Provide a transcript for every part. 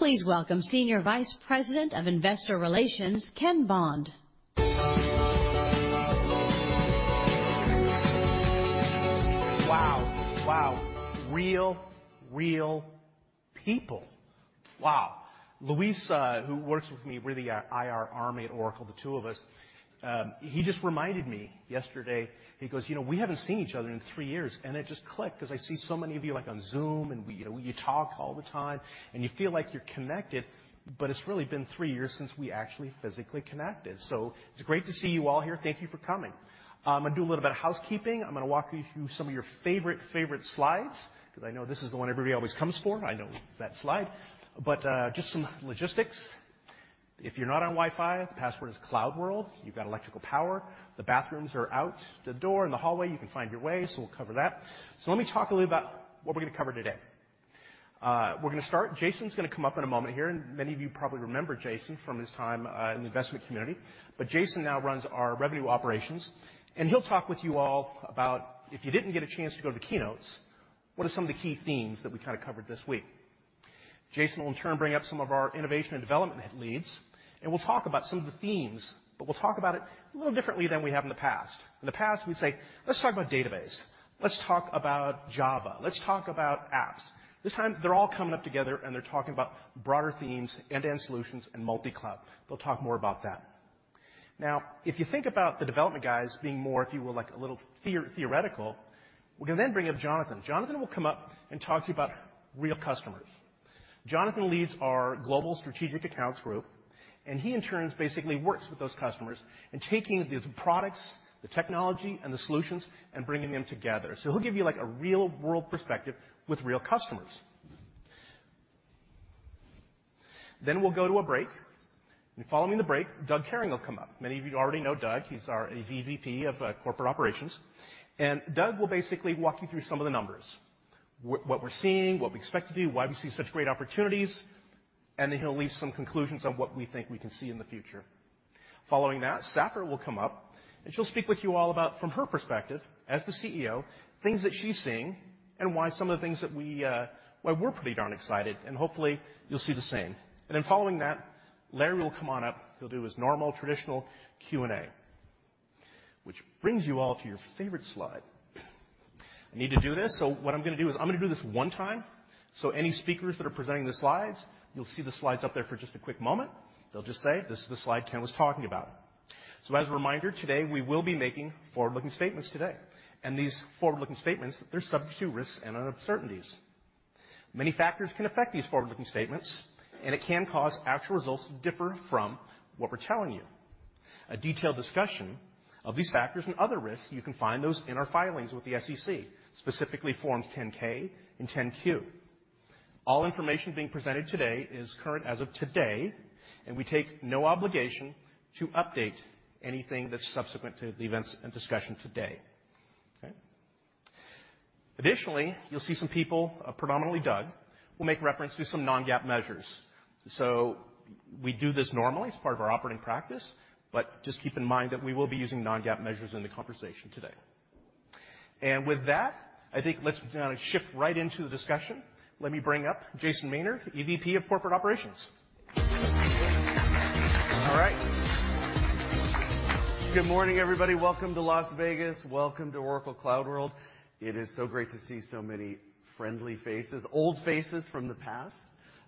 Please welcome Senior Vice President of Investor Relations, Ken Bond. Wow. Real people. Wow. Luis, who works with me, we're the IR army at Oracle, the two of us. He just reminded me yesterday. He goes, "You know, we haven't seen each other in three years." It just clicked because I see so many of you, like, on Zoom and we, you know, we e-talk all the time, and you feel like you're connected, but it's really been three years since we actually physically connected. It's great to see you all here. Thank you for coming. I'm gonna do a little bit of housekeeping. I'm gonna walk you through some of your favorite slides because I know this is the one everybody always comes for. I know it's that slide. Just some logistics. If you're not on Wi-Fi, the password is CloudWorld. You've got electrical power. The bathrooms are out the door in the hallway. You can find your way, so we'll cover that. Let me talk a little about what we're gonna cover today. We're gonna start. Jason's gonna come up in a moment here, and many of you probably remember Jason from his time in the investment community. Jason now runs our revenue operations, and he'll talk with you all about, if you didn't get a chance to go to the keynotes, what are some of the key themes that we kinda covered this week. Jason will, in turn, bring up some of our innovation and development leads, and we'll talk about some of the themes, but we'll talk about it a little differently than we have in the past. In the past, we'd say, "Let's talk about database. Let's talk about Java. Let's talk about apps." This time they're all coming up together and they're talking about broader themes, end-to-end solutions and multi-cloud. They'll talk more about that. Now, if you think about the development guys being more, if you will, like, a little theoretical, we're gonna then bring up Jonathan. Jonathan will come up and talk to you about real customers. Jonathan leads our global strategic accounts group, and he, in turn, basically works with those customers in taking these products, the technology and the solutions and bringing them together. He'll give you, like, a real world perspective with real customers. We'll go to a break. Following the break, Doug Kehring will come up. Many of you already know Doug. He's our EVP of Corporate Operations. Doug will basically walk you through some of the numbers. What we're seeing, what we expect to do, why we see such great opportunities, and then he'll leave some conclusions on what we think we can see in the future. Following that, Safra will come up, and she'll speak with you all about, from her perspective as the CEO, things that she's seeing and why some of the things that we're pretty darn excited, and hopefully you'll see the same. Following that, Larry will come on up. He'll do his normal traditional Q&A. Which brings you all to your favorite slide. I need to do this. What I'm gonna do is I'm gonna do this one time. Any speakers that are presenting the slides, you'll see the slides up there for just a quick moment. They'll just say, "This is the slide Ken was talking about." As a reminder, today, we will be making forward-looking statements today. These forward-looking statements, they're subject to risks and uncertainties. Many factors can affect these forward-looking statements, and it can cause actual results to differ from what we're telling you. A detailed discussion of these factors and other risks, you can find those in our filings with the SEC, specifically Form 10-K and Form 10-Q. All information being presented today is current as of today, and we take no obligation to update anything that's subsequent to the events and discussion today. Okay? Additionally, you'll see some people, predominantly Doug, will make reference to some non-GAAP measures. We do this normally. It's part of our operating practice. Just keep in mind that we will be using non-GAAP measures in the conversation today. With that, I think let's now shift right into the discussion. Let me bring up Jason Maynard, EVP of Corporate Operations. All right. Good morning, everybody. Welcome to Las Vegas. Welcome to Oracle CloudWorld. It is so great to see so many friendly faces, old faces from the past.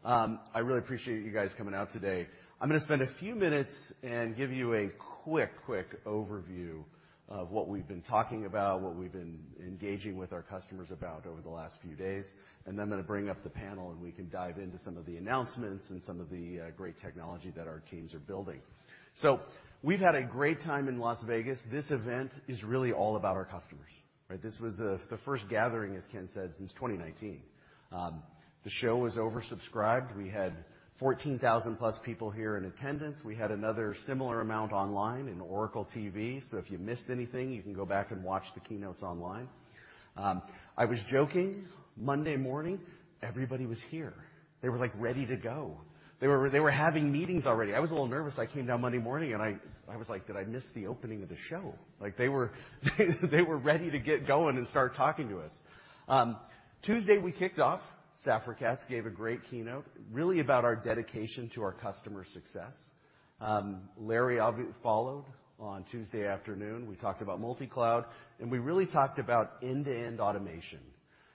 I really appreciate you guys coming out today. I'm gonna spend a few minutes and give you a quick overview of what we've been talking about, what we've been engaging with our customers about over the last few days, and then I'm gonna bring up the panel, and we can dive into some of the announcements and some of the great technology that our teams are building. We've had a great time in Las Vegas. This event is really all about our customers, right? This was the first gathering, as Ken said, since 2019. The show was oversubscribed. We had 14,000+ people here in attendance. We had another similar amount online in Oracle TV. If you missed anything, you can go back and watch the keynotes online. I was joking. Monday morning, everybody was here. They were, like, ready to go. They were having meetings already. I was a little nervous. I came down Monday morning and I was like, "Did I miss the opening of the show?" Like, they were ready to get going and start talking to us. Tuesday, we kicked off. Safra Catz gave a great keynote, really about our dedication to our customer success. Larry obviously followed on Tuesday afternoon. We talked about multi-cloud, and we really talked about end-to-end automation.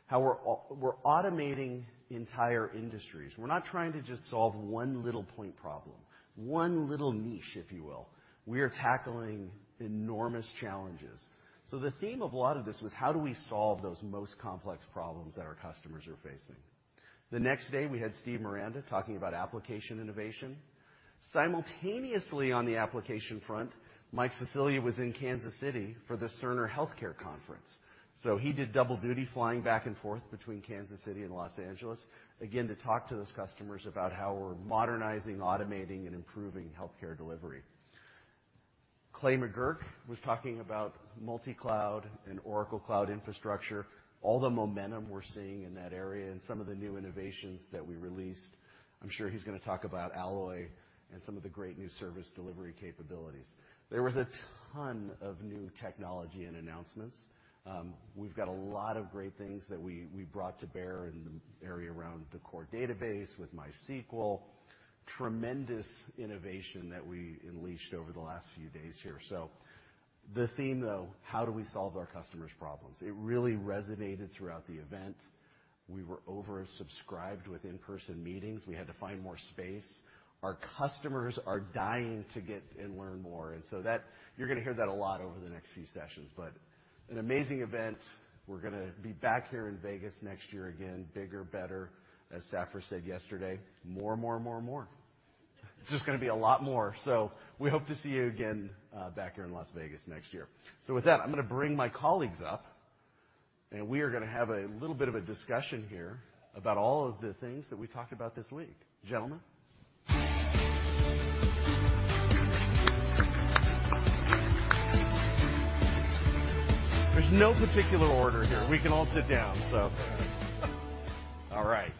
How we're automating entire industries. We're not trying to just solve one little point problem, one little niche, if you will. We are tackling enormous challenges. The theme of a lot of this was how do we solve those most complex problems that our customers are facing? The next day, we had Steve Miranda talking about application innovation. Simultaneously on the application front, Mike Sicilia was in Kansas City for the Cerner Healthcare Conference. He did double duty flying back and forth between Kansas City and Los Angeles, again, to talk to those customers about how we're modernizing, automating, and improving healthcare delivery. Clay Magouyrk was talking about multi-cloud and Oracle Cloud Infrastructure, all the momentum we're seeing in that area, and some of the new innovations that we released. I'm sure he's gonna talk about Alloy and some of the great new service delivery capabilities. There was a ton of new technology and announcements. We've got a lot of great things that we brought to bear in the area around the core database with MySQL. Tremendous innovation that we unleashed over the last few days here. The theme, though, how do we solve our customers' problems? It really resonated throughout the event. We were oversubscribed with in-person meetings. We had to find more space. Our customers are dying to get and learn more, and that you're gonna hear that a lot over the next few sessions. An amazing event. We're gonna be back here in Vegas next year again, bigger, better. As Safra said yesterday, more and more and more and more. It's just gonna be a lot more. We hope to see you again, back here in Las Vegas next year. With that, I'm gonna bring my colleagues up, and we are gonna have a little bit of a discussion here about all of the things that we talked about this week. Gentlemen. There's no particular order here. We can all sit down. All right.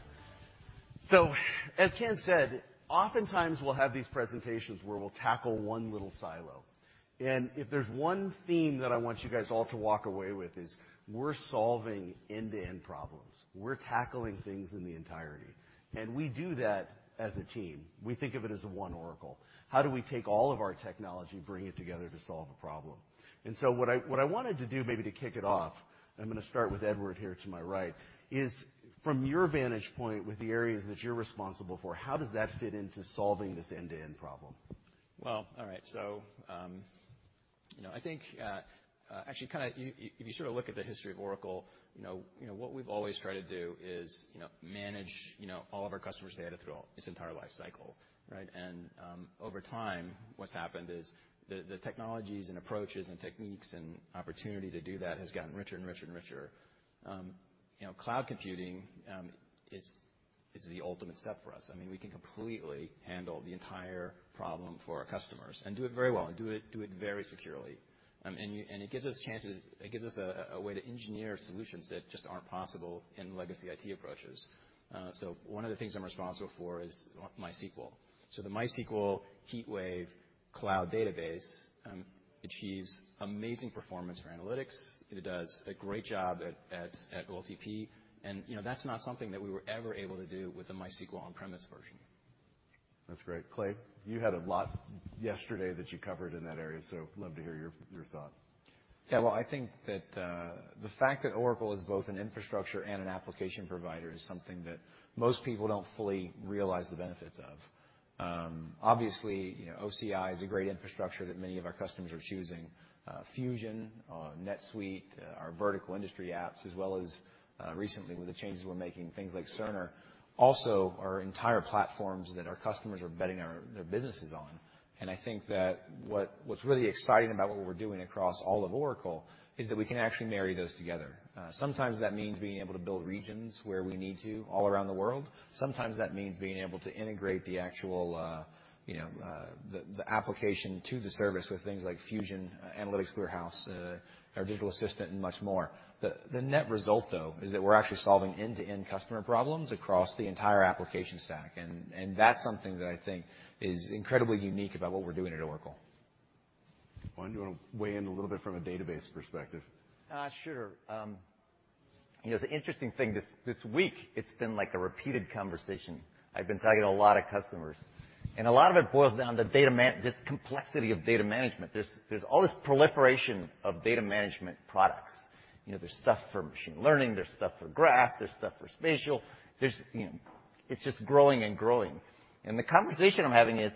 As Ken said, oftentimes we'll have these presentations where we'll tackle one little silo. If there's one theme that I want you guys all to walk away with is we're solving end-to-end problems. We're tackling things in the entirety. We do that as a team. We think of it as one Oracle. How do we take all of our technology, bring it together to solve a problem? What I wanted to do, maybe to kick it off, I'm gonna start with Edward here to my right, is from your vantage point with the areas that you're responsible for, how does that fit into solving this end-to-end problem? Well, all right. You know, I think actually kinda you sort of look at the history of Oracle, you know, what we've always tried to do is, you know, manage, you know, all of our customers' data through all of its entire life cycle, right? Over time, what's happened is the technologies and approaches and techniques and opportunity to do that has gotten richer and richer and richer. You know, cloud computing is the ultimate step for us. I mean, we can completely handle the entire problem for our customers and do it very well and do it very securely. It gives us chances. It gives us a way to engineer solutions that just aren't possible in legacy IT approaches. One of the things I'm responsible for is MySQL. The MySQL HeatWave cloud database achieves amazing performance for analytics. It does a great job at OLTP. You know, that's not something that we were ever able to do with the MySQL on-premise version. That's great. Clay, you had a lot yesterday that you covered in that area, so love to hear your thoughts. Yeah. Well, I think that the fact that Oracle is both an infrastructure and an application provider is something that most people don't fully realize the benefits of. Obviously, you know, OCI is a great infrastructure that many of our customers are choosing. Fusion, NetSuite, our vertical industry apps as well as recently with the changes we're making, things like Cerner, also are entire platforms that our customers are betting their businesses on. I think that what's really exciting about what we're doing across all of Oracle is that we can actually marry those together. Sometimes that means being able to build regions where we need to all around the world. Sometimes that means being able to integrate the actual application to the service with things like Fusion, Analytics Warehouse, our Digital Assistant, and much more. The net result, though, is that we're actually solving end-to-end customer problems across the entire application stack. That's something that I think is incredibly unique about what we're doing at Oracle. Clay, do you wanna weigh in a little bit from a database perspective? Sure. You know, it's an interesting thing this week. It's been like a repeated conversation. I've been talking to a lot of customers, and a lot of it boils down to this complexity of data management. There's all this proliferation of data management products. You know, there's stuff for machine learning, there's stuff for graph, there's stuff for spatial. It's just growing and growing. The conversation I'm having is,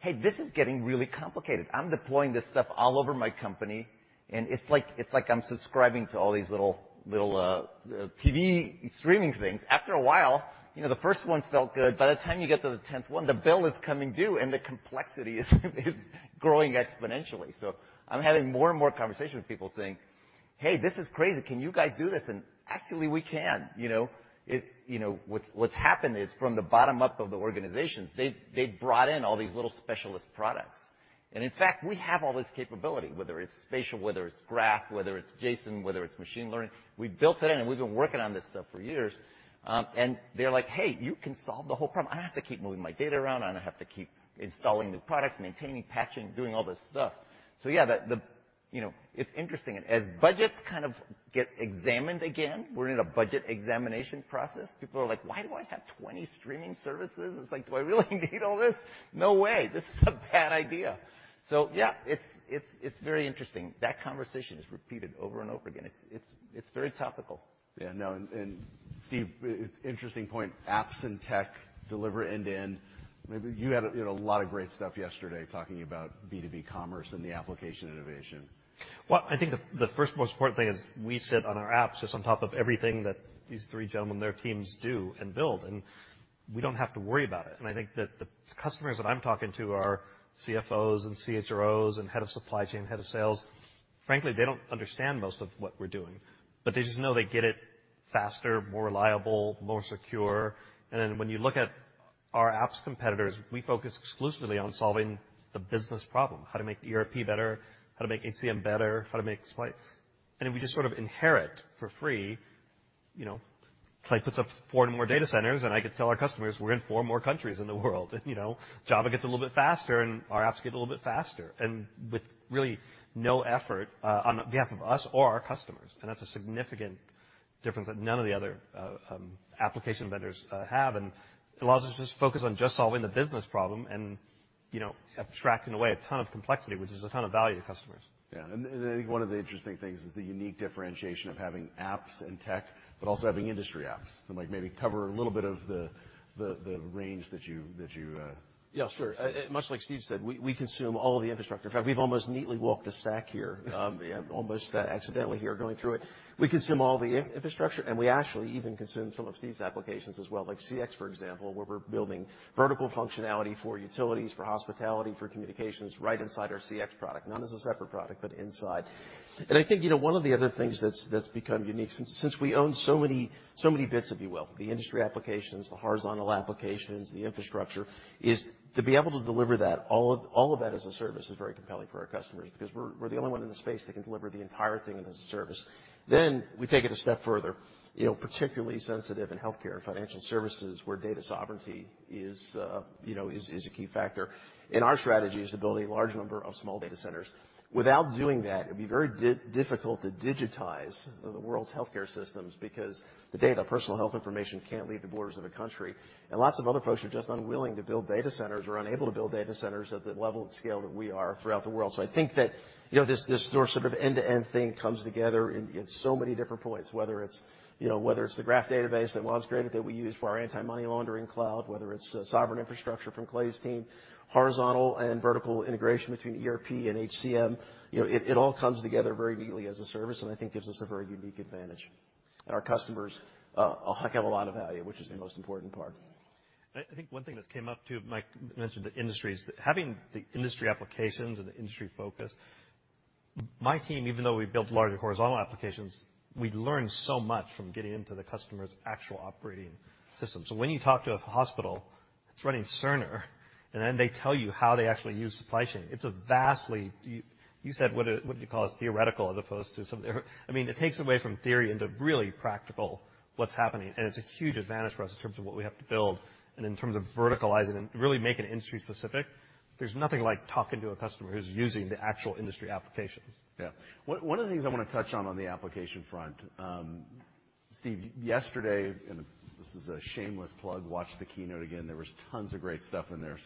"Hey, this is getting really complicated. I'm deploying this stuff all over my company, and it's like I'm subscribing to all these little TV streaming things." After a while, you know, the first one felt good. By the time you get to the tenth one, the bill is coming due and the complexity is growing exponentially. I'm having more and more conversations with people saying, "Hey, this is crazy. Can you guys do this?" Actually, we can, you know. You know, what's happened is from the bottom up of the organizations, they've brought in all these little specialist products. In fact, we have all this capability, whether it's spatial, whether it's graph, whether it's JSON, whether it's machine learning. We built it in, and we've been working on this stuff for years. They're like, "Hey, you can solve the whole problem. I don't have to keep moving my data around. I don't have to keep installing new products, maintaining, patching, doing all this stuff." Yeah, the you know. It's interesting. As budgets kind of get examined again, we're in a budget examination process. People are like, "Why do I have 20 streaming services?" It's like, "Do I really need all this? No way. This is a bad idea." Yeah, it's very interesting. That conversation is repeated over and over again. It's very topical. Yeah, no. Steve, it's interesting point, apps and tech deliver end-to-end. Maybe you had a, you know, a lot of great stuff yesterday talking about B2B Commerce and the application innovation. Well, I think the first most important thing is we sit on our apps just on top of everything that these three gentlemen, their teams do and build, and we don't have to worry about it. I think that the customers that I'm talking to are CFOs and CHROs and head of supply chain, head of sales. Frankly, they don't understand most of what we're doing, but they just know they get it faster, more reliable, more secure. Then when you look at our apps competitors, we focus exclusively on solving the business problem, how to make ERP better, how to make HCM better, how to make life. We just sort of inherit for free- You know, Clay puts up four more data centers, and I could tell our customers we're in four more countries in the world. You know, Java gets a little bit faster, and our apps get a little bit faster, and with really no effort on behalf of us or our customers. That's a significant difference that none of the other application vendors have. It allows us to just focus on just solving the business problem and, you know, abstracting away a ton of complexity, which is a ton of value to customers. Yeah. I think one of the interesting things is the unique differentiation of having apps and tech, but also having industry apps. Like, maybe cover a little bit of the range that you Yeah, sure. Much like Steve said, we consume all of the infrastructure. In fact, we've almost neatly walked the stack here. Almost accidentally here going through it. We consume all the infrastructure, and we actually even consume some of Steve's applications as well, like CX, for example, where we're building vertical functionality for utilities, for hospitality, for communications right inside our CX product, not as a separate product, but inside. I think, you know, one of the other things that's become unique since we own so many bits, if you will, the industry applications, the horizontal applications, the infrastructure, is to be able to deliver that. All of that as a service is very compelling for our customers because we're the only one in the space that can deliver the entire thing as a service. We take it a step further, you know, particularly sensitive in healthcare and financial services, where data sovereignty is, you know, a key factor. Our strategy is to build a large number of small data centers. Without doing that, it'd be very difficult to digitize the world's healthcare systems because the data, personal health information, can't leave the borders of a country. Lots of other folks are just unwilling to build data centers or unable to build data centers at the level and scale that we are throughout the world. I think that, you know, this sort of end-to-end thing comes together in so many different points, whether it's, you know, the graph database that was created that we use for our anti-money laundering cloud, whether it's sovereign infrastructure from Clay's team, horizontal and vertical integration between ERP and HCM. You know, it all comes together very neatly as a service, and I think gives us a very unique advantage. Our customers have a lot of value, which is the most important part. I think one thing that came up, too. Mike mentioned the industries. Having the industry applications and the industry focus, my team, even though we built larger horizontal applications, we learn so much from getting into the customer's actual operating system. When you talk to a hospital that's running Cerner, and then they tell you how they actually use supply chain, it's a vastly, you said what do you call it, theoretical as opposed to some. I mean, it takes away from theory into really practical what's happening. It's a huge advantage for us in terms of what we have to build and in terms of verticalizing and really making it industry specific. There's nothing like talking to a customer who's using the actual industry applications. Yeah. One of the things I wanna touch on the application front, Steve, yesterday, and this is a shameless plug, watch the keynote again. There was tons of great stuff in there.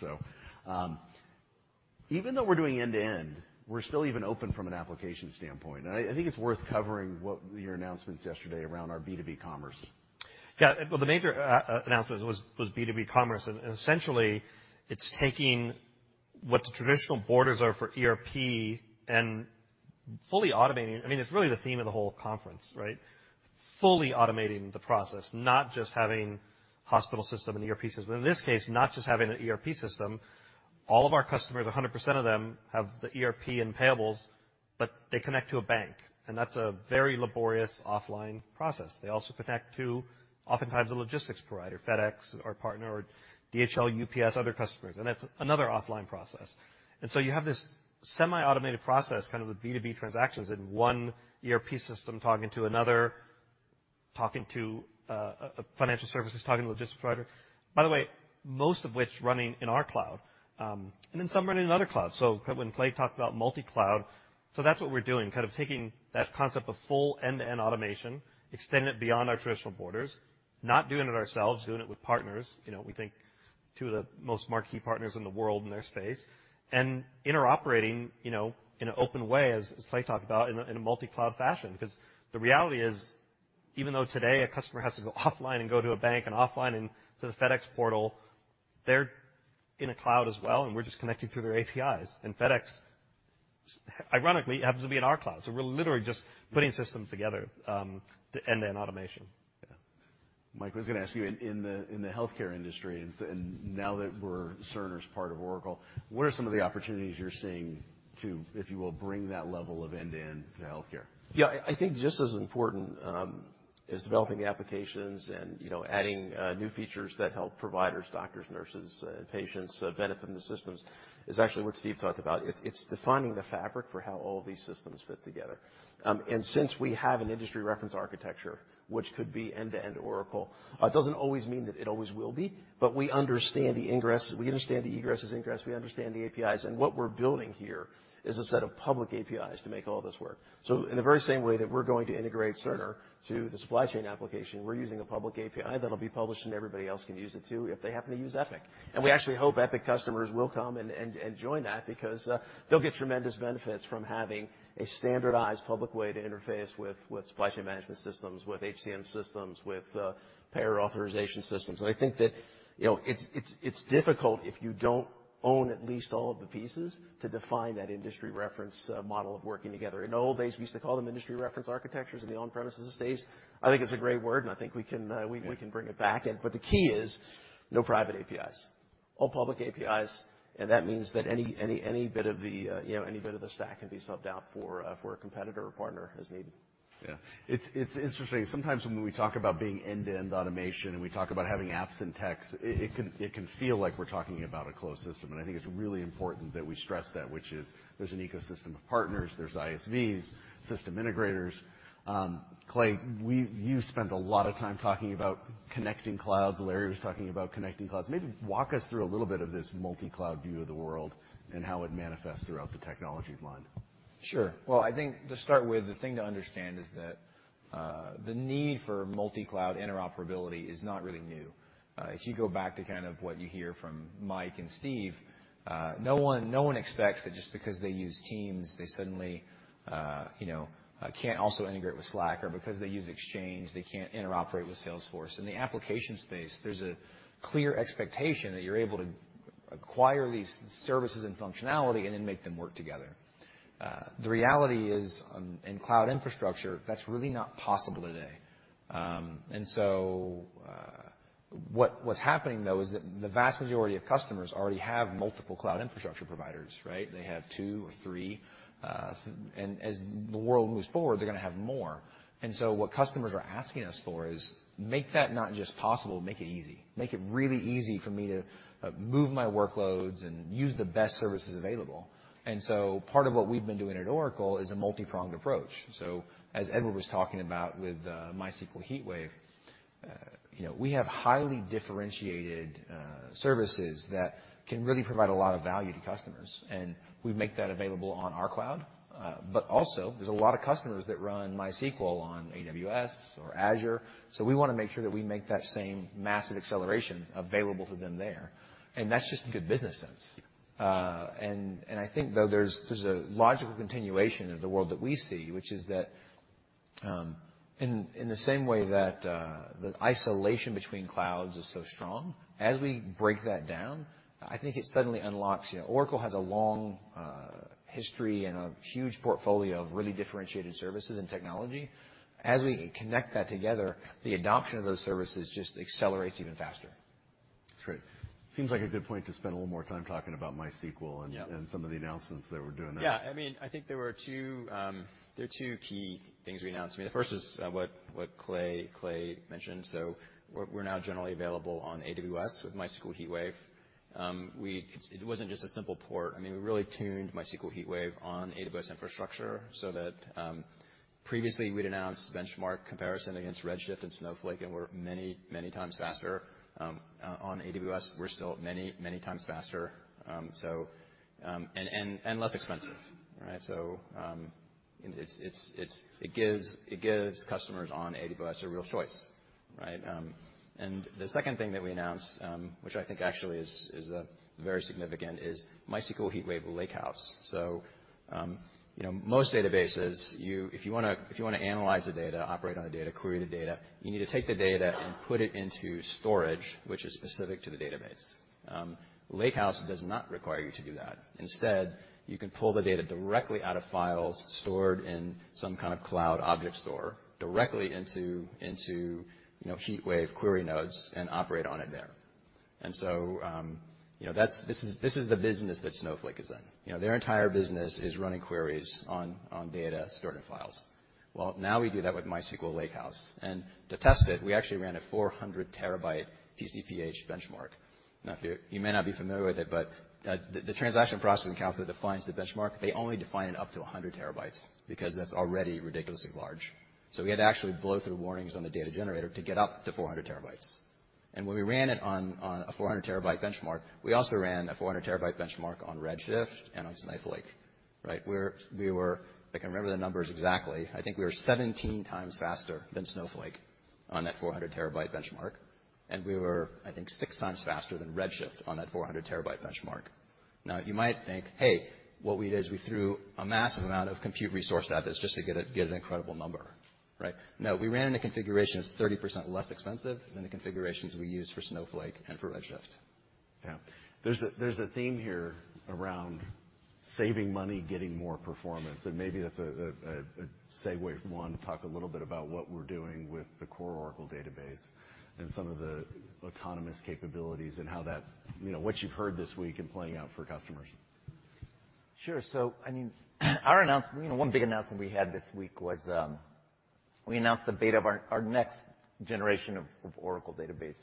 Even though we're doing end-to-end, we're still even open from an application standpoint. I think it's worth covering what were your announcements yesterday around our B2B Commerce. Yeah. Well, the major announcement was B2B Commerce. Essentially, it's taking what the traditional borders are for ERP and fully automating. I mean, it's really the theme of the whole conference, right? Fully automating the process, not just having hospitality system and ERP system. In this case, not just having an ERP system. All of our customers, 100% of them, have the ERP and payables, but they connect to a bank, and that's a very laborious offline process. They also connect to oftentimes a logistics provider, FedEx, our partner, or DHL, UPS, other carriers. You have this semi-automated process, kind of the B2B transactions in one ERP system talking to another, talking to financial services, talking to a logistics provider. By the way, most of which running in our cloud, and then some running in other clouds. When Clay talked about multi-cloud, so that's what we're doing, kind of taking that concept of full end-to-end automation, extending it beyond our traditional borders, not doing it ourselves, doing it with partners, you know, we think two of the most marquee partners in the world in their space, and interoperating, you know, in an open way, as Clay talked about, in a multi-cloud fashion. Because the reality is, even though today a customer has to go offline and go to a bank and offline into the FedEx portal, they're in a cloud as well, and we're just connecting through their APIs. FedEx, ironically, happens to be in our cloud. We're literally just putting systems together, to end-to-end automation. Yeah. Mike, I was gonna ask you, in the healthcare industry, and now that Cerner's part of Oracle, what are some of the opportunities you're seeing to, if you will, bring that level of end-to-end to healthcare? Yeah. I think just as important as developing the applications and, you know, adding new features that help providers, doctors, nurses and patients benefit from the systems is actually what Steve talked about. It's defining the fabric for how all of these systems fit together. Since we have an industry reference architecture, which could be end-to-end Oracle, it doesn't always mean that it always will be, but we understand the ingress. We understand the egresses. We understand the APIs. What we're building here is a set of public APIs to make all this work. In the very same way that we're going to integrate Cerner to the supply chain application, we're using a public API that'll be published, and everybody else can use it too, if they happen to use Epic. We actually hope Epic customers will come and join that because they'll get tremendous benefits from having a standardized public way to interface with supply chain management systems, with HCM systems, with payer authorization systems. I think that, you know, it's difficult if you don't own at least all of the pieces to define that industry reference model of working together. In the old days, we used to call them industry reference architectures in the on-premises stage. I think it's a great word, and I think we can bring it back. Yeah. The key is no private APIs. All public APIs, and that means that any bit of the stack can be subbed out for a competitor or partner as needed. Yeah. It's interesting. Sometimes when we talk about being end-to-end automation, and we talk about having apps and techs, it can feel like we're talking about a closed system. I think it's really important that we stress that, which is there's an ecosystem of partners, there's ISVs, system integrators. Clay, you spent a lot of time talking about connecting clouds. Larry was talking about connecting clouds. Maybe walk us through a little bit of this multi-cloud view of the world and how it manifests throughout the technology line. Sure. Well, I think to start with, the thing to understand is that the need for multi-cloud interoperability is not really new. If you go back to kind of what you hear from Mike and Steve, no one expects that just because they use Teams, they suddenly, you know, can't also integrate with Slack, or because they use Exchange, they can't interoperate with Salesforce. In the application space, there's a clear expectation that you're able to acquire these services and functionality and then make them work together. The reality is in cloud infrastructure, that's really not possible today. What's happening though is that the vast majority of customers already have multiple cloud infrastructure providers, right? They have two or three, and as the world moves forward, they're gonna have more. What customers are asking us for is make that not just possible, make it easy. Make it really easy for me to move my workloads and use the best services available. Part of what we've been doing at Oracle is a multi-pronged approach. As Edward was talking about with MySQL HeatWave, you know, we have highly differentiated services that can really provide a lot of value to customers, and we make that available on our cloud. But also there's a lot of customers that run MySQL on AWS or Azure, so we wanna make sure that we make that same massive acceleration available for them there. That's just good business sense. I think though there's a logical continuation of the world that we see, which is that, in the same way that, the isolation between clouds is so strong, as we break that down, I think it suddenly unlocks. You know, Oracle has a long history and a huge portfolio of really differentiated services and technology. As we connect that together, the adoption of those services just accelerates even faster. That's great. Seems like a good point to spend a little more time talking about MySQL. Yeah. some of the announcements that we're doing there. Yeah. I mean, I think there are two key things we announced. I mean, the first is what Clay mentioned. We're now generally available on AWS with MySQL HeatWave. It wasn't just a simple port. I mean, we really tuned MySQL HeatWave on AWS infrastructure so that previously we'd announced benchmark comparison against Redshift and Snowflake, and we're many times faster on AWS. We're still many times faster and less expensive, right? It gives customers on AWS a real choice, right? And the second thing that we announced, which I think actually is very significant is MySQL HeatWave Lakehouse. Most databases, if you wanna analyze the data, operate on the data, query the data, you need to take the data and put it into storage, which is specific to the database. Lakehouse does not require you to do that. Instead, you can pull the data directly out of files stored in some kind of cloud object store directly into you know, HeatWave query nodes and operate on it there. This is the business that Snowflake is in. You know, their entire business is running queries on data stored in files. Well, now we do that with MySQL Lakehouse. To test it, we actually ran a 400 TB TPC-H benchmark. Now if you're you may not be familiar with it, but the Transaction Processing Performance Council defines the benchmark. They only define it up to 100 TB because that's already ridiculously large. We had to actually blow through warnings on the data generator to get up to 400 TB. When we ran it on a 400 TB benchmark, we also ran a 400 TB benchmark on Redshift and on Snowflake, right? We were. I can't remember the numbers exactly. I think we were 17 times faster than Snowflake on that 400 TB benchmark, and we were, I think, 6X faster than Redshift on that 400 TB benchmark. Now you might think, hey, what we did is we threw a massive amount of compute resource at this just to get an incredible number, right? No, we ran the configuration that's 30% less expensive than the configurations we use for Snowflake and for Redshift. Yeah. There's a theme here around saving money, getting more performance, and maybe that's a segue from one to talk a little bit about what we're doing with the core Oracle Database and some of the autonomous capabilities and how that, you know, what you've heard this week and playing out for customers. Sure. I mean, our announcement, you know, one big announcement we had this week was we announced the beta of our next generation of Oracle Database.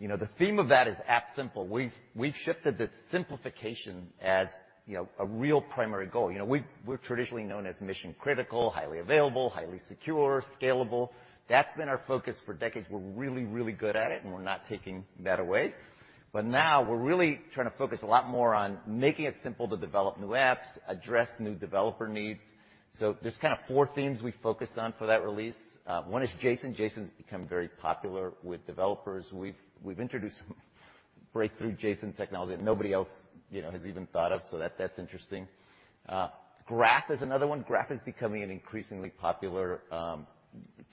You know, the theme of that is app simple. We've shifted the simplification as, you know, a real primary goal. You know, we're traditionally known as mission critical, highly available, highly secure, scalable. That's been our focus for decades. We're really good at it, and we're not taking that away. Now we're really trying to focus a lot more on making it simple to develop new apps, address new developer needs. There's kinda four themes we focused on for that release. One is JSON. JSON's become very popular with developers. We've introduced breakthrough JSON technology that nobody else has even thought of, so that's interesting. Graph is another one. Graph is becoming an increasingly popular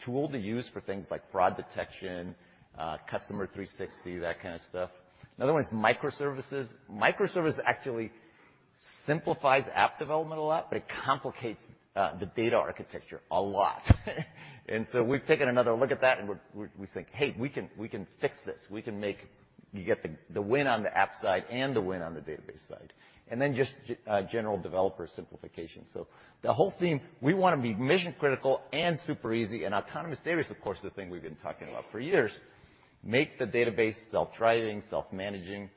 tool to use for things like fraud detection, customer 360, that kinda stuff. Another one is microservices. Simplifies app development a lot, but it complicates the data architecture a lot. We've taken another look at that, and we think, "Hey, we can fix this. We can make you get the win on the app side and the win on the database side." Then just general developer simplification. The whole theme, we wanna be mission-critical and super easy and autonomous database, of course, the thing we've been talking about for years, make the database self-driving, self-managing.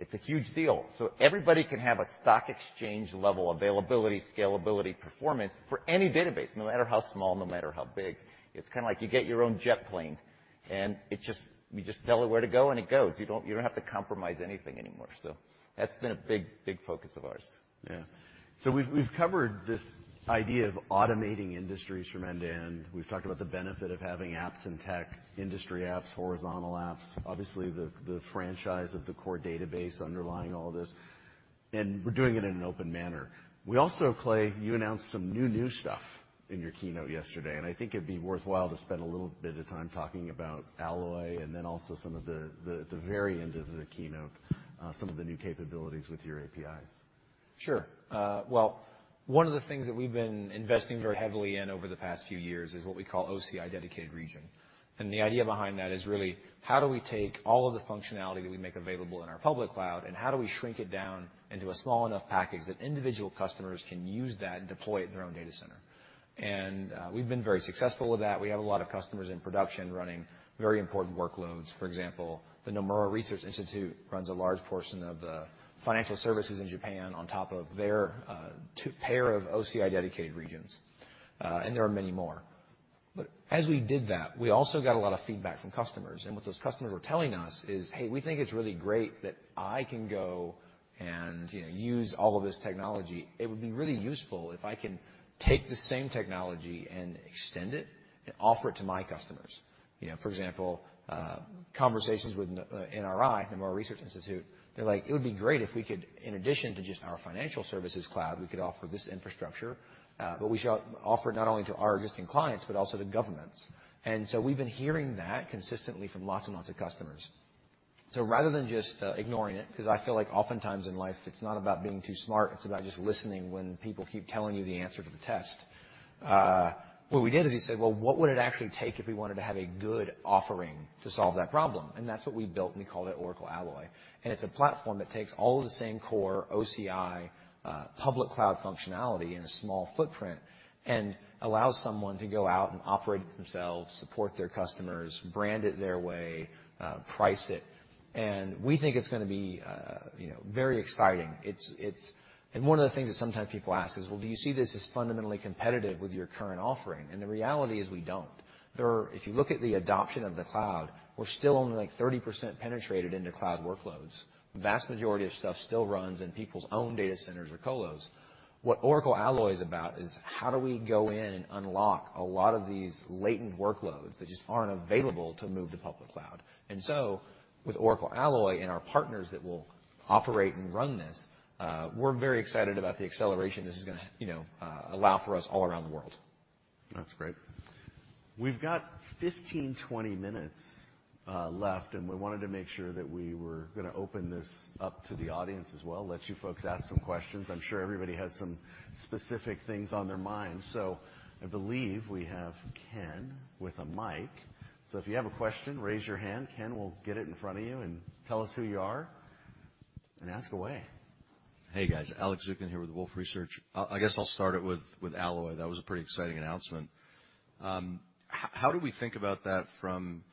It's a huge deal. Everybody can have a stock exchange level availability, scalability, performance for any database, no matter how small, no matter how big. It's kinda like you get your own jet plane, and you just tell it where to go and it goes. You don't have to compromise anything anymore. That's been a big, big focus of ours. Yeah. We've covered this idea of automating industries from end to end. We've talked about the benefit of having apps and tech, industry apps, horizontal apps, obviously, the franchise of the core database underlying all this, and we're doing it in an open manner. We also, Clay, you announced some new stuff in your keynote yesterday, and I think it'd be worthwhile to spend a little bit of time talking about Alloy and then also some of the at the very end of the keynote, some of the new capabilities with your APIs. Sure. Well, one of the things that we've been investing very heavily in over the past few years is what we call OCI Dedicated Region. The idea behind that is really how do we take all of the functionality that we make available in our public cloud, and how do we shrink it down into a small enough package that individual customers can use that and deploy it in their own data center? We've been very successful with that. We have a lot of customers in production running very important workloads. For example, the Nomura Research Institute runs a large portion of the financial services in Japan on top of their pair of OCI Dedicated Regions. There are many more. As we did that, we also got a lot of feedback from customers. What those customers were telling us is, "Hey, we think it's really great that I can go and, you know, use all of this technology. It would be really useful if I can take the same technology and extend it and offer it to my customers." You know, for example, conversations with NRI, Nomura Research Institute, they're like, "It would be great if we could, in addition to just our financial services cloud, we could offer this infrastructure, but we should offer it not only to our existing clients, but also to governments." We've been hearing that consistently from lots and lots of customers. Rather than just ignoring it, 'cause I feel like oftentimes in life, it's not about being too smart, it's about just listening when people keep telling you the answer to the test. What we did is we said, "Well, what would it actually take if we wanted to have a good offering to solve that problem?" That's what we built, and we called it Oracle Alloy. It's a platform that takes all of the same core OCI public cloud functionality in a small footprint and allows someone to go out and operate it themselves, support their customers, brand it their way, price it. We think it's gonna be, you know, very exciting. One of the things that sometimes people ask is, "Well, do you see this as fundamentally competitive with your current offering?" The reality is we don't. If you look at the adoption of the cloud, we're still only, like, 30% penetrated into cloud workloads. The vast majority of stuff still runs in people's own data centers or colos. What Oracle Alloy is about is how do we go in and unlock a lot of these latent workloads that just aren't available to move to public cloud. With Oracle Alloy and our partners that will operate and run this, we're very excited about the acceleration this is gonna, you know, allow for us all around the world. That's great. We've got 15, 20 minutes left, and we wanted to make sure that we were gonna open this up to the audience as well, let you folks ask some questions. I'm sure everybody has some specific things on their minds. So I believe we have Ken with a mic. So if you have a question, raise your hand. Ken will get it in front of you. Tell us who you are and ask away. Hey, guys. Alex Zukin here with Wolfe Research. I guess I'll start it with Alloy. That was a pretty exciting announcement. How do we think about that from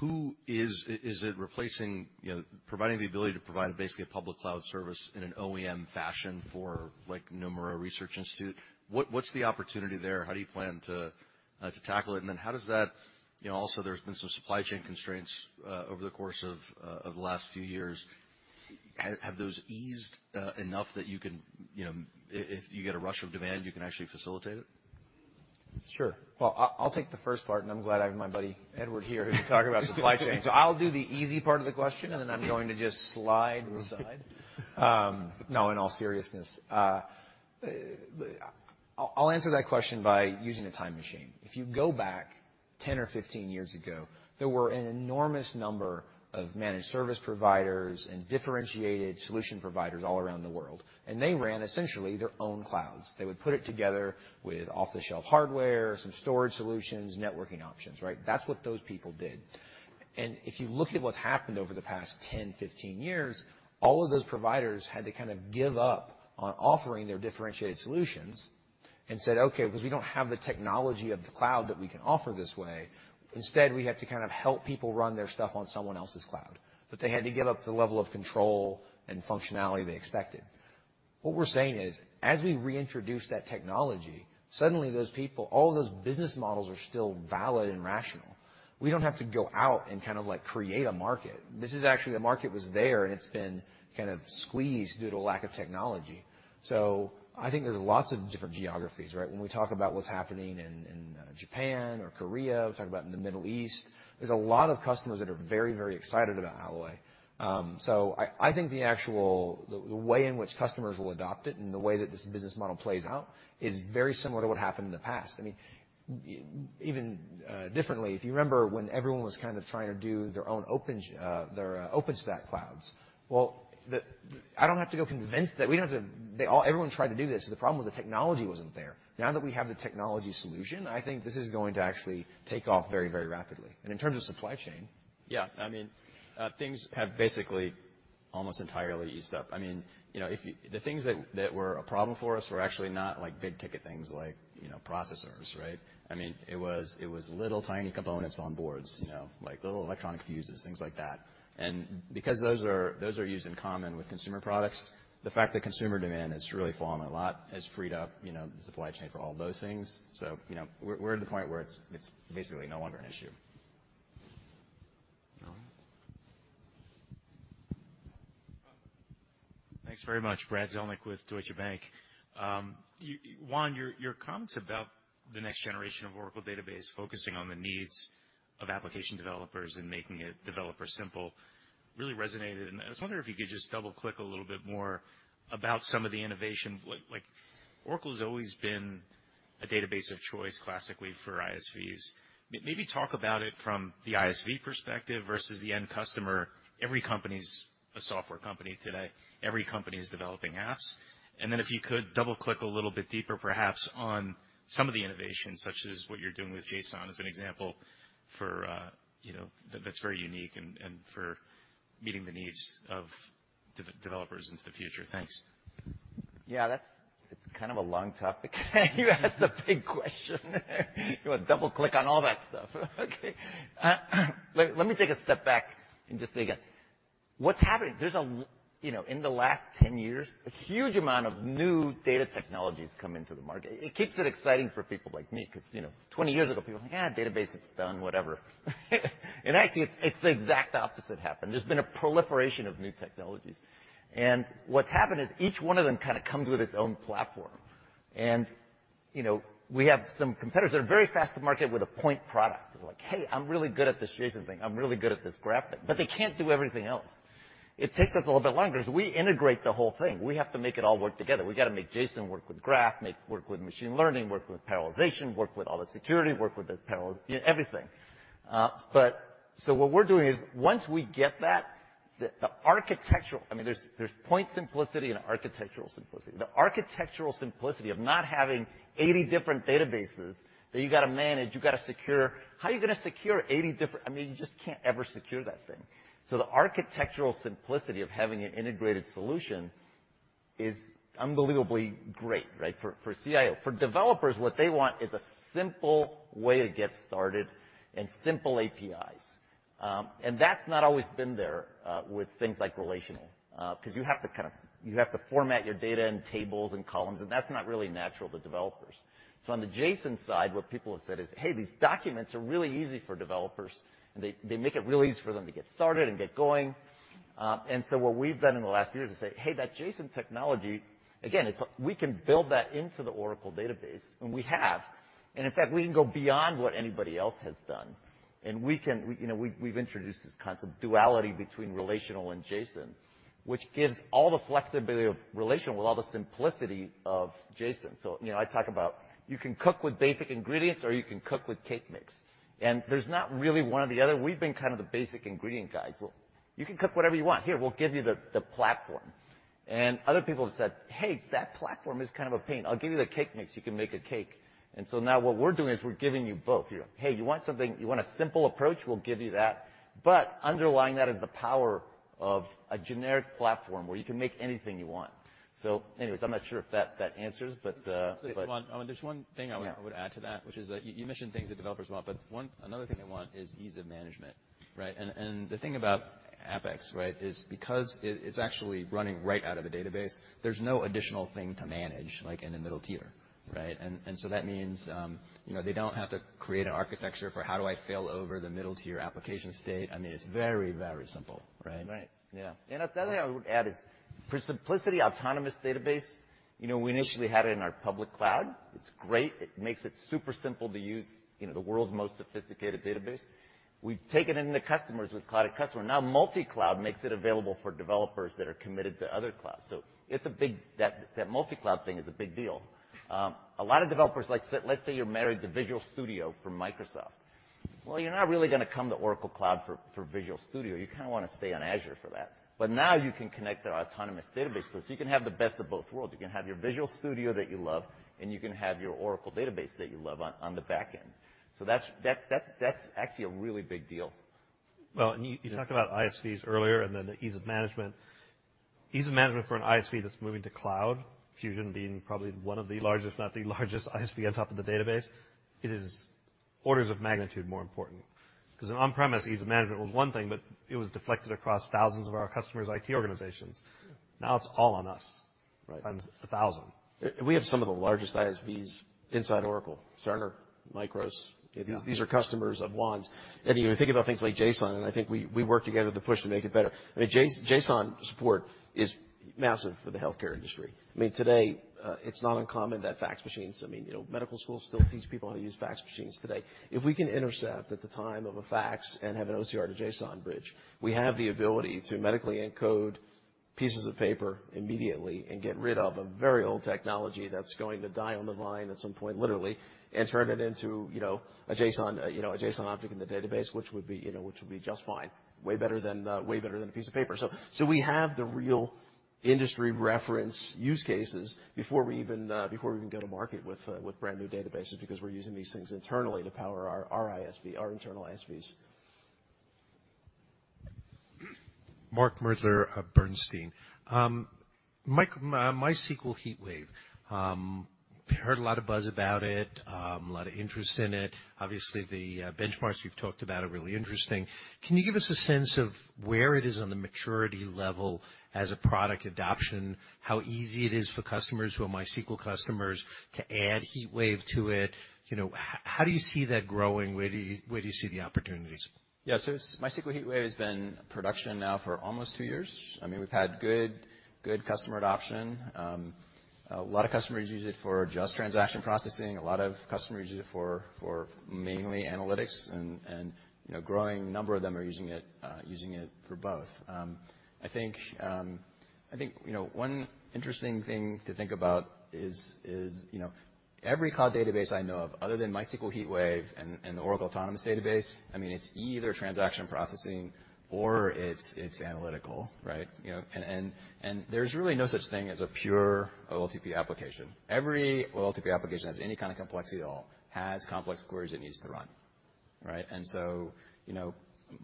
who is it replacing, you know, providing the ability to provide a, basically, a public cloud service in an OEM fashion for, like, Nomura Research Institute? What's the opportunity there? How do you plan to tackle it? And then how does that. You know, also, there's been some supply chain constraints over the course of the last few years. Have those eased enough that you can, you know, if you get a rush of demand, you can actually facilitate it? Sure. Well, I'll take the first part, and I'm glad I have my buddy Edward here who can talk about supply chain. I'll do the easy part of the question, and then I'm going to just slide aside. In all seriousness, I'll answer that question by using a time machine. If you go back 10 or 15 years ago, there were an enormous number of managed service providers and differentiated solution providers all around the world, and they ran essentially their own clouds. They would put it together with off-the-shelf hardware, some storage solutions, networking options, right? That's what those people did. If you look at what's happened over the past 10, 15 years, all of those providers had to kind of give up on offering their differentiated solutions and said, "Okay, because we don't have the technology of the cloud that we can offer this way. Instead, we have to kind of help people run their stuff on someone else's cloud." They had to give up the level of control and functionality they expected. What we're saying is, as we reintroduce that technology, suddenly those people, all of those business models are still valid and rational. We don't have to go out and kind of, like, create a market. This is actually the market was there, and it's been kind of squeezed due to lack of technology. I think there's lots of different geographies, right? When we talk about what's happening in, Japan or Korea, we're talking about in the Middle East. There's a lot of customers that are very, very excited about Alloy. I think the way in which customers will adopt it and the way that this business model plays out is very similar to what happened in the past. I mean, even differently, if you remember when everyone was kind of trying to do their own OpenStack clouds. Well, I don't have to go convince that we don't have to. They all, everyone tried to do this. The problem was the technology wasn't there. Now that we have the technology solution, I think this is going to actually take off very, very rapidly. In terms of supply chain. Yeah. I mean, things have basically almost entirely eased up. I mean, you know, the things that were a problem for us were actually not like big-ticket things like, you know, processors, right? I mean, it was little tiny components on boards, you know, like little electronic fuses, things like that. Because those are used in common with consumer products, the fact that consumer demand has really fallen a lot has freed up, you know, the supply chain for all those things. You know, we're at the point where it's basically no longer an issue. No. Thanks very much. Brad Zelnick with Deutsche Bank. Juan, your comments about the next generation of Oracle Database focusing on the needs of application developers and making it developer simple really resonated. I was wondering if you could just double-click a little bit more about some of the innovation. Like, Oracle's always been a database of choice classically for ISVs. Maybe talk about it from the ISV perspective versus the end customer. Every company's a software company today. Every company is developing apps. If you could double-click a little bit deeper, perhaps on some of the innovations, such as what you're doing with JSON as an example, you know, that's very unique and for meeting the needs of developers into the future. Thanks. Yeah, it's kind of a long topic. You asked a big question. You want to double-click on all that stuff. Okay. Let me take a step back and just say again, what's happening. There's you know, in the last 10 years, a huge amount of new data technologies come into the market. It keeps it exciting for people like me because, you know, 20 years ago, people, "Yeah, database, it's done, whatever." Actually it's the exact opposite happened. There's been a proliferation of new technologies. What's happened is each one of them kinda comes with its own platform. You know, we have some competitors that are very fast to market with a point product. They're like, "Hey, I'm really good at this JSON thing. I'm really good at this graph thing." But they can't do everything else. It takes us a little bit longer 'cause we integrate the whole thing. We have to make it all work together. We got to make JSON work with graph, make it work with machine learning, work with parallelization, work with all the security, work with the parallels, you know, everything. What we're doing is once we get that, the architectural simplicity. I mean, there's point simplicity and architectural simplicity. The architectural simplicity of not having 80 different databases that you gotta manage, you gotta secure. How are you gonna secure 80 different. I mean, you just can't ever secure that thing. The architectural simplicity of having an integrated solution is unbelievably great, right, for CIO. For developers, what they want is a simple way to get started and simple APIs. That's not always been there with things like relational 'cause you have to format your data in tables and columns, and that's not really natural to developers. On the JSON side, what people have said is, "Hey, these documents are really easy for developers, and they make it really easy for them to get started and get going." What we've done in the last few years is say, "Hey, that JSON technology, again, it's like we can build that into the Oracle Database," and we have. In fact, we can go beyond what anybody else has done. We can, you know, we've introduced this concept of duality between relational and JSON, which gives all the flexibility of relational with all the simplicity of JSON. You know, I talk about you can cook with basic ingredients or you can cook with cake mix. There's not really one or the other. We've been kind of the basic ingredient guys. Well, you can cook whatever you want. Here, we'll give you the platform. Other people have said, "Hey, that platform is kind of a pain. I'll give you the cake mix, you can make a cake." Now what we're doing is we're giving you both. You know, hey, you want something, you want a simple approach, we'll give you that. Underlying that is the power of a generic platform where you can make anything you want. Anyways, I'm not sure if that answers, but. Just one thing I would add to that, which is that you mentioned things that developers want, but another thing they want is ease of management, right? And the thing about APEX, right, is because it's actually running right out of a database, there's no additional thing to manage like in a middle tier, right? And so that means, you know, they don't have to create an architecture for how do I fail over the middle-tier application state. I mean, it's very, very simple, right? Right. Yeah. The other thing I would add is for simplicity, Autonomous Database, you know, we initially had it in our public cloud. It's great. It makes it super simple to use, you know, the world's most sophisticated database. We've taken in the customers with Cloud@Customer. Now multicloud makes it available for developers that are committed to other clouds. It's a big deal, that multicloud thing is a big deal. A lot of developers like to say, let's say you're married to Visual Studio from Microsoft. Well, you're not really gonna come to Oracle Cloud for Visual Studio. You kinda wanna stay on Azure for that. Now you can connect to Autonomous Database 'cause you can have the best of both worlds. You can have your Visual Studio that you love, and you can have your Oracle Database that you love on the back end. That's actually a really big deal. Well, you talked about ISVs earlier and then the ease of management. Ease of management for an ISV that's moving to cloud, Fusion being probably one of the largest, if not the largest, ISV on top of the database, it is orders of magnitude more important. 'Cause on-premise ease of management was one thing, but it was deflected across thousands of our customers' IT organizations. Now it's all on us. Right. 1,000x. We have some of the largest ISVs inside Oracle. Cerner, Micros These are customers of Juan's. You know, think about things like JSON, and I think we work together to push to make it better. I mean, JSON support is massive for the healthcare industry. I mean, today, it's not uncommon that fax machines. I mean, you know, medical schools still teach people how to use fax machines today. If we can intercept at the time of a fax and have an OCR to JSON bridge, we have the ability to medically encode pieces of paper immediately and get rid of a very old technology that's going to die on the vine at some point, literally, and turn it into, you know, a JSON, you know, a JSON object in the database, which would be, you know, which would be just fine. Way better than a piece of paper. We have the real industry reference use cases before we even go to market with brand-new databases, because we're using these things internally to power our ISV, our internal ISVs. Mark Moerdler of Bernstein. Mike, MySQL HeatWave, heard a lot of buzz about it, a lot of interest in it. Obviously, the benchmarks you've talked about are really interesting. Can you give us a sense of where it is on the maturity level as a product adoption? How easy it is for customers who are MySQL customers to add HeatWave to it? You know, how do you see that growing? Where do you see the opportunities? Yeah. MySQL HeatWave has been in production now for almost two years. I mean, we've had good customer adoption. A lot of customers use it for just transaction processing. A lot of customers use it for mainly analytics and you know, growing number of them are using it for both. I think you know, one interesting thing to think about is you know, every cloud database I know of, other than MySQL HeatWave and Oracle Autonomous Database, I mean, it's either transaction processing or it's analytical, right? You know, and there's really no such thing as a pure OLTP application. Every OLTP application has any kind of complexity at all, has complex queries it needs to run, right? You know,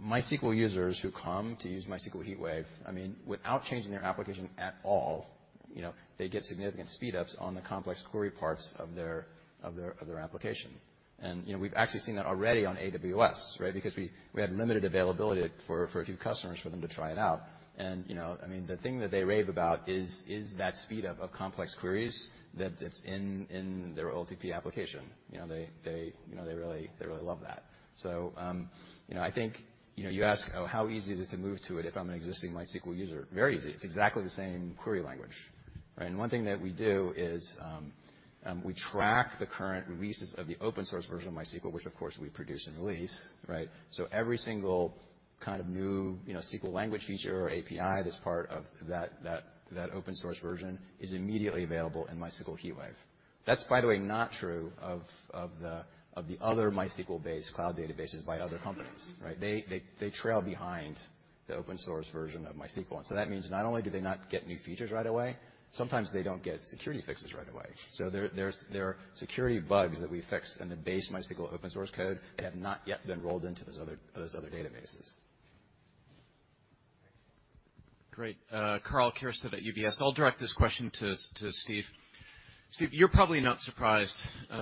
MySQL users who come to use MySQL HeatWave, I mean, without changing their application at all, you know, they get significant speed ups on the complex query parts of their application. You know, we've actually seen that already on AWS, right? Because we had limited availability for a few customers for them to try it out. You know, I mean, the thing that they rave about is that speed up of complex queries that's in their OLTP application. You know, they really love that. You know, I think, you know, you ask how easy is it to move to it if I'm an existing MySQL user? Very easy. It's exactly the same query language, right? One thing that we do is we track the current releases of the open source version of MySQL, which of course we produce and release, right? Every single kind of new, you know, SQL language feature or API that's part of that open source version is immediately available in MySQL HeatWave. That's, by the way, not true of the other MySQL-based cloud databases by other companies, right? They trail behind the open source version of MySQL. That means not only do they not get new features right away, sometimes they don't get security fixes right away. There are security bugs that we fixed in the base MySQL open source code that have not yet been rolled into those other databases. Great. Karl Keirstead at UBS. I'll direct this question to Steve. Steve, you're probably not surprised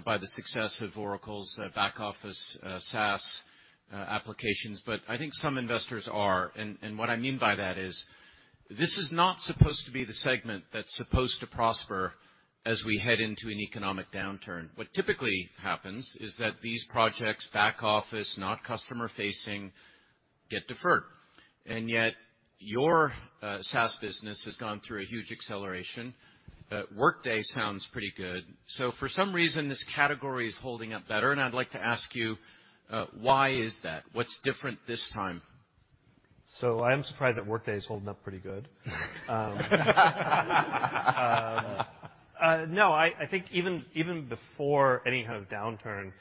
by the success of Oracle's back office SaaS applications, but I think some investors are. What I mean by that is, this is not supposed to be the segment that's supposed to prosper as we head into an economic downturn. What typically happens is that these projects, back office, not customer facing, get deferred. Yet your SaaS business has gone through a huge acceleration. Workday sounds pretty good. For some reason, this category is holding up better. I'd like to ask you why is that? What's different this time? I am surprised that Workday is holding up pretty good. I think even before any kind of downturn.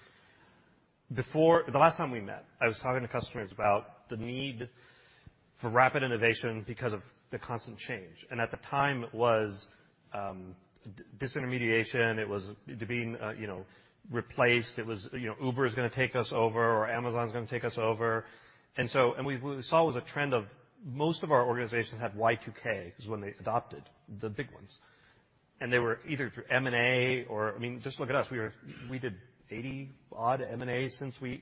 The last time we met, I was talking to customers about the need for rapid innovation because of the constant change. At the time, it was disintermediation. It was the being, you know, replaced. It was, you know, Uber is gonna take us over or Amazon is gonna take us over. We saw a trend of most of our organizations had Y2K was when they adopted the big ones. They were either through M&A or I mean, just look at us. We did 80-odd M&A since we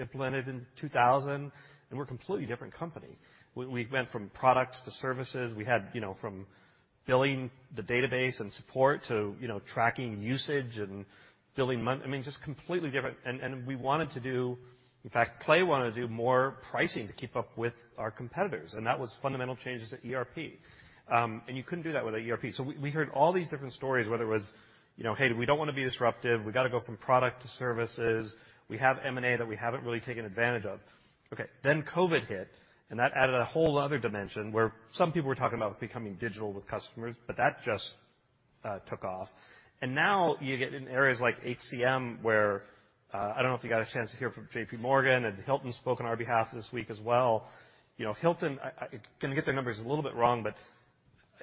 implemented in 2000, and we're a completely different company. We went from products to services. We had, you know, from billing the database and support to, you know, tracking usage and billing, I mean, just completely different. We wanted to do, in fact, Clay wanted to do more pricing to keep up with our competitors, and that was fundamental changes at ERP. You couldn't do that with a ERP. We heard all these different stories, whether it was, you know, "Hey, we don't wanna be disruptive. We gotta go from product to services. We have M&A that we haven't really taken advantage of." Okay, COVID hit, and that added a whole other dimension where some people were talking about becoming digital with customers, but that just took off. Now you get in areas like HCM where, I don't know if you got a chance to hear from J.P. Morgan and Hilton spoke on our behalf this week as well. You know, Hilton, I'm gonna get their numbers a little bit wrong, but,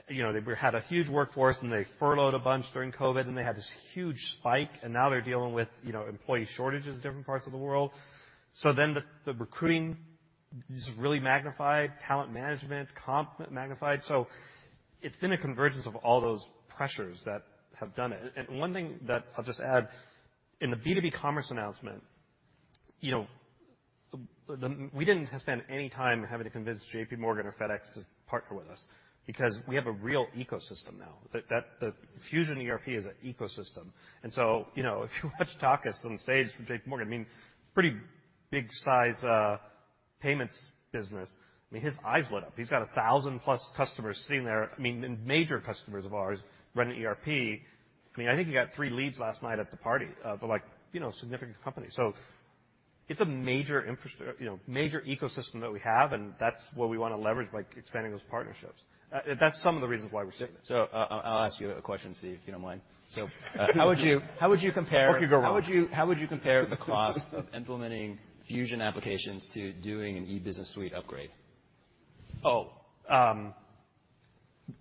you know, they had a huge workforce and they furloughed a bunch during COVID, and they had this huge spike, and now they're dealing with, you know, employee shortages in different parts of the world. The recruiting just really magnified, talent management, comp magnified. It's been a convergence of all those pressures that have done it. One thing that I'll just add, in the B2B commerce announcement, we didn't spend any time having to convince J.P. Morgan or FedEx to partner with us because we have a real ecosystem now. That Fusion ERP is an ecosystem. You know, if you watch Taka on stage from J.P. Morgan, I mean, pretty big size, payments business. I mean, his eyes lit up. He's got 1,000+ customers sitting there. I mean, major customers of ours running ERP. I mean, I think he got three leads last night at the party, but like, you know, significant companies. It's a major ecosystem that we have, and that's what we wanna leverage by expanding those partnerships. That's some of the reasons why we're sitting here. I'll ask you a question, Steve, if you don't mind. How would you compare- What could go wrong? How would you compare the cost of implementing Fusion applications to doing an E-Business Suite upgrade? Oh,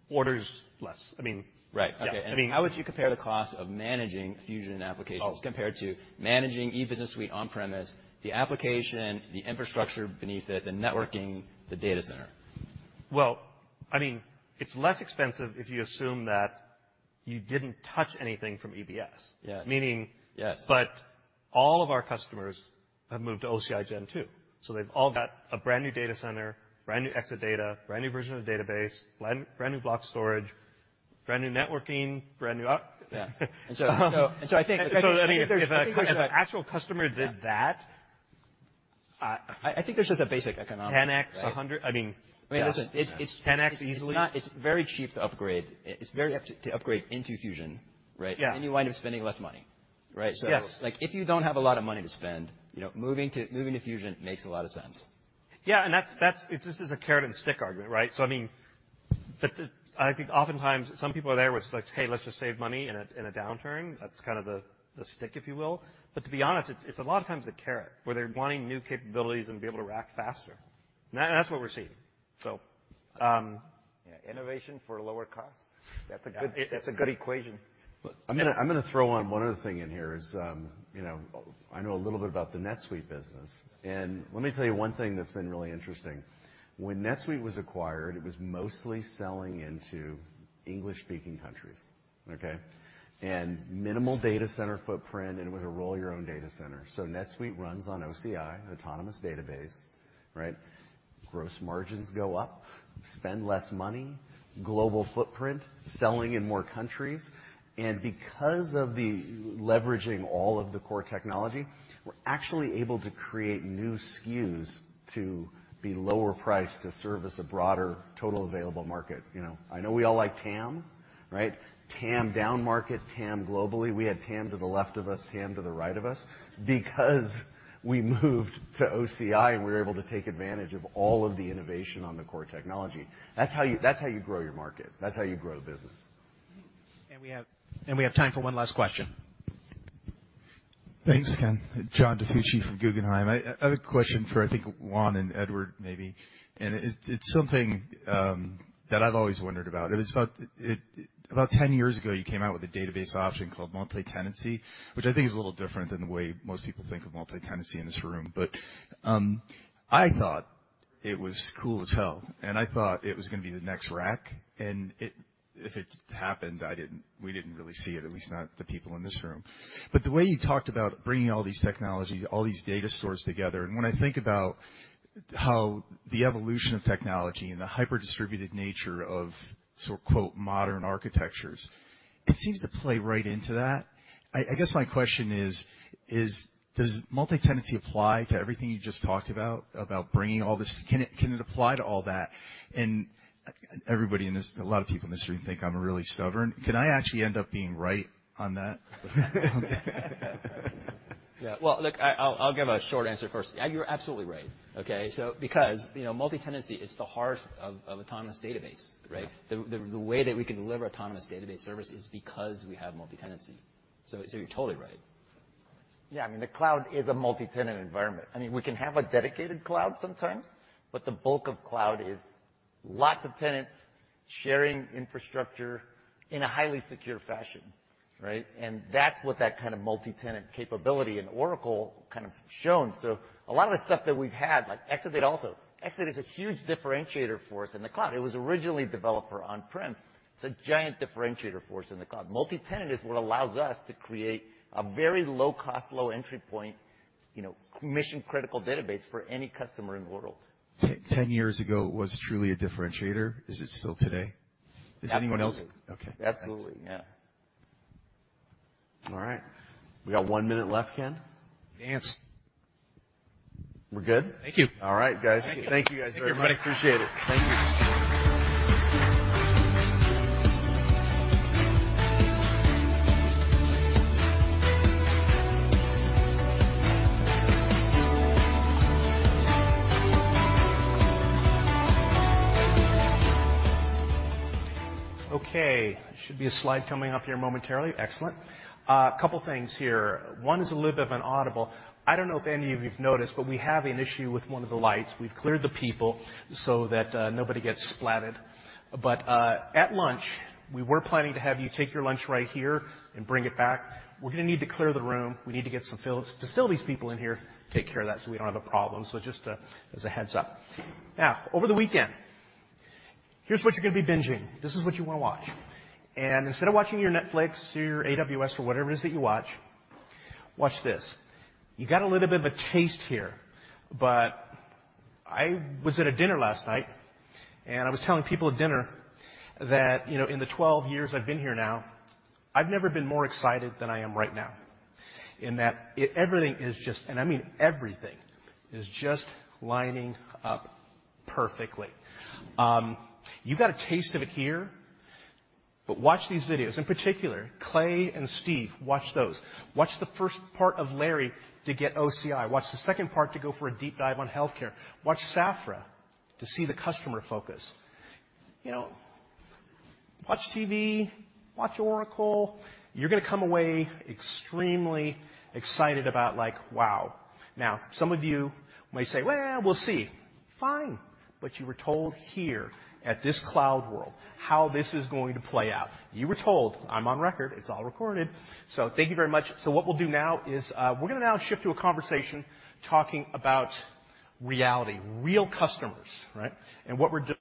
orders less. I mean. Right. Okay. Yeah. I mean. How would you compare the cost of managing Fusion applications? Oh. Compared to managing E-Business Suite on-premise, the application, the infrastructure beneath it, the networking, the data center? Well, I mean, it's less expensive if you assume that you didn't touch anything from EBS. Yes. Meaning- Yes. All of our customers have moved to OCI Gen 2, so they've all got a brand-new data center, brand-new Exadata, brand-new version of the database, brand-new block storage, brand-new networking, brand-new op. I think- I think if an actual customer did that. I think there's just a basic economic, right? 10x, 100. I mean, yeah. I mean, listen. It's 10x easily. It's very cheap to upgrade into Fusion, right? Yeah. You wind up spending less money, right? Yes. Like, if you don't have a lot of money to spend, you know, moving to Fusion makes a lot of sense. Yeah. That's a carrot-and-stick argument, right? I mean, I think oftentimes some people are there with like, "Hey, let's just save money in a downturn." That's kind of the stick, if you will. To be honest, it's a lot of times the carrot, where they're wanting new capabilities and be able to scale faster. That's what we're seeing. Yeah. Innovation for a lower cost. Yeah. That's a good equation. Look, I'm gonna throw one other thing in here, you know, I know a little bit about the NetSuite business. Let me tell you one thing that's been really interesting. When NetSuite was acquired, it was mostly selling into English-speaking countries, okay? Minimal data center footprint, and it was a roll-your-own data center. NetSuite runs on OCI, Autonomous Database, right? Gross margins go up, spend less money, global footprint, selling in more countries. Because of the leveraging all of the core technology, we're actually able to create new SKUs to be lower priced to service a broader total available market, you know. I know we all like TAM, right? TAM downmarket, TAM globally. We had TAM to the left of us, TAM to the right of us. Because we moved to OCI, and we were able to take advantage of all of the innovation on the core technology. That's how you grow your market. That's how you grow the business. We have time for one last question. Thanks, Ken. John DiFucci from Guggenheim. I have a question for, I think, Juan and Edward maybe, and it's something that I've always wondered about. It was about 10 years ago, you came out with a database option called multitenancy, which I think is a little different than the way most people think of multitenancy in this room. I thought it was cool as hell, and I thought it was gonna be the next rack. If it happened, we didn't really see it, at least not the people in this room. The way you talked about bringing all these technologies, all these data stores together, and when I think about how the evolution of technology and the hyper-distributed nature of so-called modern architectures, it seems to play right into that. I guess my question is, does multitenancy apply to everything you just talked about bringing all this? Can it apply to all that? A lot of people in this room think I'm really stubborn. Can I actually end up being right on that? Yeah. Well, look, I'll give a short answer first. You're absolutely right, okay? Because, you know, Multitenant is the heart of Autonomous Database, right? Yeah. The way that we can deliver Autonomous Database service is because we have Multitenant. You're totally right. Yeah. I mean, the cloud is a multi-tenant environment. I mean, we can have a dedicated cloud sometimes, but the bulk of cloud is lots of tenants sharing infrastructure in a highly secure fashion, right? That's what that kind of multi-tenant capability in Oracle kind of shown. A lot of the stuff that we've had, like Exadata also. Exadata is a huge differentiator for us in the cloud. It was originally developed for on-prem. It's a giant differentiator for us in the cloud. Multi-tenant is what allows us to create a very low cost, low entry point, you know, mission-critical database for any customer in the world. Ten years ago, it was truly a differentiator. Is it still today? Does anyone else- Absolutely. Okay. Absolutely. Yeah. All right. We got one minute left, Ken. Yes. We're good. Thank you. All right, guys. Thank you guys very much. Thank you, everybody. Appreciate it. Thank you. Okay. Should be a slide coming up here momentarily. Excellent. Couple things here. I don't know if any of you've noticed, but we have an issue with one of the lights. We've cleared the people so that nobody gets splatted. At lunch, we were planning to have you take your lunch right here and bring it back. We're gonna need to clear the room. We need to get some facilities people in here, take care of that, so we don't have a problem. Just as a heads-up. Now, over the weekend. Here's what you're gonna be binging. This is what you wanna watch. Instead of watching your Netflix or your AWS or whatever it is that you watch this. You got a little bit of a taste here, but I was at a dinner last night, and I was telling people at dinner that, you know, in the 12 years I've been here now, I've never been more excited than I am right now. Everything is just lining up perfectly. I mean everything is just lining up perfectly. You got a taste of it here, but watch these videos. In particular, Clay and Steve, watch those. Watch the first part of Larry to get OCI. Watch the second part to go for a deep dive on healthcare. Watch Safra to see the customer focus. You know, watch TV, watch Oracle. You're gonna come away extremely excited about like, wow. Now, some of you may say, "Well, we'll see." Fine, but you were told here at this CloudWorld how this is going to play out. You were told, I'm on record, it's all recorded. Thank you very much. What we'll do now is, we're gonna now shift to a conversation talking about reality, real customers, right? And what we're do-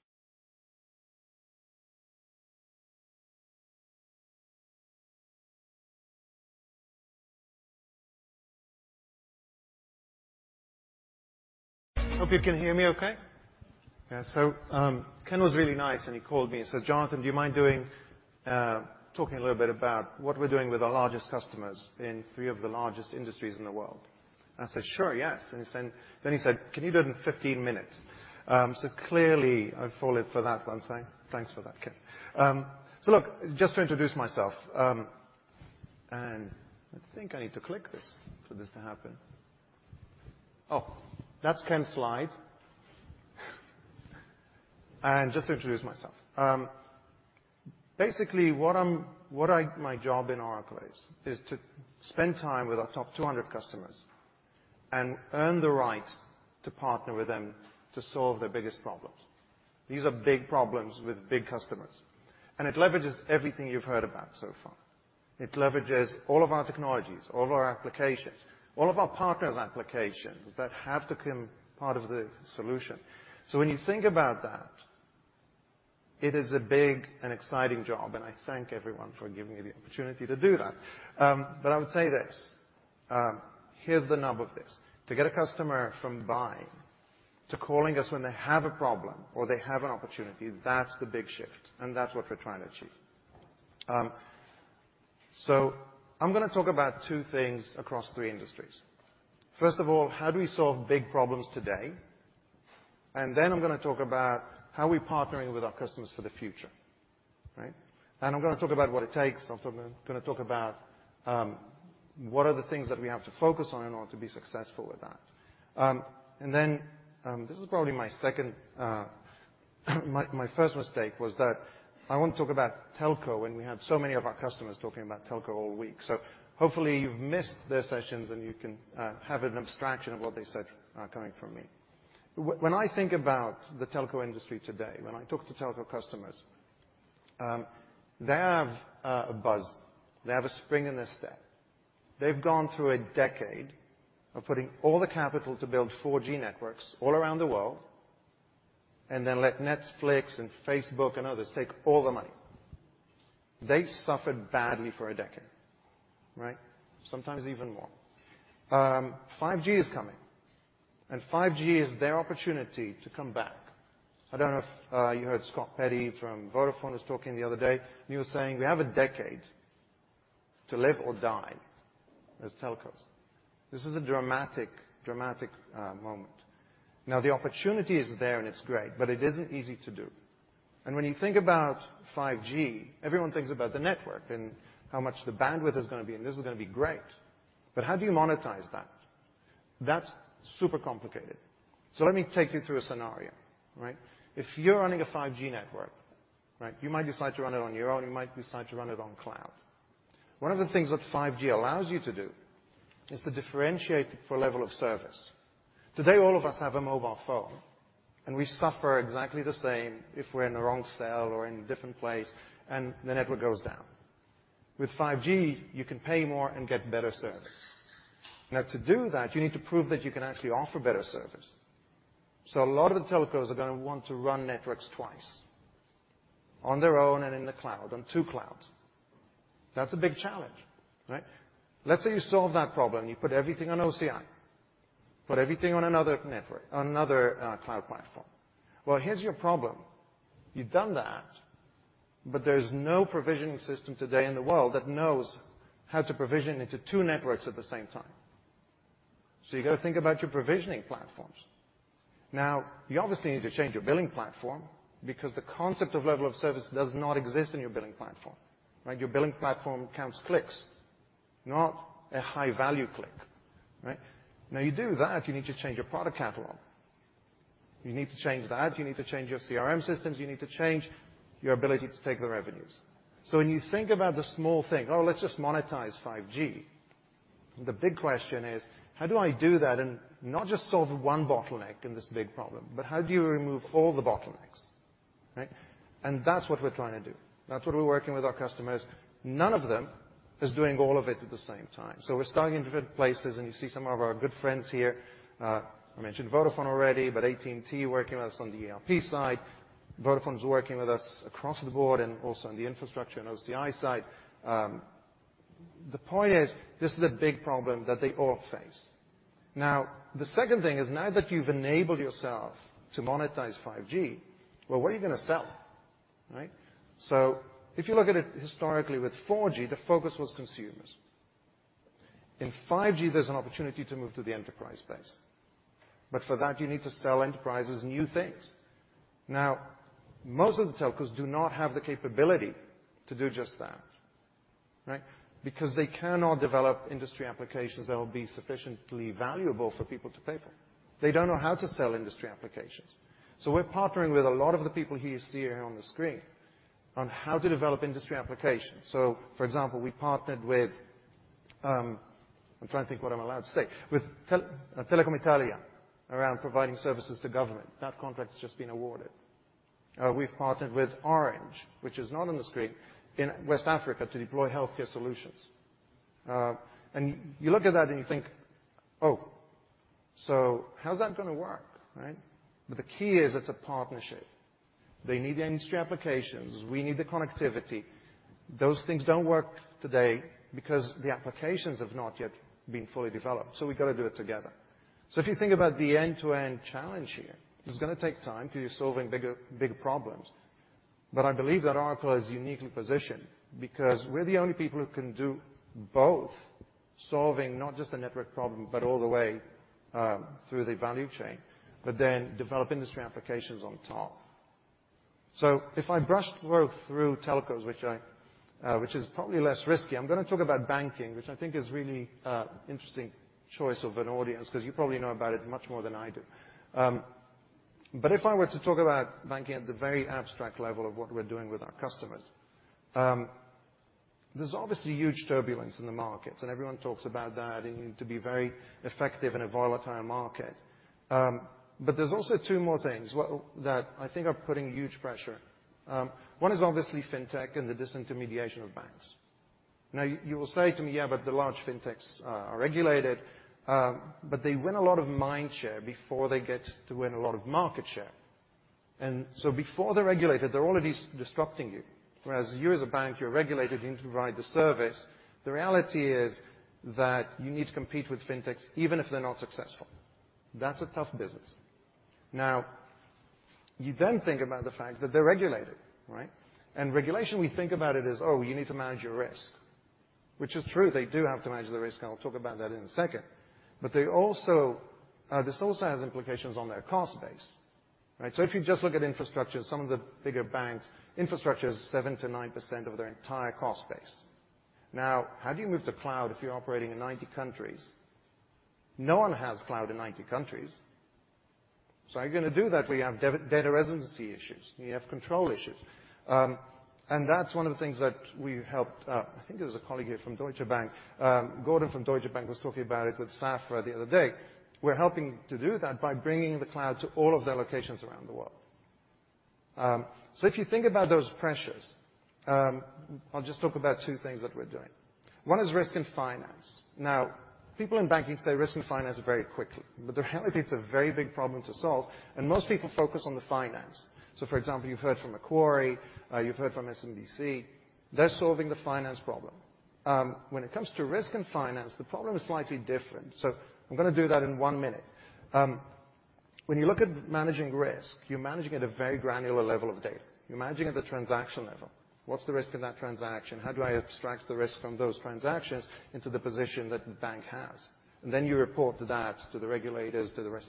Hope you can hear me okay. Yeah. Ken was really nice, and he called me and said, "Jonathan, do you mind talking a little bit about what we're doing with our largest customers in three of the largest industries in the world?" I said, "Sure, yes." He said, "Can you do it in 15 minutes?" Clearly I fell for it. Thanks for that, Ken. Look, just to introduce myself, and I think I need to click this for this to happen. Oh, that's Ken's slide. Just to introduce myself. Basically, what my job in Oracle is to spend time with our top 200 customers and earn the right to partner with them to solve their biggest problems. These are big problems with big customers, and it leverages everything you've heard about so far. It leverages all of our technologies, all of our applications, all of our partners' applications that have become part of the solution. When you think about that, it is a big and exciting job, and I thank everyone for giving me the opportunity to do that. I would say this. Here's the nub of this. To get a customer from buying to calling us when they have a problem or they have an opportunity, that's the big shift, and that's what we're trying to achieve. I'm gonna talk about two things across three industries. First of all, how do we solve big problems today? I'm gonna talk about how we're partnering with our customers for the future. Right? I'm gonna talk about what it takes. I'm gonna talk about what are the things that we have to focus on in order to be successful with that. This is probably my first mistake was that I didn't talk about telco when we had so many of our customers talking about telco all week. Hopefully you've missed their sessions, and you can have an abstraction of what they said coming from me. When I think about the telco industry today, when I talk to telco customers, they have a buzz. They have a spring in their step. They've gone through a decade of putting all the capital to build 4G networks all around the world and then let Netflix and Facebook and others take all the money. They suffered badly for a decade, right? Sometimes even more. 5G is coming, and 5G is their opportunity to come back. I don't know if you heard Scott Petty from Vodafone is talking the other day, and he was saying, "We have a decade to live or die as telcos." This is a dramatic moment. The opportunity is there, and it's great, but it isn't easy to do. When you think about 5G, everyone thinks about the network and how much the bandwidth is gonna be, and this is gonna be great. How do you monetize that? That's super complicated. Let me take you through a scenario, right? If you're running a 5G network, right, you might decide to run it on your own, you might decide to run it on cloud. One of the things that 5G allows you to do is to differentiate for level of service. Today, all of us have a mobile phone, and we suffer exactly the same if we're in the wrong cell or in a different place and the network goes down. With 5G, you can pay more and get better service. Now, to do that, you need to prove that you can actually offer better service. A lot of the telcos are gonna want to run networks twice, on their own and in the cloud, on two clouds. That's a big challenge, right? Let's say you solve that problem, you put everything on OCI, put everything on another network, on another, cloud platform. Well, here's your problem. You've done that, but there's no provisioning system today in the world that knows how to provision into two networks at the same time. You gotta think about your provisioning platforms. Now, you obviously need to change your billing platform because the concept of level of service does not exist in your billing platform, right? Your billing platform counts clicks, not a high-value click. Right? Now, you do that, you need to change your product catalog. You need to change that, you need to change your CRM systems, you need to change your ability to take the revenues. When you think about the small thing, oh, let's just monetize 5G, the big question is, how do I do that and not just solve one bottleneck in this big problem, but how do you remove all the bottlenecks, right? That's what we're trying to do. That's what we're working with our customers. None of them is doing all of it at the same time. We're starting in different places, and you see some of our good friends here. I mentioned Vodafone already, but AT&T working with us on the ERP side. Vodafone is working with us across the board and also on the infrastructure and OCI side. The point is this is a big problem that they all face. Now, the second thing is, now that you've enabled yourself to monetize 5G, well, what are you gonna sell, right? If you look at it historically with 4G, the focus was consumers. In 5G, there's an opportunity to move to the enterprise space, but for that, you need to sell enterprises new things. Now, most of the telcos do not have the capability to do just that, right? Because they cannot develop industry applications that will be sufficiently valuable for people to pay for. They don't know how to sell industry applications. We're partnering with a lot of the people who you see here on the screen on how to develop industry applications. For example, we partnered with, I'm trying to think what I'm allowed to say, with Telecom Italia around providing services to government. That contract's just been awarded. We've partnered with Orange, which is not on the screen, in West Africa to deploy healthcare solutions. You look at that and you think, "Oh, so how's that gonna work," right? The key is it's a partnership. They need the industry applications. We need the connectivity. Those things don't work today because the applications have not yet been fully developed, so we gotta do it together. If you think about the end-to-end challenge here, it's gonna take time because you're solving bigger problems. I believe that Oracle is uniquely positioned because we're the only people who can do both, solving not just the network problem, but all the way through the value chain, but then develop industry applications on top. So if I through telcos, which is probably less risky, I'm gonna talk about banking, which I think is really interesting choice of an audience 'cause you probably know about it much more than I do. If I were to talk about banking at the very abstract level of what we're doing with our customers, there's obviously huge turbulence in the markets, and everyone talks about that, and you need to be very effective in a volatile market. There's also two more things that I think are putting huge pressure. One is obviously fintech and the disintermediation of banks. Now, you will say to me, "Yeah, but the large fintechs are regulated," but they win a lot of mind share before they get to win a lot of market share. Before they're regulated, they're already destructing you. Whereas you as a bank, you're regulated and you provide the service. The reality is that you need to compete with fintechs, even if they're not successful. That's a tough business. Now, you then think about the fact that they're regulated, right? Regulation, we think about it as, oh, you need to manage your risk. Which is true, they do have to manage their risk, and I'll talk about that in a second. They also, this also has implications on their cost base, right? If you just look at infrastructure, some of the bigger banks, infrastructure is 7%-9% of their entire cost base. Now, how do you move to cloud if you're operating in 90 countries? No one has cloud in 90 countries. How are you gonna do that where you have data residency issues and you have control issues? That's one of the things that we've helped. I think there's a colleague here from Deutsche Bank. Gordon from Deutsche Bank was talking about it with Safra the other day. We're helping to do that by bringing the cloud to all of their locations around the world. If you think about those pressures, I'll just talk about two things that we're doing. One is risk and finance. People in banking say risk and finance very quickly, but the reality, it's a very big problem to solve, and most people focus on the finance. For example, you've heard from Macquarie. You've heard from SMBC. They're solving the finance problem. When it comes to risk and finance, the problem is slightly different. I'm gonna do that in one minute. When you look at managing risk, you're managing at a very granular level of data. You're managing at the transaction level. What's the risk of that transaction? How do I abstract the risk from those transactions into the position that the bank has? Then you report that to the regulators, to the rest.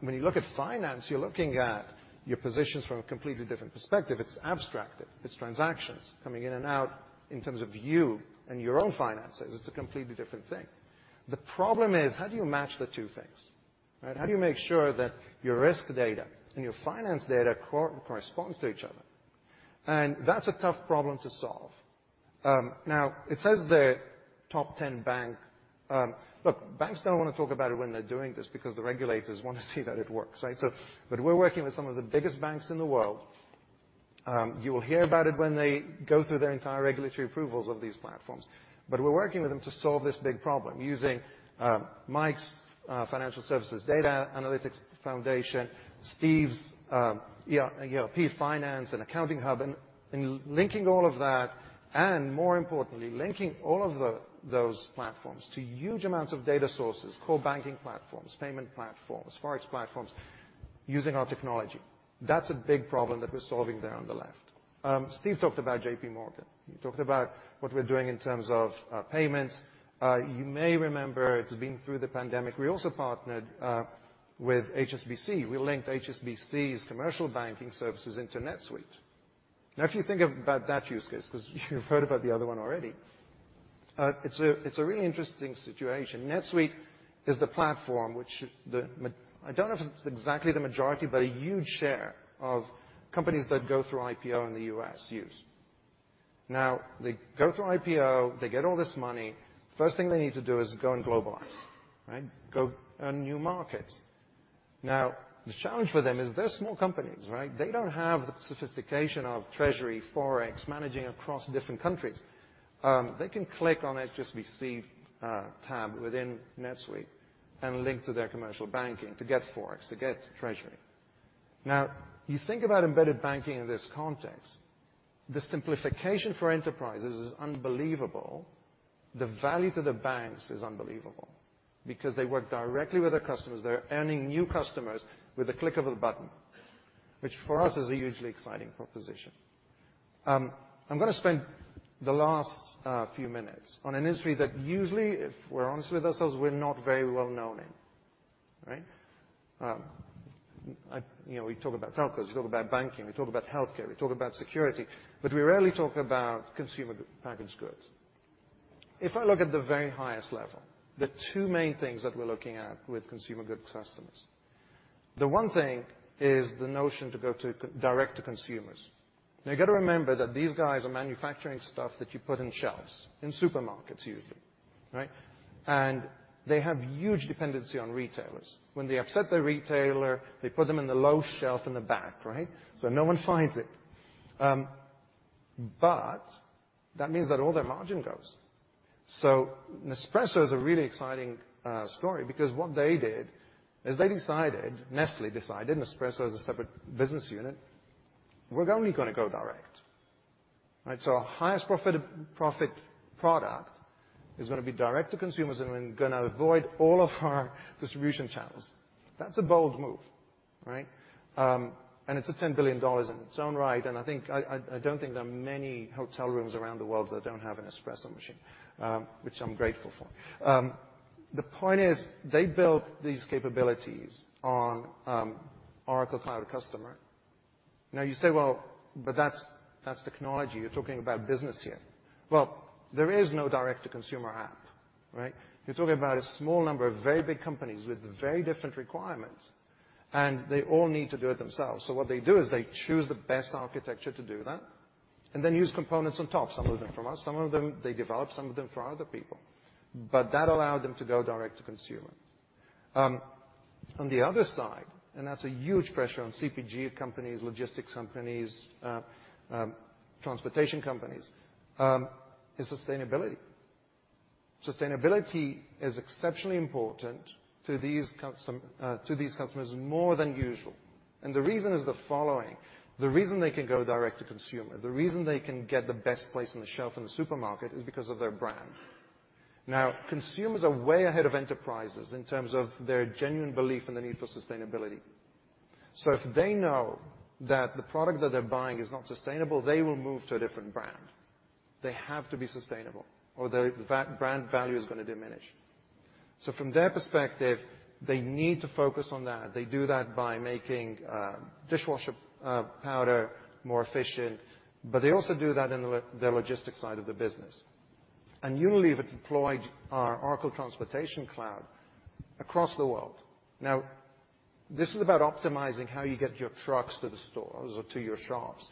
When you look at finance, you're looking at your positions from a completely different perspective. It's abstracted. It's transactions coming in and out in terms of you and your own finances. It's a completely different thing. The problem is, how do you match the two things, right? How do you make sure that your risk data and your finance data corresponds to each other? That's a tough problem to solve. Now it says the top ten bank. Look, banks don't wanna talk about it when they're doing this because the regulators wanna see that it works, right? We're working with some of the biggest banks in the world. You will hear about it when they go through their entire regulatory approvals of these platforms. We're working with them to solve this big problem using Mike's Oracle Financial Services Data Foundation, Steve's Oracle Fusion Accounting Hub, and linking all of that, and more importantly, linking all of those platforms to huge amounts of data sources, core banking platforms, payment platforms, Forex platforms, using our technology. That's a big problem that we're solving there on the left. Steve talked about J.P. Morgan. He talked about what we're doing in terms of payments. You may remember, it's been through the pandemic, we also partnered with HSBC. We linked HSBC's commercial banking services into NetSuite. Now, if you think about that use case, 'cause you've heard about the other one already, it's a really interesting situation. NetSuite is the platform which I don't know if it's exactly the majority, but a huge share of companies that go through IPO in the U.S. use. Now, they go through IPO, they get all this money. First thing they need to do is go and globalize, right? Go earn new markets. Now, the challenge for them is they're small companies, right? They don't have the sophistication of treasury Forex managing across different countries. They can click on HSBC tab within NetSuite and link to their commercial banking to get Forex, to get treasury. Now, you think about embedded banking in this context, the simplification for enterprises is unbelievable. The value to the banks is unbelievable because they work directly with their customers. They're earning new customers with a click of a button, which for us is a hugely exciting proposition. I'm gonna spend the last few minutes on an industry that usually, if we're honest with ourselves, we're not very well known in, right? You know, we talk about telcos, we talk about banking, we talk about healthcare, we talk about security, but we rarely talk about consumer packaged goods. If I look at the very highest level, the two main things that we're looking at with consumer goods customers, the one thing is the notion to go to direct to consumers. Now, you gotta remember that these guys are manufacturing stuff that you put in shelves, in supermarkets usually, right? They have huge dependency on retailers. When they upset their retailer, they put them in the low shelf in the back, right? No one finds it. That means that all their margin goes. Nespresso is a really exciting story because what they did is they decided, Nestlé decided, Nespresso is a separate business unit, we're only gonna go direct, right? Our highest profit product is gonna be direct to consumers, and we're gonna avoid all of our distribution channels. That's a bold move, right? It's a $10 billion in its own right, and I think I don't think there are many hotel rooms around the world that don't have an espresso machine, which I'm grateful for. The point is they built these capabilities on Oracle Cloud@Customer. Now you say, "Well, but that's technology. You're talking about business here." Well, there is no direct-to-consumer app, right? You're talking about a small number of very big companies with very different requirements, and they all need to do it themselves. What they do is they choose the best architecture to do that and then use components on top. Some of them from us, some of them they develop, some of them from other people. That allowed them to go direct to consumer. On the other side, that's a huge pressure on CPG companies, logistics companies, transportation companies, is sustainability. Sustainability is exceptionally important to these customers more than usual. The reason is the following. The reason they can go direct to consumer, the reason they can get the best place on the shelf in the supermarket is because of their brand. Now, consumers are way ahead of enterprises in terms of their genuine belief in the need for sustainability. If they know that the product that they're buying is not sustainable, they will move to a different brand. They have to be sustainable, or the brand value is gonna diminish. From their perspective, they need to focus on that. They do that by making dishwasher powder more efficient, but they also do that in the logistics side of the business. Unilever deployed our Oracle Transportation Cloud across the world. Now, this is about optimizing how you get your trucks to the stores or to your shops.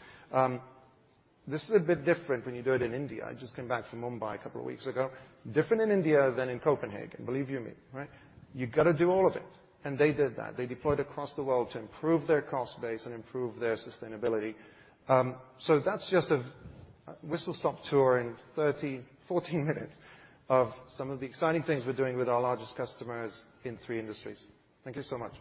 This is a bit different when you do it in India. I just came back from Mumbai a couple of weeks ago. Different in India than in Copenhagen, believe you me, right? You've got to do all of it, and they did that. They deployed across the world to improve their cost base and improve their sustainability. That's just a whistle-stop tour in 30, 40 minutes of some of the exciting things we're doing with our largest customers in three industries. Thank you so much.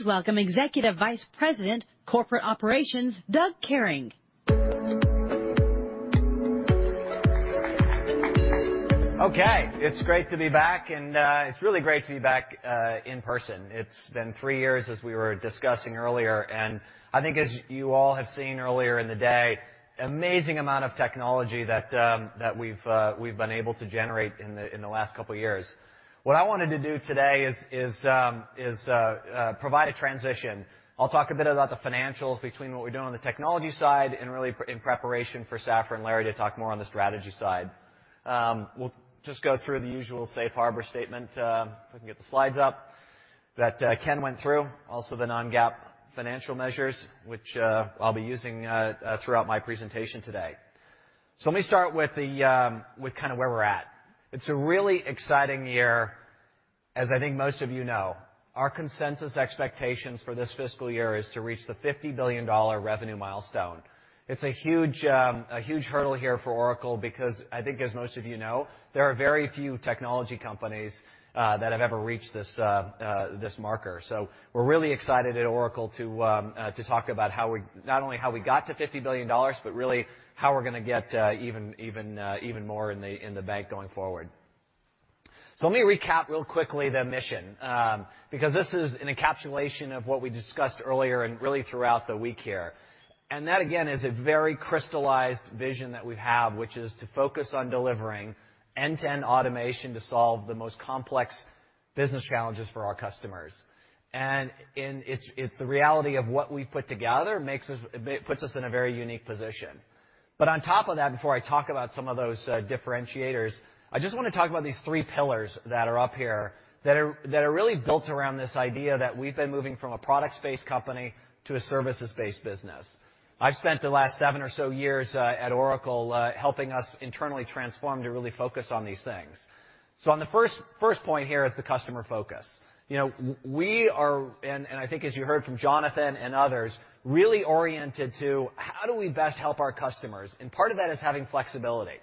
Please welcome Executive Vice President, Corporate Operations, Douglas Kehring. Okay. It's great to be back, and it's really great to be back in person. It's been three years, as we were discussing earlier, and I think as you all have seen earlier in the day, amazing amount of technology that we've been able to generate in the last couple of years. What I wanted to do today is provide a transition. I'll talk a bit about the financials between what we're doing on the technology side and really in preparation for Safra and Larry to talk more on the strategy side. We'll just go through the usual safe harbor statement, if we can get the slides up, that Ken went through. Also, the non-GAAP financial measures, which I'll be using throughout my presentation today. Let me start with kinda where we're at. It's a really exciting year, as I think most of you know. Our consensus expectations for this fiscal year is to reach the $50 billion revenue milestone. It's a huge hurdle here for Oracle because I think as most of you know, there are very few technology companies that have ever reached this marker. We're really excited at Oracle to talk about how we not only how we got to $50 billion, but really how we're gonna get even more in the bank going forward. Let me recap real quickly the mission because this is an encapsulation of what we discussed earlier and really throughout the week here. That, again, is a very crystallized vision that we have, which is to focus on delivering end-to-end automation to solve the most complex business challenges for our customers. It's the reality of what we put together puts us in a very unique position. On top of that, before I talk about some of those differentiators, I just wanna talk about these three pillars that are up here that are really built around this idea that we've been moving from a product-based company to a services-based business. I've spent the last seven or so years at Oracle helping us internally transform to really focus on these things. On the first point here is the customer focus. You know, we are, and I think as you heard from Jonathan and others, really oriented to how do we best help our customers? Part of that is having flexibility.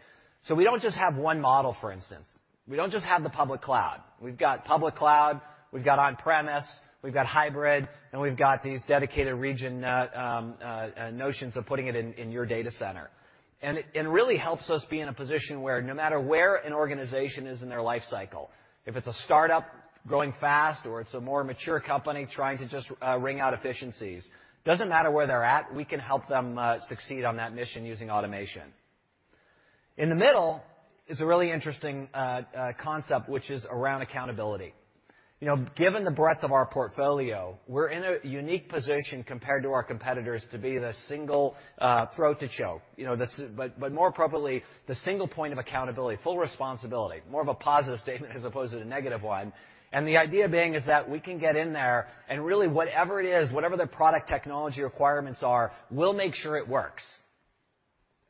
We don't just have one model, for instance. We don't just have the public cloud. We've got public cloud, we've got on-premise, we've got hybrid, and we've got these dedicated region notions of putting it in your data center. It really helps us be in a position where no matter where an organization is in their life cycle, if it's a startup growing fast or it's a more mature company trying to just wring out efficiencies, doesn't matter where they're at, we can help them succeed on that mission using automation. In the middle is a really interesting concept which is around accountability. You know, given the breadth of our portfolio, we're in a unique position compared to our competitors to be the single throat to choke. You know, but more appropriately, the single point of accountability, full responsibility. More of a positive statement as opposed to the negative one. The idea being is that we can get in there and really whatever it is, whatever their product technology requirements are, we'll make sure it works.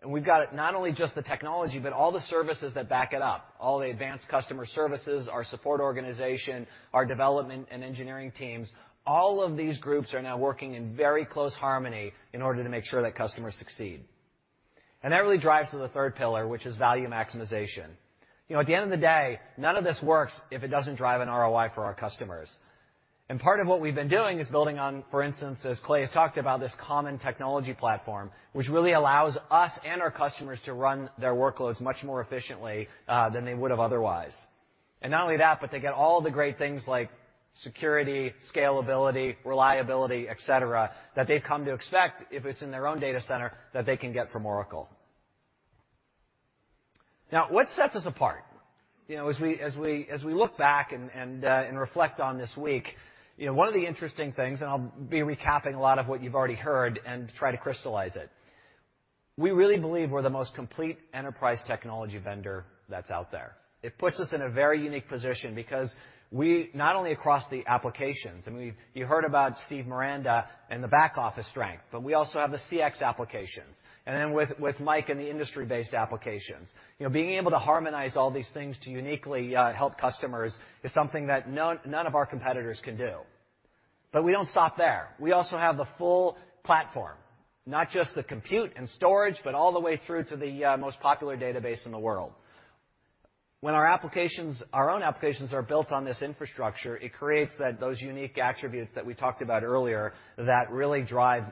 We've got it, not only just the technology, but all the services that back it up, all the advanced customer services, our support organization, our development and engineering teams. All of these groups are now working in very close harmony in order to make sure that customers succeed. That really drives to the third pillar, which is value maximization. You know, at the end of the day, none of this works if it doesn't drive an ROI for our customers. Part of what we've been doing is building on, for instance, as Clay has talked about, this common technology platform, which really allows us and our customers to run their workloads much more efficiently than they would have otherwise. Not only that, but they get all the great things like security, scalability, reliability, et cetera, that they've come to expect if it's in their own data center that they can get from Oracle. Now, what sets us apart? You know, as we look back and reflect on this week, you know, one of the interesting things, and I'll be recapping a lot of what you've already heard and try to crystallize it. We really believe we're the most complete enterprise technology vendor that's out there. It puts us in a very unique position because we not only across the applications, I mean, you've heard about Steve Miranda and the back office strength, but we also have the CX applications. Then with Mike and the industry-based applications. You know, being able to harmonize all these things to uniquely help customers is something that none of our competitors can do. We don't stop there. We also have the full platform. Not just the compute and storage, but all the way through to the most popular database in the world. When our applications, our own applications are built on this infrastructure, it creates those unique attributes that we talked about earlier that really drive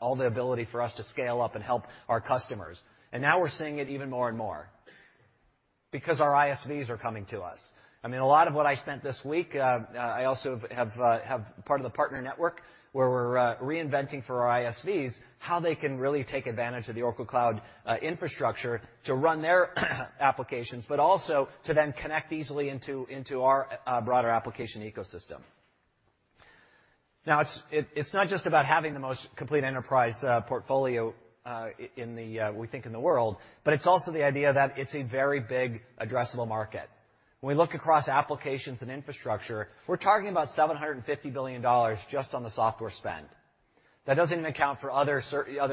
all the ability for us to scale up and help our customers. Now we're seeing it even more and more because our ISVs are coming to us. I mean, a lot of what I spent this week, I also have part of the partner network where we're reinventing for our ISVs how they can really take advantage of the Oracle Cloud Infrastructure to run their applications, but also to then connect easily into our broader application ecosystem. Now, it's not just about having the most complete enterprise portfolio in the, we think, in the world, but it's also the idea that it's a very big addressable market. When we look across applications and infrastructure, we're talking about $750 billion just on the software spend. That doesn't even account for other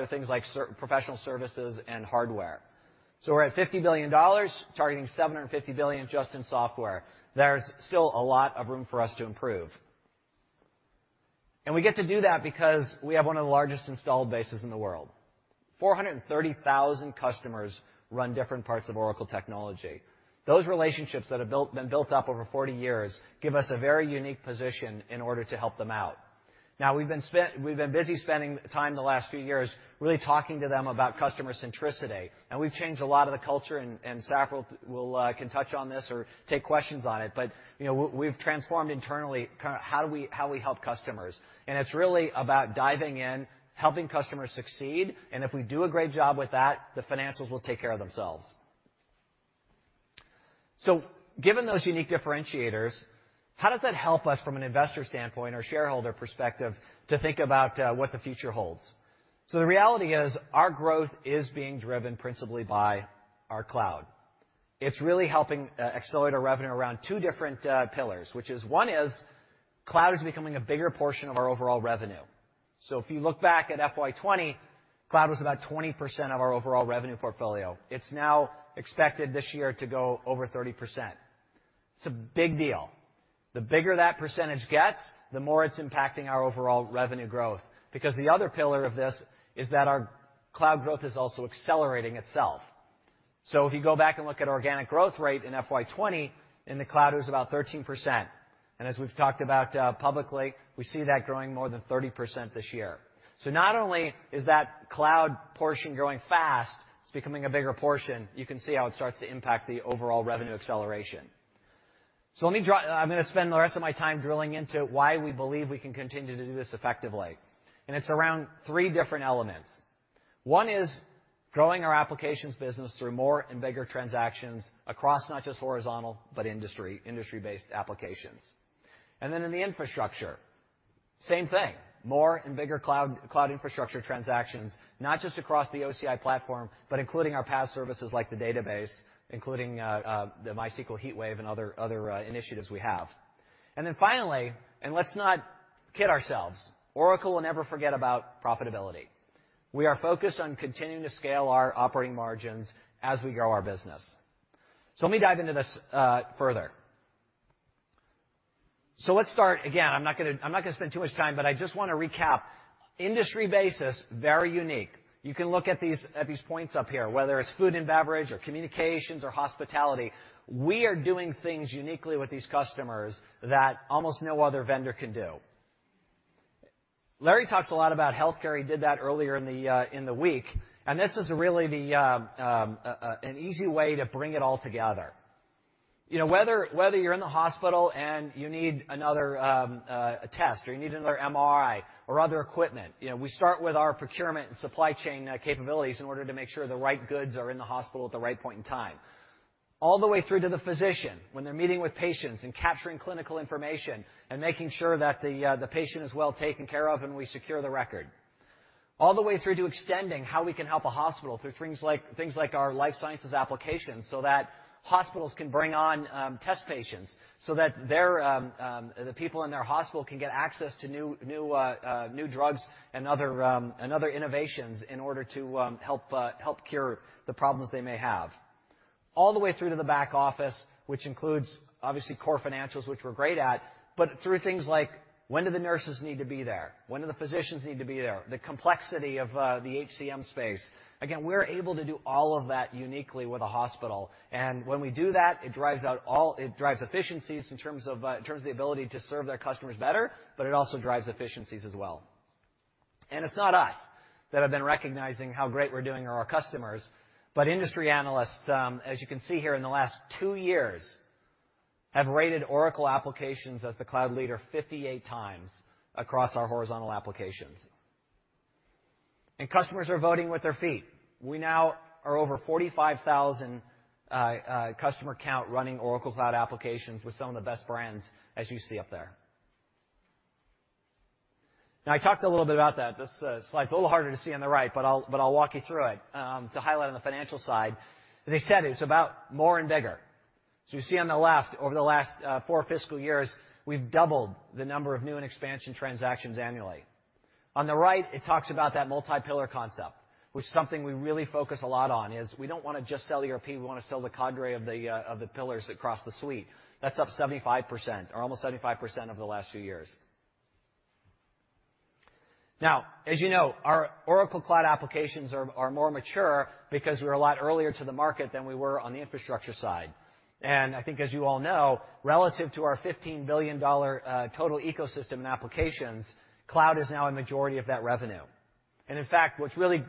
things like professional services and hardware. We're at $50 billion, targeting $750 billion just in software. There's still a lot of room for us to improve. We get to do that because we have one of the largest installed bases in the world. 430,000 customers run different parts of Oracle technology. Those relationships that have been built up over 40 years give us a very unique position in order to help them out. Now we've been busy spending time the last few years really talking to them about customer centricity, and we've changed a lot of the culture, and Safra Catz will can touch on this or take questions on it. But, you know, we've transformed internally kind of how we help customers. It's really about diving in, helping customers succeed, and if we do a great job with that, the financials will take care of themselves. Given those unique differentiators, how does that help us from an investor standpoint or shareholder perspective to think about what the future holds? The reality is our growth is being driven principally by our cloud. It's really helping accelerate our revenue around two different pillars, which is one is cloud is becoming a bigger portion of our overall revenue. If you look back at FY 2020, cloud was about 20% of our overall revenue portfolio. It's now expected this year to go over 30%. It's a big deal. The bigger that percentage gets, the more it's impacting our overall revenue growth. Because the other pillar of this is that our cloud growth is also accelerating itself. If you go back and look at organic growth rate in FY 2020, in the cloud, it was about 13%. As we've talked about publicly, we see that growing more than 30% this year. Not only is that cloud portion growing fast, it's becoming a bigger portion. You can see how it starts to impact the overall revenue acceleration. Let me draw. I'm gonna spend the rest of my time drilling into why we believe we can continue to do this effectively, and it's around three different elements. One is growing our applications business through more and bigger transactions across not just horizontal, but industry-based applications. In the infrastructure, same thing, more and bigger cloud infrastructure transactions, not just across the OCI platform, but including our PaaS services like the database, the MySQL HeatWave and other initiatives we have. Finally, let's not kid ourselves, Oracle will never forget about profitability. We are focused on continuing to scale our operating margins as we grow our business. Let me dive into this further. Let's start. Again, I'm not gonna spend too much time, but I just wanna recap. Industry-based, very unique. You can look at these points up here, whether it's food and beverage or communications or hospitality. We are doing things uniquely with these customers that almost no other vendor can do. Larry talks a lot about healthcare. He did that earlier in the week. This is really an easy way to bring it all together. You know, whether you're in the hospital and you need another test or you need another MRI or other equipment, you know, we start with our procurement and supply chain capabilities in order to make sure the right goods are in the hospital at the right point in time. All the way through to the physician when they're meeting with patients and capturing clinical information and making sure that the patient is well taken care of and we secure the record. All the way through to extending how we can help a hospital through things like our life sciences applications, so that hospitals can bring on test patients, so that the people in their hospital can get access to new drugs and other innovations in order to help cure the problems they may have. All the way through to the back office, which includes obviously core financials, which we're great at, but through things like when do the nurses need to be there? When do the physicians need to be there? The complexity of the HCM space. Again, we're able to do all of that uniquely with a hospital. When we do that, it drives efficiencies in terms of the ability to serve their customers better, but it also drives efficiencies as well. It's not us that have been recognizing how great we're doing or our customers, but industry analysts, as you can see here in the last two years, have rated Oracle applications as the cloud leader 58x across our horizontal applications. Customers are voting with their feet. We now are over 45,000 customer count running Oracle Cloud applications with some of the best brands, as you see up there. Now I talked a little bit about that. This slide's a little harder to see on the right, but I'll walk you through it to highlight on the financial side. As I said, it's about more and bigger. You see on the left, over the last four fiscal years, we've doubled the number of new and expansion transactions annually. On the right, it talks about that multi-pillar concept, which is something we really focus a lot on, is we don't wanna just sell ERP, we wanna sell the cadre of the of the pillars across the suite. That's up 75% or almost 75% over the last few years. Now, as you know, our Oracle Cloud applications are more mature because we're a lot earlier to the market than we were on the infrastructure side. I think as you all know, relative to our $15 billion total ecosystem in applications, cloud is now a majority of that revenue. In fact, what's really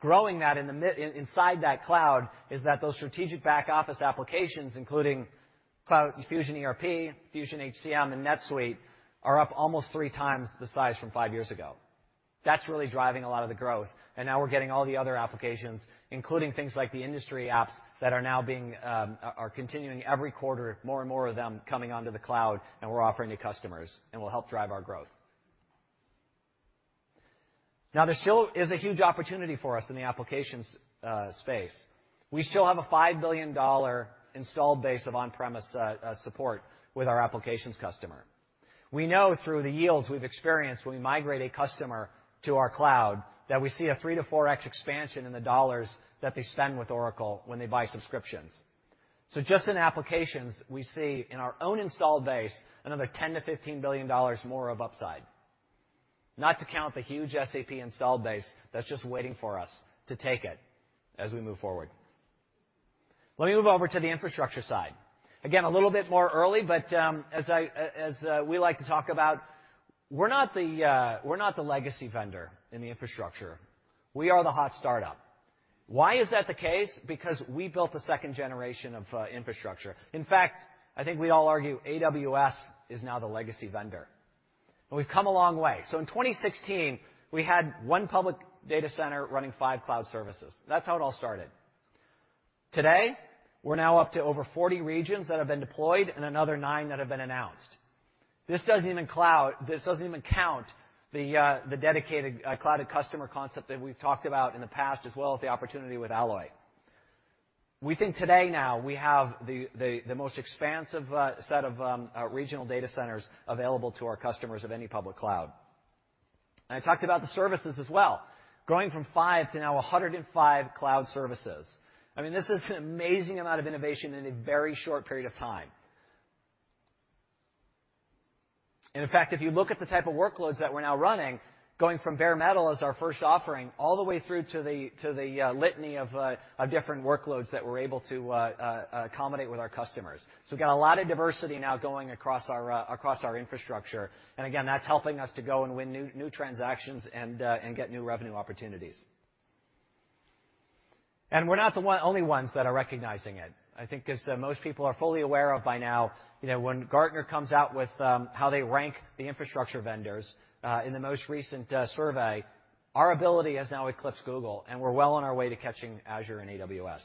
growing that inside that cloud is that those strategic back office applications, including Fusion Cloud ERP, Fusion Cloud HCM, and NetSuite, are up almost 3x the size from five years ago. That's really driving a lot of the growth, and now we're getting all the other applications, including things like the industry apps that are continuing every quarter, more and more of them coming onto the cloud and we're offering to customers and will help drive our growth. Now there still is a huge opportunity for us in the applications space. We still have a $5 billion installed base of on-premises support with our applications customers. We know through the yields we've experienced when we migrate a customer to our cloud, that we see a 3x to 4x expansion in the dollars that they spend with Oracle when they buy subscriptions. Just in applications, we see in our own installed base, another $10 billion-$15 billion more of upside. Not to count the huge SAP installed base that's just waiting for us to take it as we move forward. Let me move over to the infrastructure side. Again, a little bit more early, but, as we like to talk about, we're not the legacy vendor in the infrastructure. We are the hot start-up. Why is that the case? Because we built the second generation of infrastructure. In fact, I think we'd all argue AWS is now the legacy vendor. We've come a long way. In 2016, we had one public data center running five cloud services. That's how it all started. Today, we're now up to over 40 regions that have been deployed and another nine that have been announced. This doesn't even count the dedicated Cloud@Customer concept that we've talked about in the past, as well as the opportunity with Alloy. We think today now we have the most expansive set of regional data centers available to our customers of any public cloud. I talked about the services as well, going from five to now 105 cloud services. I mean, this is an amazing amount of innovation in a very short period of time. In fact, if you look at the type of workloads that we're now running, going from bare metal as our first offering, all the way through to the litany of different workloads that we're able to accommodate with our customers. We've got a lot of diversity now going across our infrastructure. Again, that's helping us to go and win new transactions and get new revenue opportunities. We're not the only ones that are recognizing it. I think as most people are fully aware of by now, you know, when Gartner comes out with how they rank the infrastructure vendors, in the most recent survey, OCI has now eclipsed Google, and we're well on our way to catching Azure and AWS.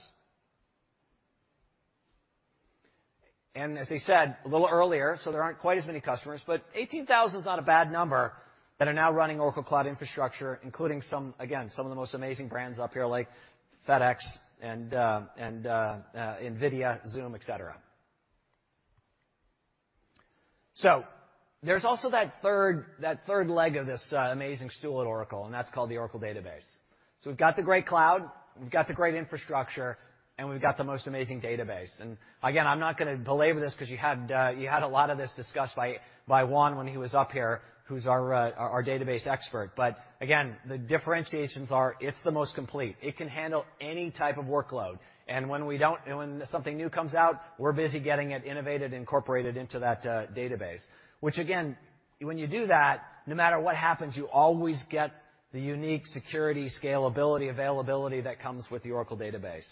As I said a little earlier, there aren't quite as many customers, but 18,000 is not a bad number that are now running Oracle Cloud Infrastructure, including some, again, some of the most amazing brands up here like FedEx and NVIDIA, Zoom, etc. There's also that third leg of this amazing stool at Oracle, and that's called the Oracle Database. We've got the great cloud, we've got the great infrastructure, and we've got the most amazing database. I'm not gonna belabor this because you had a lot of this discussed by Juan when he was up here, who's our database expert. The differentiations are it's the most complete. It can handle any type of workload. When something new comes out, we're busy getting it innovated and incorporated into that database, which again, when you do that, no matter what happens, you always get the unique security, scalability, availability that comes with the Oracle Database.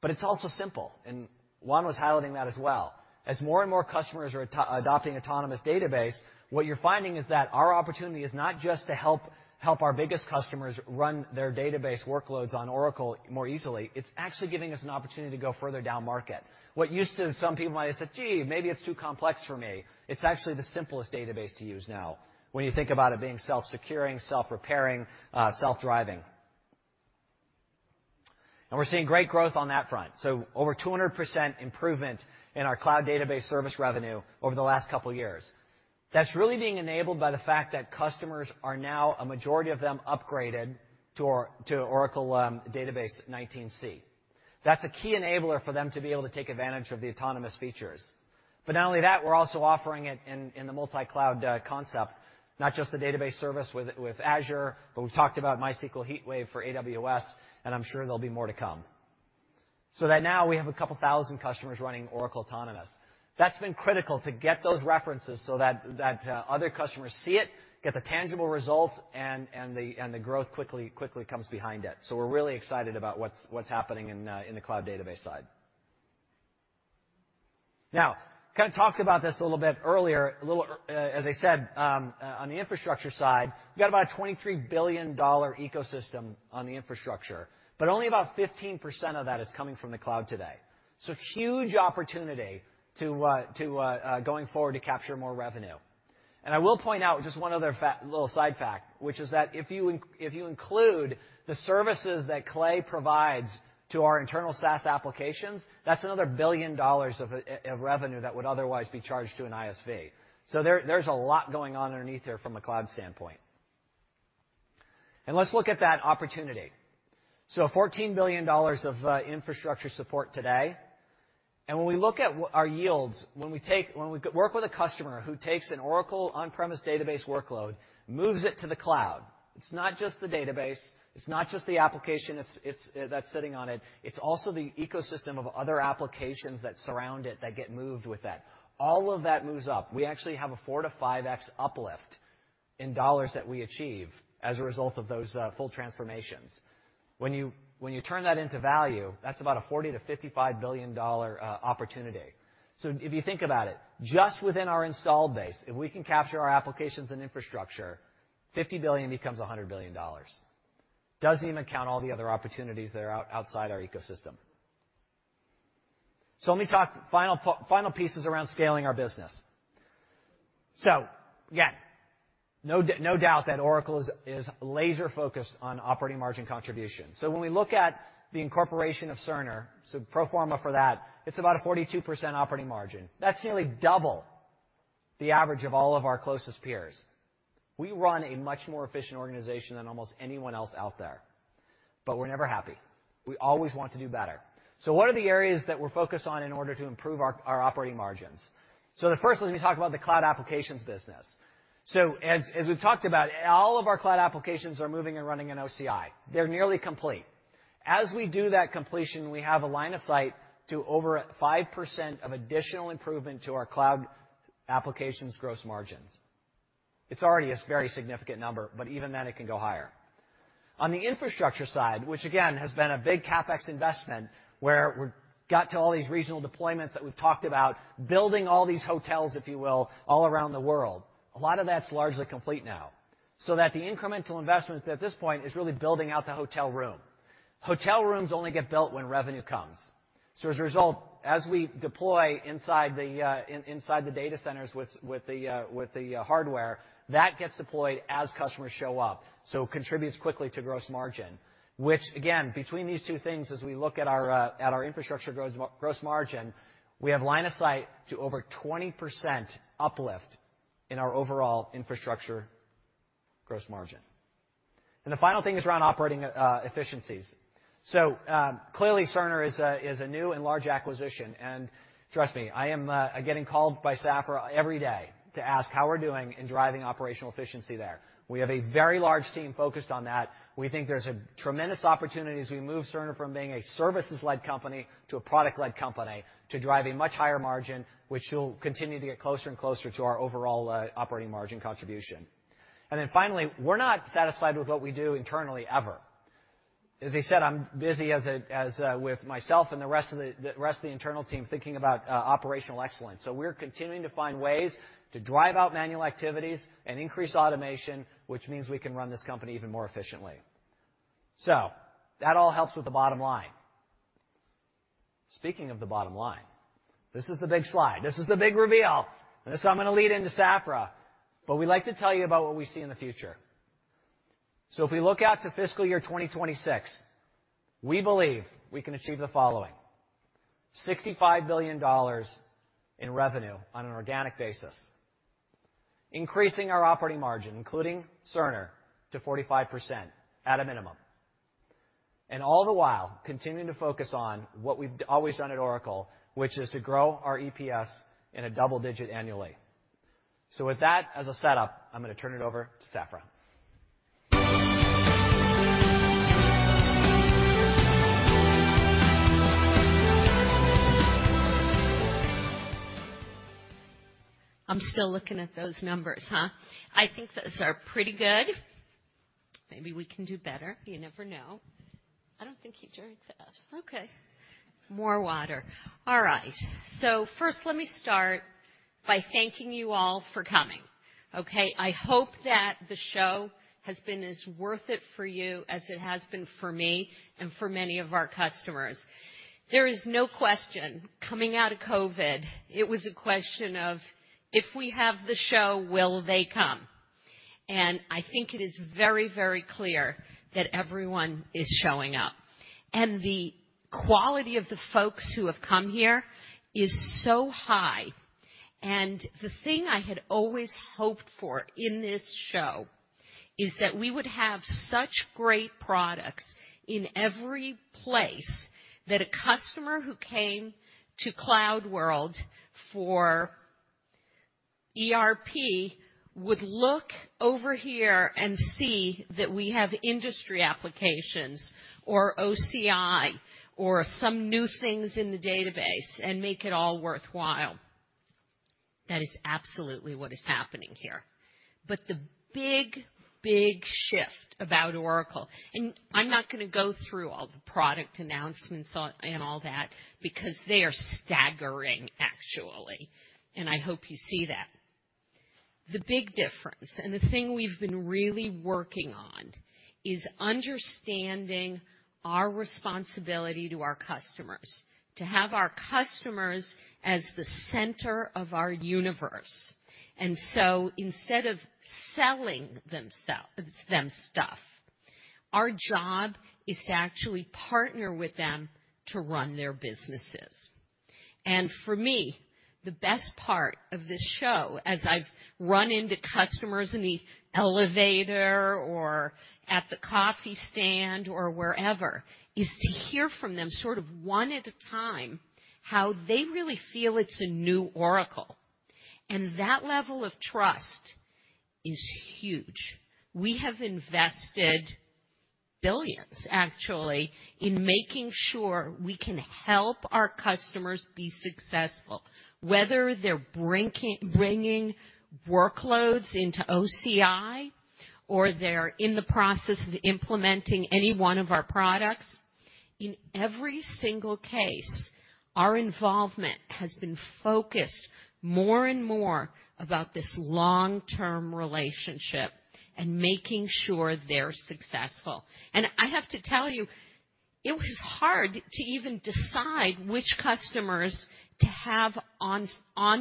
But it's also simple, and Juan was highlighting that as well. As more and more customers are adopting Autonomous Database, what you're finding is that our opportunity is not just to help our biggest customers run their database workloads on Oracle more easily, it's actually giving us an opportunity to go further down market. What used to some people might have said, "Gee, maybe it's too complex for me." It's actually the simplest database to use now when you think about it being self-securing, self-repairing, self-driving. We're seeing great growth on that front. Over 200% improvement in our cloud database service revenue over the last couple of years. That's really being enabled by the fact that customers are now, a majority of them, upgraded to Oracle Database 19c. That's a key enabler for them to be able to take advantage of the autonomous features. Not only that, we're also offering it in the multi-cloud concept, not just the database service with Azure, but we've talked about MySQL HeatWave for AWS, and I'm sure there'll be more to come. Now we have a couple thousand customers running Oracle Autonomous. That's been critical to get those references so that other customers see it, get the tangible results, and the growth quickly comes behind it. We're really excited about what's happening in the cloud database side. Now, kind of talked about this a little bit earlier, as I said, on the infrastructure side, we've got about a $23 billion ecosystem on the infrastructure, but only about 15% of that is coming from the cloud today. Huge opportunity going forward to capture more revenue. I will point out just one other little side fact, which is that if you include the services that Clay provides to our internal SaaS applications, that's another $1 billion of revenue that would otherwise be charged to an ISV. There's a lot going on underneath here from a cloud standpoint. Let's look at that opportunity. Fourteen billion dollars of infrastructure support today. When we look at our yields, when we work with a customer who takes an Oracle on-premise database workload, moves it to the cloud, it's not just the database, it's not just the application, it's the application that's sitting on it's also the ecosystem of other applications that surround it that get moved with that. All of that moves up. We actually have a 4x to 5x uplift in dollars that we achieve as a result of those full transformations. When you turn that into value, that's about a $40-$55 billion opportunity. If you think about it, just within our installed base, if we can capture our applications and infrastructure, $50 billion becomes $100 billion. Doesn't even count all the other opportunities that are outside our ecosystem. Let me talk final pieces around scaling our business. Again, no doubt that Oracle is laser-focused on operating margin contribution. When we look at the incorporation of Cerner, pro forma for that, it's about a 42% operating margin. That's nearly double the average of all of our closest peers. We run a much more efficient organization than almost anyone else out there, but we're never happy. We always want to do better. What are the areas that we're focused on in order to improve our operating margins? The first one, we talked about the cloud applications business. As we've talked about, all of our cloud applications are moving and running on OCI. They're nearly complete. As we do that completion, we have a line of sight to over 5% of additional improvement to our cloud applications gross margins. It's already a very significant number, but even then it can go higher. On the infrastructure side, which again has been a big CapEx investment, where we got to all these regional deployments that we've talked about, building all these hotels, if you will, all around the world. A lot of that's largely complete now, so that the incremental investments at this point is really building out the hotel room. Hotel rooms only get built when revenue comes. As a result, as we deploy inside the data centers with the hardware, that gets deployed as customers show up. Contributes quickly to gross margin, which again, between these two things, as we look at our infrastructure gross margin, we have line of sight to over 20% uplift in our overall infrastructure gross margin. The final thing is around operating efficiencies. Clearly, Cerner is a new and large acquisition, and trust me, I am getting called by Safra every day to ask how we're doing in driving operational efficiency there. We have a very large team focused on that. We think there's a tremendous opportunity as we move Cerner from being a services-led company to a product-led company to drive a much higher margin, which will continue to get closer and closer to our overall operating margin contribution. Finally, we're not satisfied with what we do internally, ever. As I said, I'm busy with myself and the rest of the internal team thinking about operational excellence. We're continuing to find ways to drive out manual activities and increase automation, which means we can run this company even more efficiently. That all helps with the bottom line. Speaking of the bottom line, this is the big slide. This is the big reveal. This, I'm gonna lead into Safra, but we like to tell you about what we see in the future. If we look out to fiscal year 2026, we believe we can achieve the following, $65 billion in revenue on an organic basis, increasing our operating margin, including Cerner, to 45% at a minimum. All the while continuing to focus on what we've always done at Oracle, which is to grow our EPS in a double digit annually. With that as a setup, I'm gonna turn it over to Safra. I'm still looking at those numbers, huh? I think those are pretty good. Maybe we can do better. You never know. I don't think you drink that. Okay. More water. All right. First, let me start by thanking you all for coming. Okay? I hope that the show has been as worth it for you as it has been for me and for many of our customers. There is no question, coming out of COVID, it was a question of, if we have the show, will they come? I think it is very, very clear that everyone is showing up. The quality of the folks who have come here is so high. The thing I had always hoped for in this show is that we would have such great products in every place that a customer who came to CloudWorld for ERP would look over here and see that we have industry applications or OCI or some new things in the database and make it all worthwhile. That is absolutely what is happening here. The big, big shift about Oracle, and I'm not gonna go through all the product announcements and all that because they are staggering, actually. I hope you see that. The big difference, and the thing we've been really working on is understanding our responsibility to our customers, to have our customers as the center of our universe. Instead of selling them stuff, our job is to actually partner with them to run their businesses. For me, the best part of this show, as I've run into customers in the elevator or at the coffee stand or wherever, is to hear from them sort of one at a time, how they really feel it's a new Oracle. That level of trust is huge. We have invested billions, actually, in making sure we can help our customers be successful, whether they're bringing workloads into OCI or they're in the process of implementing any one of our products. In every single case, our involvement has been focused more and more about this long-term relationship. Making sure they're successful. I have to tell you, it was hard to even decide which customers to have on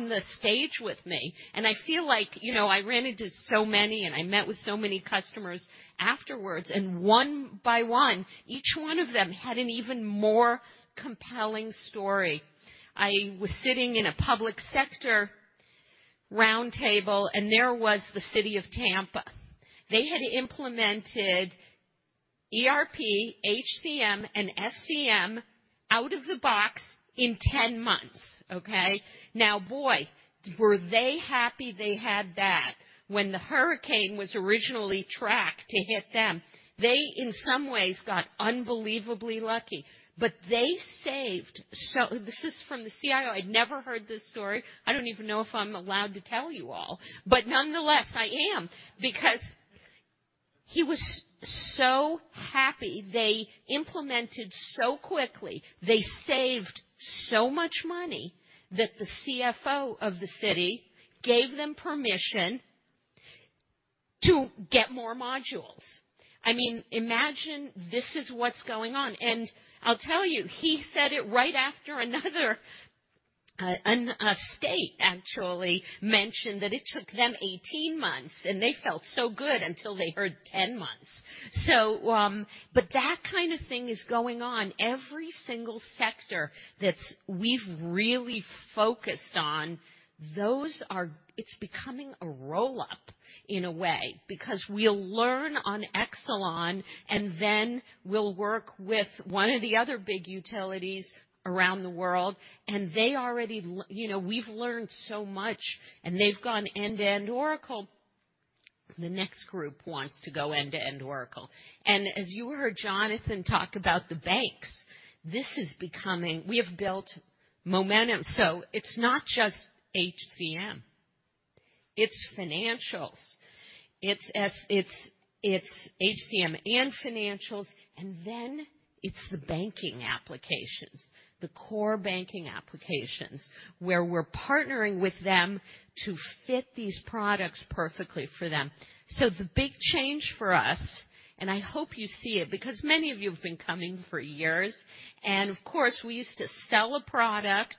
the stage with me. I feel like, you know, I ran into so many, and I met with so many customers afterwards, and one by one, each one of them had an even more compelling story. I was sitting in a public sector roundtable, and there was the city of Tampa. They had implemented ERP, HCM, and SCM out of the box in 10 months. Okay? Now, boy, were they happy they had that. When the hurricane was originally tracked to hit them, they in some ways got unbelievably lucky, but they saved so. This is from the CIO. I'd never heard this story. I don't even know if I'm allowed to tell you all, but nonetheless, I am, because he was so happy they implemented so quickly. They saved so much money that the CFO of the city gave them permission to get more modules. I mean, imagine this is what's going on. I'll tell you, he said it right after another state actually mentioned that it took them 18 months, and they felt so good until they heard 10 months. But that kind of thing is going on. Every single sector we've really focused on is becoming a roll-up in a way because we'll learn on Exelon and then we'll work with one of the other big utilities around the world. They already, you know, we've learned so much, and they've gone end-to-end Oracle. The next group wants to go end-to-end Oracle. As you heard Jonathan talk about the banks, this is becoming. We have built momentum. It's not just HCM, it's financials. It's HCM and financials, and then it's the banking applications, the core banking applications, where we're partnering with them to fit these products perfectly for them. The big change for us, and I hope you see it because many of you have been coming for years, and of course, we used to sell a product.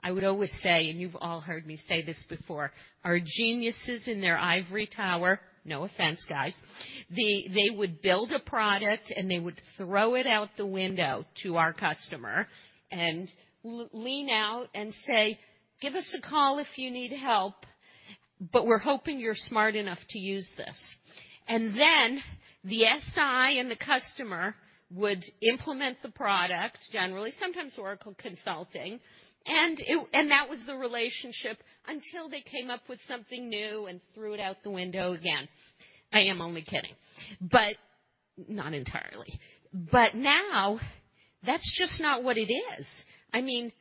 I would always say, and you've all heard me say this before, our geniuses in their ivory tower, no offense, guys. They would build a product, and they would throw it out the window to our customer and lean out and say, "Give us a call if you need help, but we're hoping you're smart enough to use this." Then the SI and the customer would implement the product, generally, sometimes Oracle consulting. That was the relationship until they came up with something new and threw it out the window again. I am only kidding, but not entirely. Now that's just not what it is. I mean,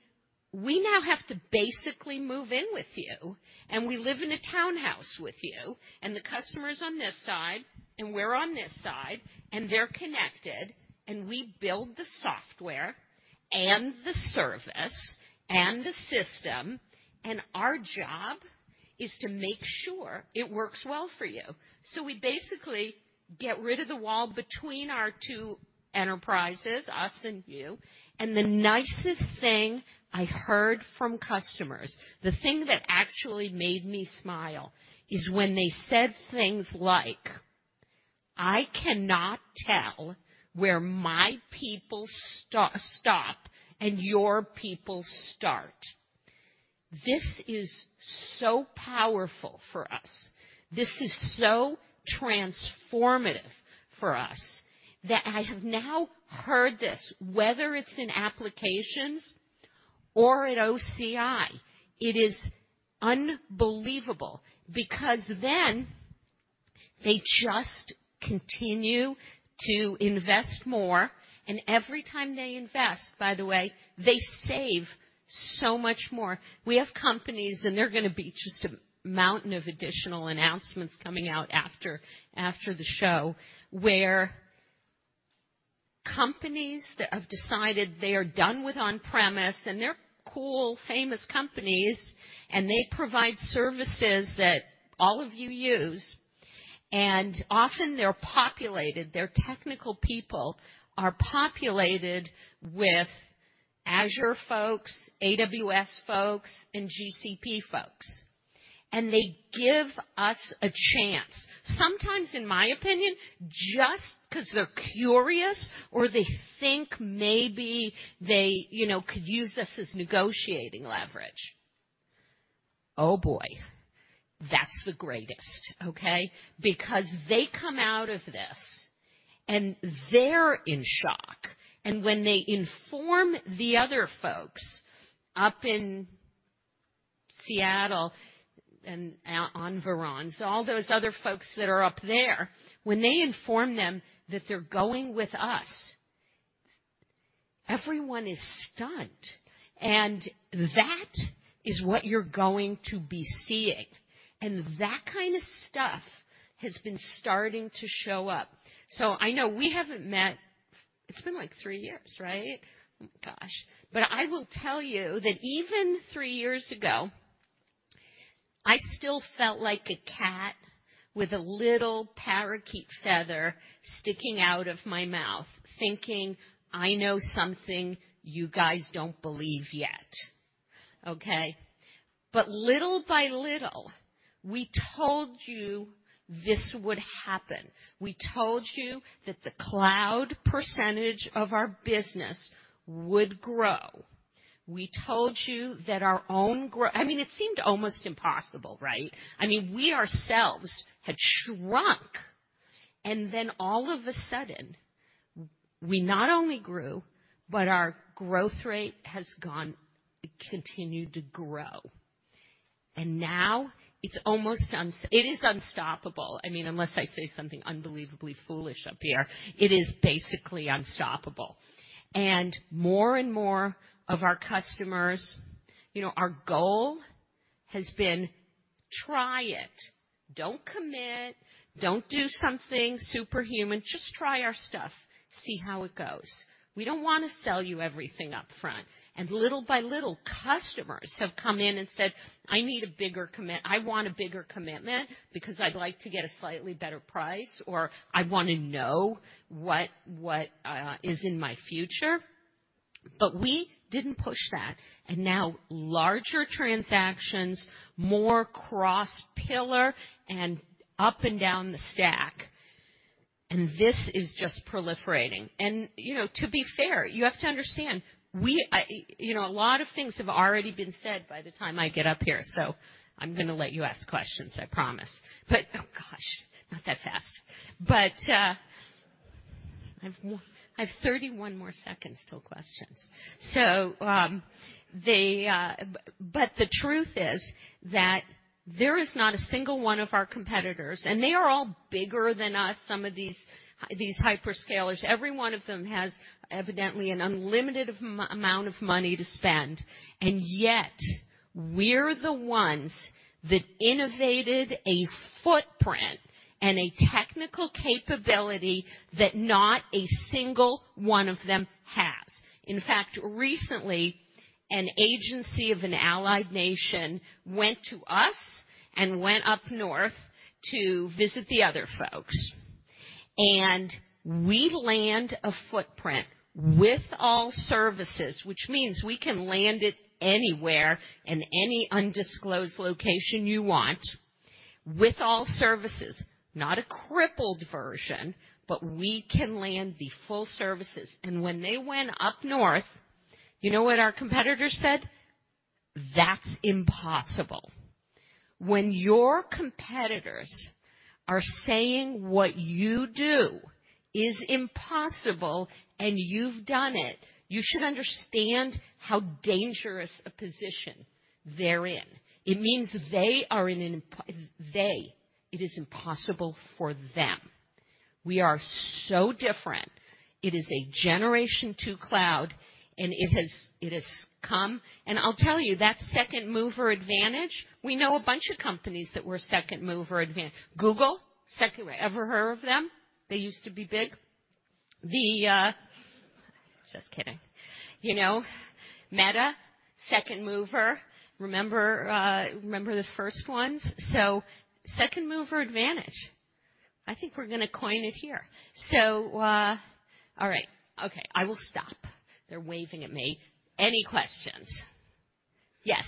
we now have to basically move in with you, and we live in a townhouse with you, and the customer's on this side, and we're on this side, and they're connected, and we build the software and the service and the system, and our job is to make sure it works well for you. We basically get rid of the wall between our two enterprises, us and you. The nicest thing I heard from customers, the thing that actually made me smile, is when they said things like, "I cannot tell where my people stop and your people start." This is so powerful for us. This is so transformative for us that I have now heard this, whether it's in applications or at OCI. It is unbelievable, because then they just continue to invest more. Every time they invest, by the way, they save so much more. We have companies, and they're gonna be just a mountain of additional announcements coming out after the show, where companies that have decided they are done with on-premise, and they're cool, famous companies, and they provide services that all of you use. Often they're populated, their technical people are populated with Azure folks, AWS folks, and GCP folks. They give us a chance, sometimes, in my opinion, just 'cause they're curious or they think maybe they, you know, could use us as negotiating leverage. Oh, boy, that's the greatest, okay? Because they come out of this and they're in shock. When they inform the other folks up in Seattle and on Vashon, all those other folks that are up there, when they inform them that they're going with us, everyone is stunned, and that is what you're going to be seeing. That kind of stuff has been starting to show up. I know we haven't met. It's been like three years, right? Gosh. I will tell you that even three years ago, I still felt like a cat with a little parakeet feather sticking out of my mouth, thinking, "I know something you guys don't believe yet." Okay? Little by little, we told you this would happen. We told you that the cloud percentage of our business would grow. We told you I mean, it seemed almost impossible, right? I mean, we ourselves had shrunk, and then all of a sudden, we not only grew, but our growth rate has gone, it continued to grow. Now it is unstoppable. I mean, unless I say something unbelievably foolish up here, it is basically unstoppable. More and more of our customers, you know, our goal has been, try it, don't commit, don't do something superhuman, just try our stuff, see how it goes. We don't wanna sell you everything up front. Little by little, customers have come in and said, "I need a bigger commitment because I'd like to get a slightly better price," or, "I wanna know what is in my future." We didn't push that, and now larger transactions, more cross-pillar and up and down the stack. This is just proliferating. You know, to be fair, you have to understand, we, you know, a lot of things have already been said by the time I get up here, so I'm gonna let you ask questions, I promise. Oh, gosh, not that fast. I've 31 more seconds till questions. The truth is that there is not a single one of our competitors, and they are all bigger than us, some of these hyperscalers. Every one of them has evidently an unlimited amount of money to spend, and yet we're the ones that innovated a footprint and a technical capability that not a single one of them has. In fact, recently, an agency of an allied nation went to us and went up north to visit the other folks. We land a footprint with all services, which means we can land it anywhere, in any undisclosed location you want, with all services. Not a crippled version, but we can land the full services. When they went up north, you know what our competitors said? That's impossible." When your competitors are saying what you do is impossible and you've done it, you should understand how dangerous a position they're in. It means they are in an impossible. It is impossible for them. We are so different. It is a generation to cloud, and it has come. I'll tell you, that second mover advantage. We know a bunch of companies that were second mover. Google, second mover. Ever heard of them? They used to be big. Just kidding. You know, Meta, second mover. Remember the first ones? Second mover advantage, I think we're gonna coin it here. All right. Okay. I will stop. They're waving at me. Any questions? Yes.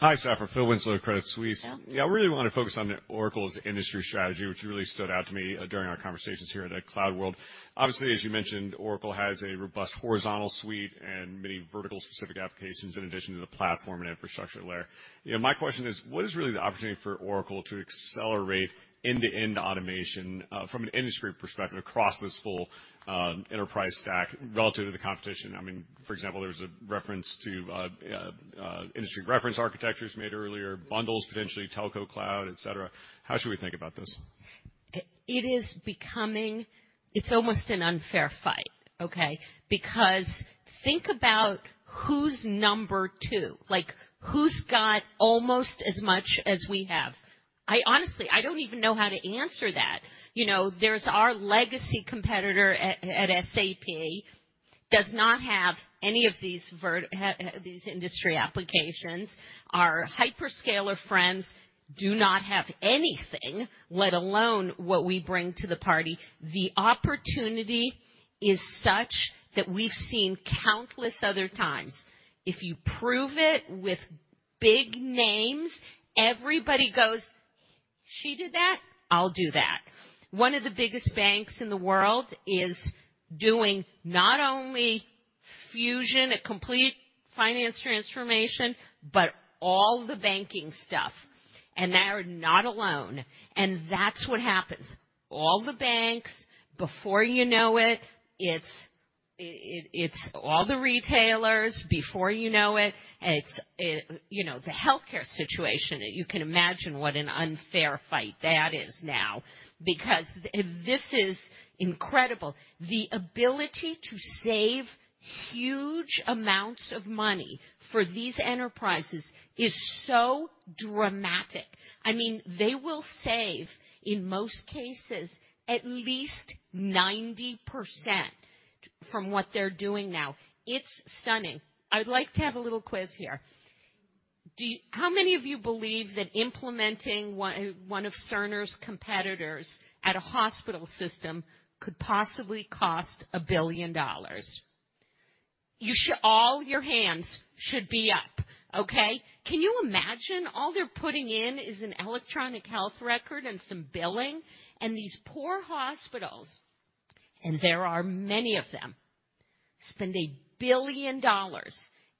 Hi, Safra. Phil Winslow, Credit Suisse. Phil. Yeah, I really wanna focus on Oracle's industry strategy, which really stood out to me during our conversations here at CloudWorld. Obviously, as you mentioned, Oracle has a robust horizontal suite and many vertical specific applications in addition to the platform and infrastructure layer. You know, my question is: What is really the opportunity for Oracle to accelerate end-to-end automation from an industry perspective across this full enterprise stack relative to the competition? I mean, for example, there was a reference to industry reference architectures made earlier, bundles, potentially telco cloud, et cetera. How should we think about this? It's almost an unfair fight, okay? Because think about who's number two, like, who's got almost as much as we have. I honestly, I don't even know how to answer that. You know, there's our legacy competitor at SAP, does not have any of these industry applications. Our hyperscaler friends do not have anything, let alone what we bring to the party. The opportunity is such that we've seen countless other times. If you prove it with big names, everybody goes, "She did that? I'll do that." One of the biggest banks in the world is doing not only Fusion, a complete finance transformation, but all the banking stuff, and they are not alone. That's what happens. All the banks, before you know it's all the retailers. Before you know it's you know, the healthcare situation. You can imagine what an unfair fight that is now because this is incredible. The ability to save huge amounts of money for these enterprises is so dramatic. I mean, they will save, in most cases, at least 90% from what they're doing now. It's stunning. I'd like to have a little quiz here. Do how many of you believe that implementing one of Cerner's competitors at a hospital system could possibly cost $1 billion? You should. All your hands should be up. Okay? Can you imagine? All they're putting in is an electronic health record and some billing. These poor hospitals, and there are many of them, spend $1 billion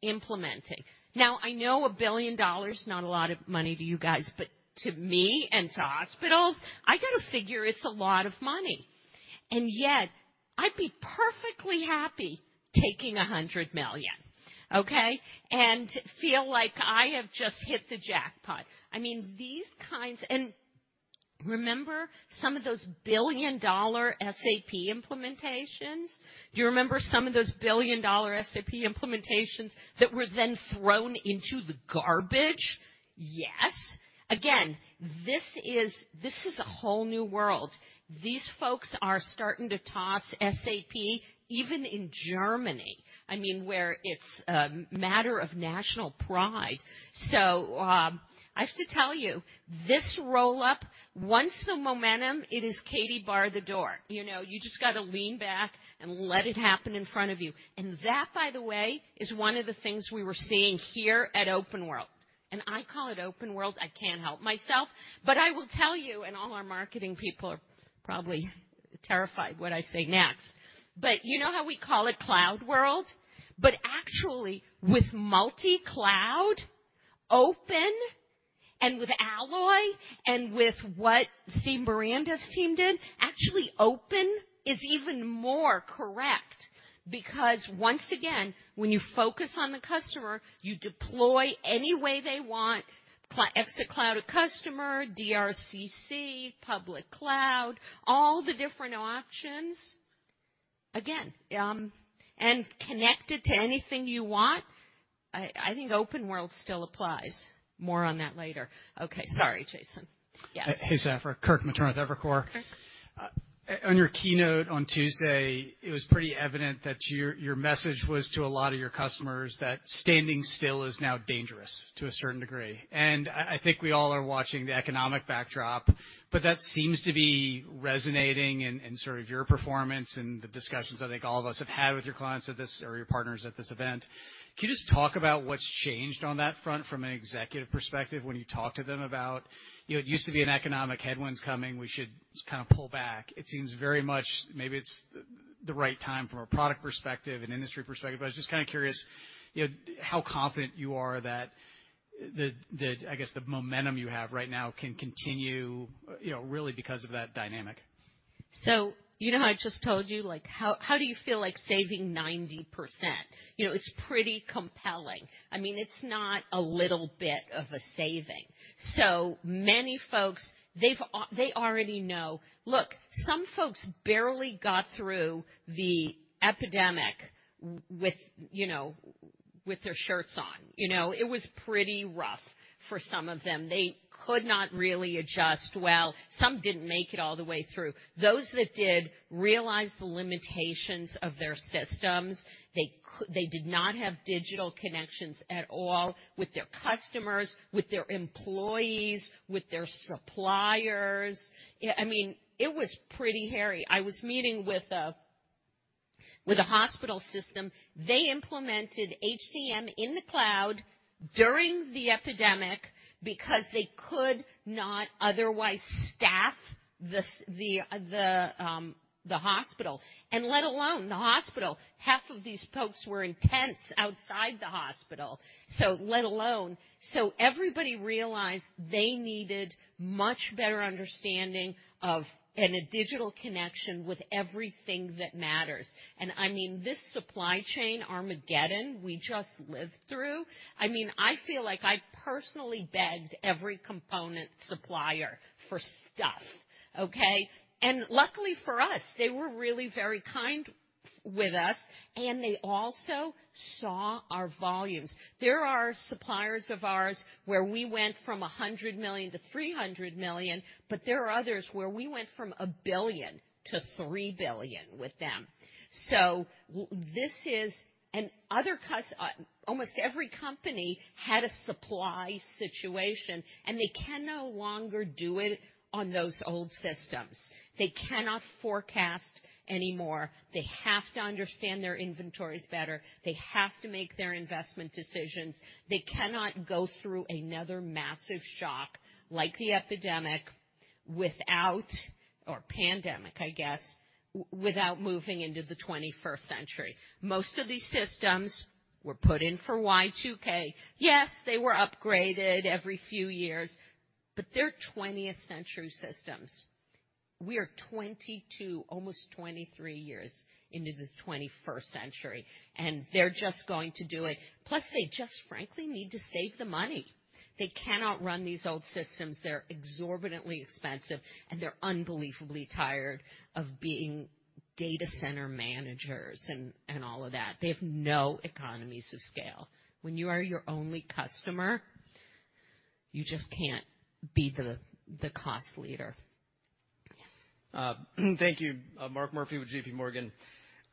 implementing. Now, I know $1 billion is not a lot of money to you guys, but to me and to hospitals, I gotta figure it's a lot of money. Yet I'd be perfectly happy taking $100 million, okay, and feel like I have just hit the jackpot. I mean, these kinds. Remember some of those billion-dollar SAP implementations? Do you remember some of those billion-dollar SAP implementations that were then thrown into the garbage? Yes. Again, this is a whole new world. These folks are starting to toss SAP even in Germany, I mean, where it's a matter of national pride. I have to tell you, this roll-up, once the momentum, it is Katy bar the door. You know, you just got to lean back and let it happen in front of you. That, by the way, is one of the things we were seeing here at OpenWorld, and I call it OpenWorld. I can't help myself. I will tell you, and all our marketing people are probably terrified of what I say next, but you know how we call it CloudWorld, but actually, with multi-cloud, open, and with Alloy and with what Steve Miranda's team did, actually, open is even more correct, because once again, when you focus on the customer, you deploy any way they want, Cloud@Customer, Dedicated Region Cloud@Customer, public cloud, all the different options. Again, and connected to anything you want. I think OpenWorld still applies. More on that later. Okay. Sorry, Jason. Yes. Hey, Safra. Kirk Materne with Evercore. Kirk. On your keynote on Tuesday, it was pretty evident that your message was to a lot of your customers that standing still is now dangerous to a certain degree. I think we all are watching the economic backdrop, but that seems to be resonating in sort of your performance and the discussions I think all of us have had with your clients at this or your partners at this event. Can you just talk about what's changed on that front from an executive perspective when you talk to them about, you know, it used to be an economic headwinds coming, we should just kinda pull back. It seems very much maybe it's the right time from a product perspective and industry perspective. I was just kinda curious, you know, how confident you are that, I guess, the momentum you have right now can continue, you know, really because of that dynamic. You know how I just told you, like, how do you feel like saving 90%? You know, it's pretty compelling. I mean, it's not a little bit of a saving. Many folks, they already know. Look, some folks barely got through the pandemic with, you know, with their shirts on. You know, it was pretty rough for some of them. They could not really adjust well. Some didn't make it all the way through. Those that did realize the limitations of their systems. They did not have digital connections at all with their customers, with their employees, with their suppliers. I mean, it was pretty hairy. I was meeting with a hospital system. They implemented HCM in the cloud during the pandemic because they could not otherwise staff the hospital, and let alone the hospital. Half of these folks were in tents outside the hospital, so let alone. Everybody realized they needed much better understanding of and a digital connection with everything that matters. I mean, this supply chain Armageddon we just lived through. I mean, I feel like I personally begged every component supplier for stuff, okay? Luckily for us, they were really very kind with us, and they also saw our volumes. There are suppliers of ours where we went from $100 million to $300 million, but there are others where we went from $1 billion to $3 billion with them. This is another customer. Almost every company had a supply situation, and they can no longer do it on those old systems. They cannot forecast anymore. They have to understand their inventories better. They have to make their investment decisions. They cannot go through another massive shock like the epidemic or pandemic, I guess, without moving into the twenty-first century. Most of these systems were put in for Y2K. Yes, they were upgraded every few years, but they're twentieth-century systems. We are 22, almost 23 years into this twenty-first century, and they're just going to do it. Plus, they just frankly need to save the money. They cannot run these old systems. They're exorbitantly expensive, and they're unbelievably tired of being data center managers and all of that. They have no economies of scale. When you are your only customer, you just can't be the cost leader. Thank you. Mark Murphy with J.P. Morgan.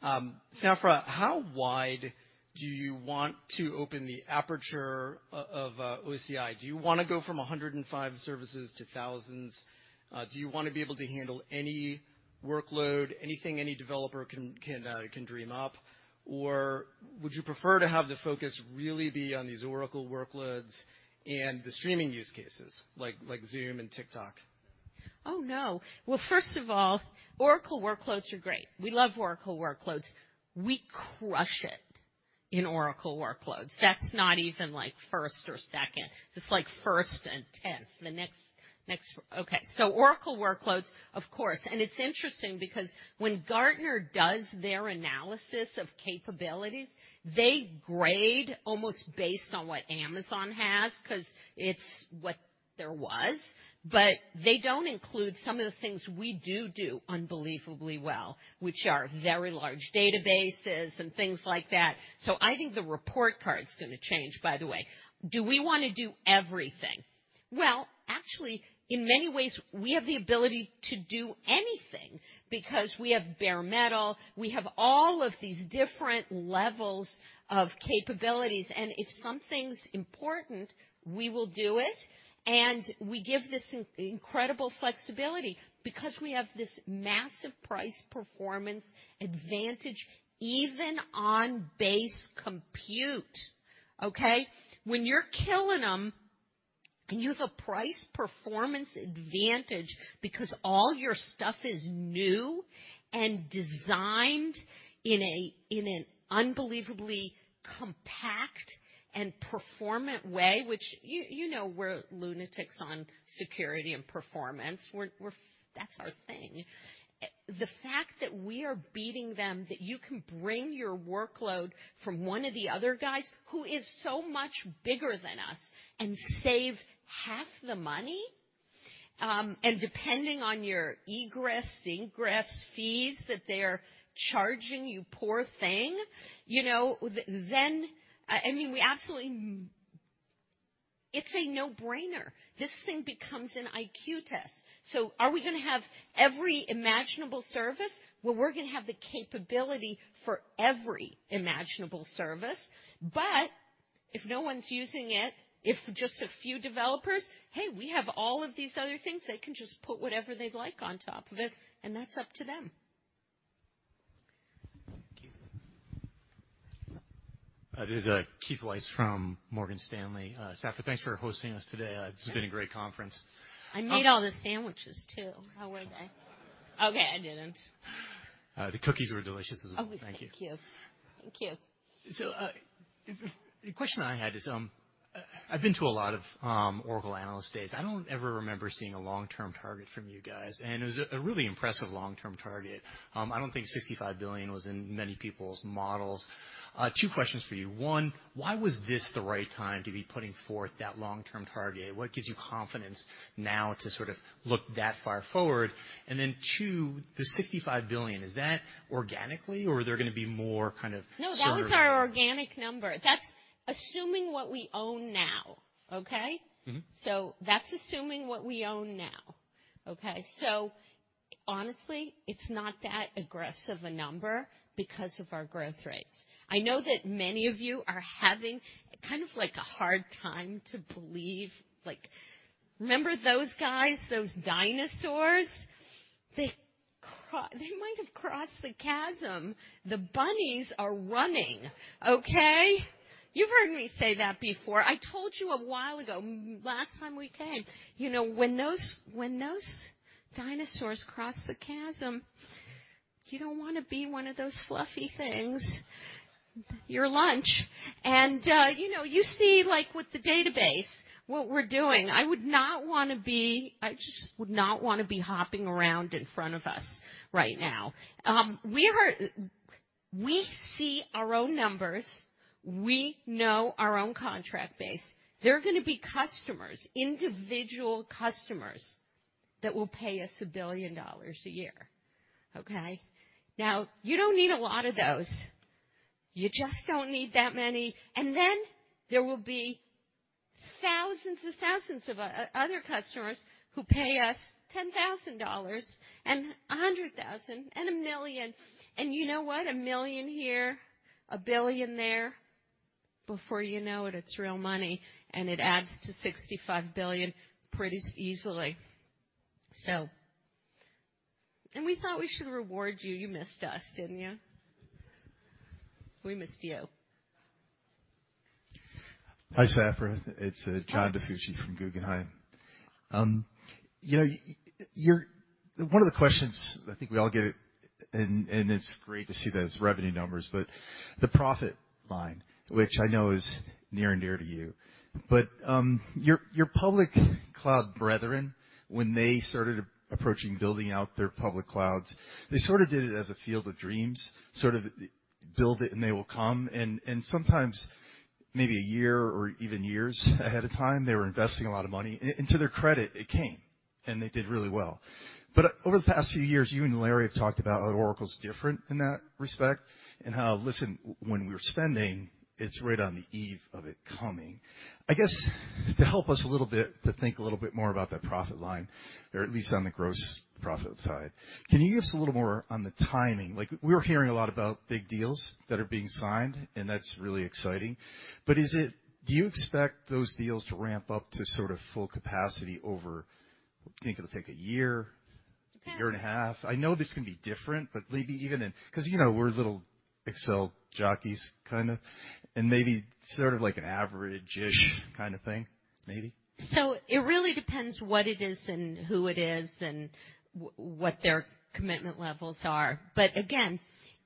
Safra, how wide do you want to open the aperture of OCI? Do you wanna go from 105 services to thousands? Do you wanna be able to handle any workload, anything any developer can dream up? Or would you prefer to have the focus really be on these Oracle workloads and the streaming use cases like Zoom and TikTok? Oh, no. Well, first of all, Oracle workloads are great. We love Oracle workloads. We crush it in Oracle workloads. That's not even like first or second. It's like first and tenth, the next. Okay, Oracle workloads, of course. It's interesting because when Gartner does their analysis of capabilities, they grade almost based on what Amazon has, 'cause it's what there was, but they don't include some of the things we do do unbelievably well, which are very large databases and things like that. I think the report card is gonna change, by the way. Do we wanna do everything? Well, actually, in many ways, we have the ability to do anything because we have bare metal. We have all of these different levels of capabilities, and if something's important, we will do it. We give this incredible flexibility because we have this massive price performance advantage even on base compute, okay? When you're killing them and you have a price performance advantage because all your stuff is new and designed in an unbelievably compact and performant way, which you know we're lunatics on security and performance. That's our thing. The fact that we are beating them, that you can bring your workload from one of the other guys who is so much bigger than us and save half the money. Depending on your egress, ingress fees that they're charging you, poor thing, you know, then, I mean, we absolutely. It's a no-brainer. This thing becomes an IQ test. Are we gonna have every imaginable service where we're gonna have the capability for every imaginable service, but if no one's using it, if just a few developers, hey, we have all of these other things. They can just put whatever they'd like on top of it, and that's up to them. Thank you. This is Keith Weiss from Morgan Stanley. Safra Catz, thanks for hosting us today. It's been a great conference. I made all the sandwiches too. How were they? Okay, I didn't. The cookies were delicious as well. Thank you. Oh, thank you. Thank you. The question I had is, I've been to a lot of Oracle Analyst Days. I don't ever remember seeing a long-term target from you guys, and it was a really impressive long-term target. I don't think $65 billion was in many people's models. Two questions for you. One, why was this the right time to be putting forth that long-term target? What gives you confidence now to sort of look that far forward? Two, the $65 billion, is that organically or are there gonna be more kind of similar- No, that's our organic number. That's assuming what we own now, okay? That's assuming what we own now, okay? Honestly, it's not that aggressive a number because of our growth rates. I know that many of you are having kind of like a hard time to believe. Like, remember those guys, those dinosaurs? They might have crossed the chasm. The bunnies are running, okay? You've heard me say that before. I told you a while ago, last time we came, you know, when those dinosaurs cross the chasm, you don't wanna be one of those fluffy things. Your lunch. You know, you see like with the database what we're doing. I would not wanna be hopping around in front of us right now. We see our own numbers. We know our own contract base. There are gonna be customers, individual customers that will pay us $1 billion a year, okay? Now, you don't need a lot of those. You just don't need that many. Then there will be thousands and thousands of other customers who pay us $10,000 and $100,000 and $1 million. You know what? $1 million here, $1 billion there, before you know it's real money, and it adds to $65 billion pretty easily. So. We thought we should reward you. You missed us, didn't you? We missed you. Hi, Safra. It's John DiFucci from Guggenheim. You know, one of the questions I think we all get, and it's great to see those revenue numbers, but the profit line, which I know is near and dear to you. Your public cloud brethren, when they started approaching building out their public clouds, they sort of did it as a field of dreams, sort of. Build it and they will come. Sometimes maybe a year or even years ahead of time, they were investing a lot of money. To their credit, it came, and they did really well. Over the past few years, you and Larry have talked about how Oracle is different in that respect, and how, listen, when we're spending, it's right on the eve of it coming. I guess to help us a little bit to think a little bit more about that profit line, or at least on the gross profit side, can you give us a little more on the timing? Like we're hearing a lot about big deals that are being signed, and that's really exciting. Is it? Do you expect those deals to ramp up to sort of full capacity over, think it'll take a year, a year and a half? I know this can be different, but maybe even 'cause, you know, we're little Excel jockeys, kind of, and maybe sort of like an average-ish kind of thing, maybe. It really depends what it is and who it is and what their commitment levels are. Again,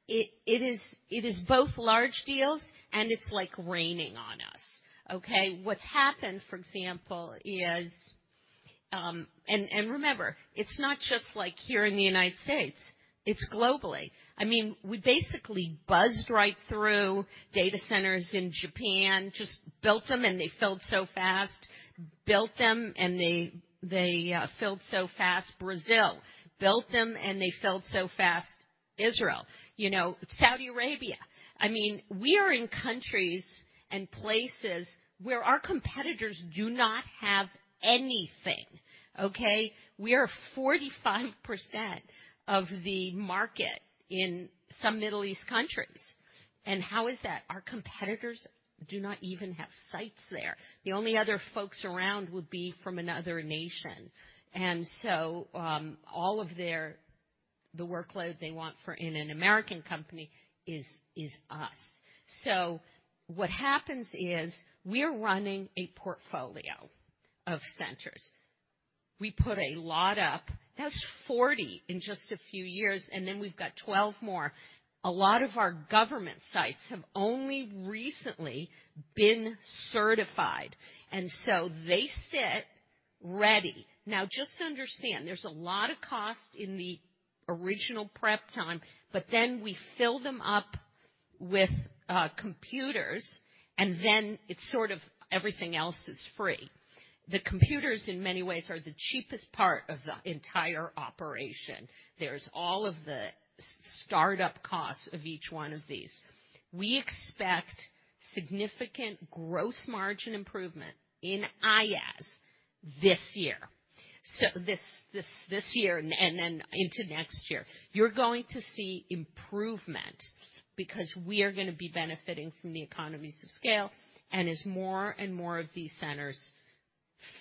it is both large deals, and it's like raining on us, okay? What's happened, for example, is, remember, it's not just like here in the United States, it's globally. I mean, we basically buzzed right through data centers in Japan, just built them, and they filled so fast. Built them, and they filled so fast, Brazil. Built them, and they filled so fast, Israel, you know, Saudi Arabia. I mean, we are in countries and places where our competitors do not have anything, okay? We are 45% of the market in some Middle East countries. How is that? Our competitors do not even have sites there. The only other folks around would be from another nation. All of their, the workload they want for an American company is us. What happens is we're running a portfolio of centers. We put a lot up. That's 40 in just a few years, and then we've got 12 more. A lot of our government sites have only recently been certified. They sit ready. Now, just understand, there's a lot of cost in the original prep time, but then we fill them up with computers, and then it's sort of everything else is free. The computers, in many ways, are the cheapest part of the entire operation. There's all of the startup costs of each one of these. We expect significant gross margin improvement in IaaS this year. This year and then into next year. You're going to see improvement because we are gonna be benefiting from the economies of scale, and as more and more of these centers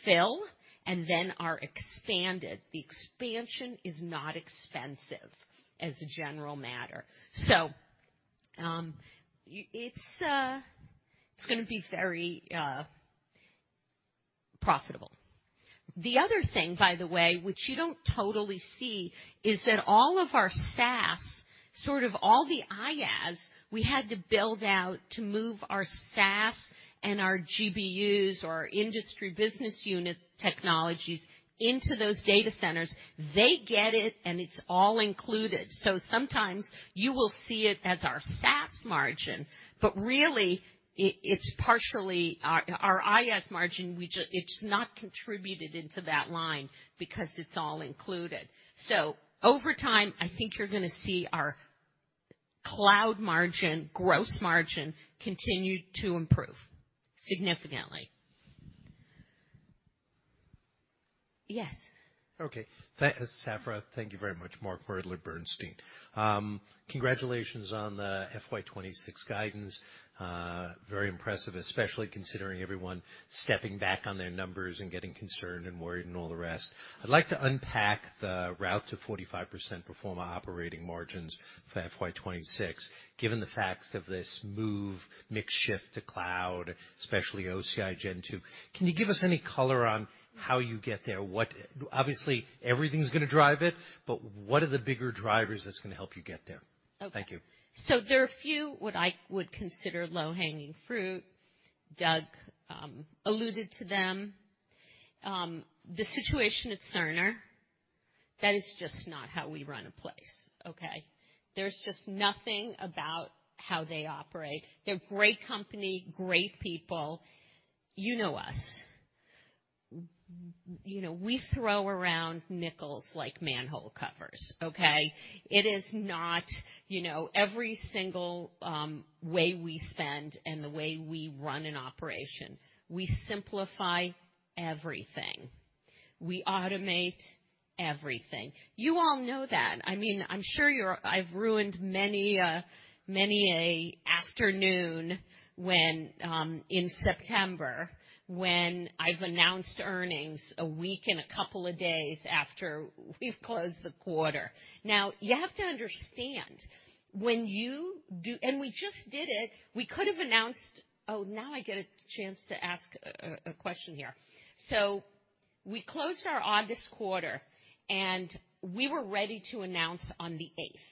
fill and then are expanded, the expansion is not expensive as a general matter. It's gonna be very profitable. The other thing, by the way, which you don't totally see, is that all of our SaaS, sort of all the IaaS, we had to build out to move our SaaS and our GBUs or our industry business unit technologies into those data centers. They get it, and it's all included. Sometimes you will see it as our SaaS margin, but really it's partially our IaaS margin, it's not contributed into that line because it's all included. Over time, I think you're gonna see our cloud margin, gross margin continue to improve significantly. Yes. Okay. Safra, thank you very much. Mark Moerdler at Bernstein. Congratulations on the FY2026 guidance. Very impressive, especially considering everyone stepping back on their numbers and getting concerned and worried and all the rest. I'd like to unpack the route to 45% operating margins for FY2026, given the facts of this move, mix shift to cloud, especially OCI Gen 2. Can you give us any color on how you get there? Obviously, everything's gonna drive it, but what are the bigger drivers that's gonna help you get there? Okay. Thank you. There are a few what I would consider low-hanging fruit. Doug alluded to them. The situation at Cerner, that is just not how we run a place, okay? There's just nothing about how they operate. They're a great company, great people. You know us. You know, we throw around nickels like manhole covers, okay? It is not, you know, every single way we spend and the way we run an operation. We simplify everything. We automate everything. You all know that. I mean, I'm sure I've ruined many a afternoon when in September, when I've announced earnings a week and a couple of days after we've closed the quarter. Now, you have to understand. We just did it. We could have announced. Oh, now I get a chance to ask a question here. We closed our August quarter, and we were ready to announce on the eighth.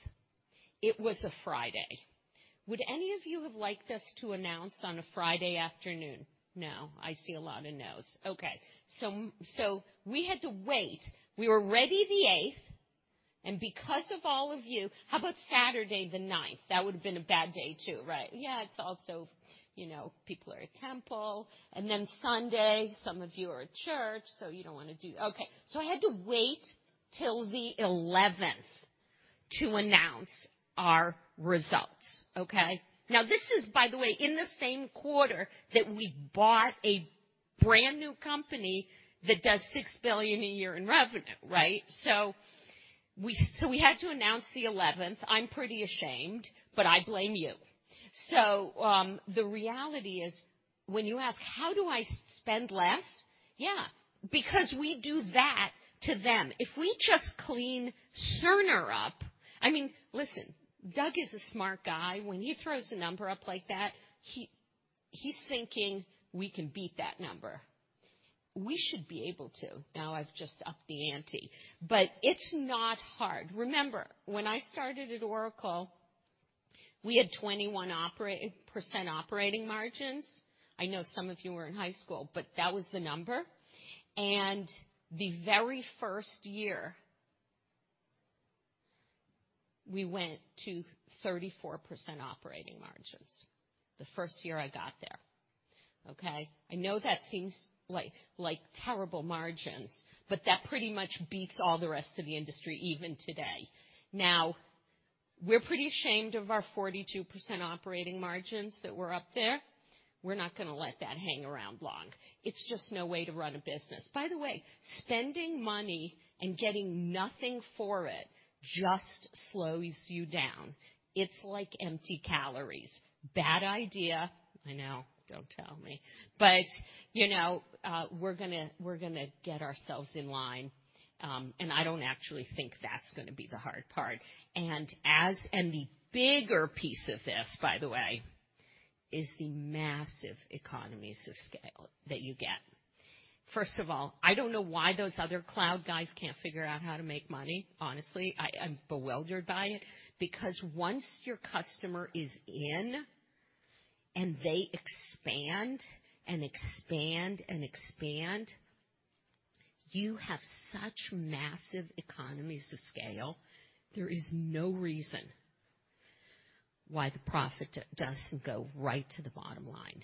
It was a Friday. Would any of you have liked us to announce on a Friday afternoon? No, I see a lot of no's. Okay. We had to wait. We were ready the eighth. Because of all of you, how about Saturday the ninth? That would have been a bad day too, right? Yeah. It's also, you know, people are at temple, and then Sunday, some of you are at church, so you don't wanna do. Okay. I had to wait till the eleventh to announce our results. Okay? Now this is, by the way, in the same quarter that we bought a brand new company that does $6 billion a year in revenue, right? We had to announce the eleventh. I'm pretty ashamed, but I blame you. The reality is, when you ask, how do I spend less? Yeah, because we do that to them. If we just clean Cerner up, I mean, listen, Doug is a smart guy. When he throws a number up like that, he's thinking we can beat that number. We should be able to. Now, I've just upped the ante. It's not hard. Remember when I started at Oracle, we had 21% operating margins. I know some of you were in high school, but that was the number. The very first year we went to 34% operating margins, the first year I got there. Okay. I know that seems like terrible margins, but that pretty much beats all the rest of the industry, even today. Now, we're pretty ashamed of our 42% operating margins that were up there. We're not gonna let that hang around long. It's just no way to run a business. By the way, spending money and getting nothing for it just slows you down. It's like empty calories. Bad idea. I know. Don't tell me. You know, we're gonna get ourselves in line, and I don't actually think that's gonna be the hard part. The bigger piece of this, by the way, is the massive economies of scale that you get. First of all, I don't know why those other cloud guys can't figure out how to make money. Honestly, I'm bewildered by it, because once your customer is in, and they expand and expand and expand, you have such massive economies of scale. There is no reason why the profit doesn't go right to the bottom line.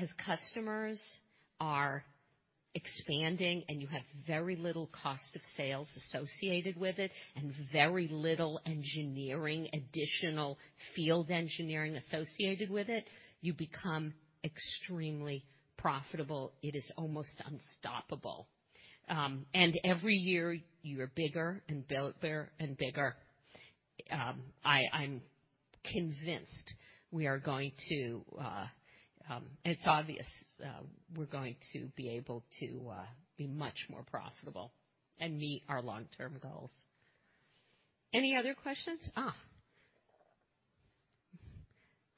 As customers are expanding and you have very little cost of sales associated with it and very little engineering, additional field engineering associated with it, you become extremely profitable. It is almost unstoppable. Every year, you're bigger and bigger and bigger. I'm convinced. It's obvious, we're going to be able to be much more profitable and meet our long-term goals. Any other questions?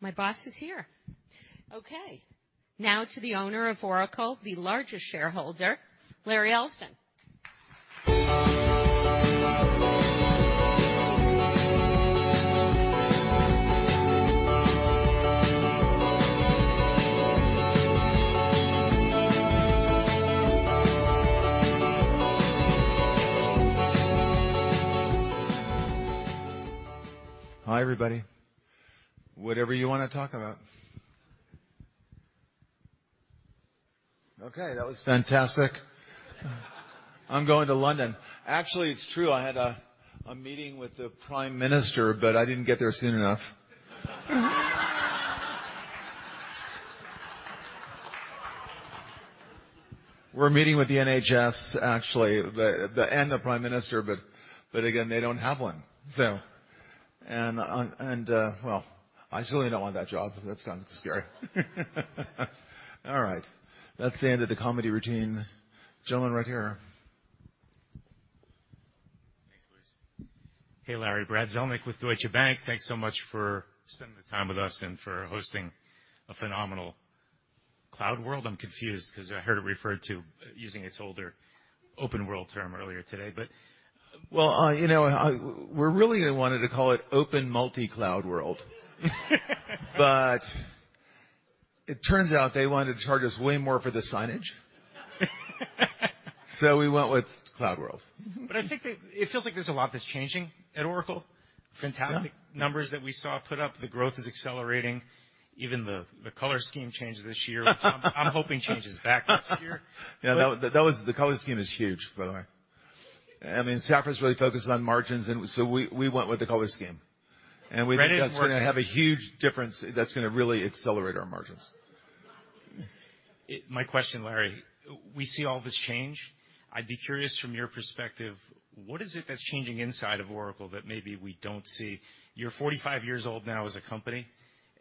My boss is here. Okay. Now to the owner of Oracle, the largest shareholder, Larry Ellison. Hi, everybody. Whatever you wanna talk about. Okay, that was fantastic. I'm going to London. Actually, it's true. I had a meeting with the Prime Minister, but I didn't get there soon enough. We're meeting with the NHS, actually, and the Prime Minister, but again, they don't have one. Well, I certainly don't want that job. That sounds scary. All right. That's the end of the comedy routine. Gentlemen, right here. Thanks, Larry. Hey, Larry. Brad Zelnick with Deutsche Bank. Thanks so much for spending the time with us and for hosting a phenomenal CloudWorld. I'm confused 'cause I heard it referred to using its older OpenWorld term earlier today, but- You know, we really wanted to call it Open Multicloud World. It turns out they wanted to charge us way more for the signage. We went with CloudWorld. I think that it feels like there's a lot that's changing at Oracle. Yeah. Fantastic numbers that we saw put up. The growth is accelerating. Even the color scheme changed this year. Which I'm hoping changes back next year. The color scheme is huge, by the way. I mean, Safra's really focused on margins, and so we went with the color scheme, and we Red is more- That's gonna have a huge difference. That's gonna really accelerate our margins. My question, Larry. We see all this change. I'd be curious from your perspective, what is it that's changing inside of Oracle that maybe we don't see? You're 45 years old now as a company,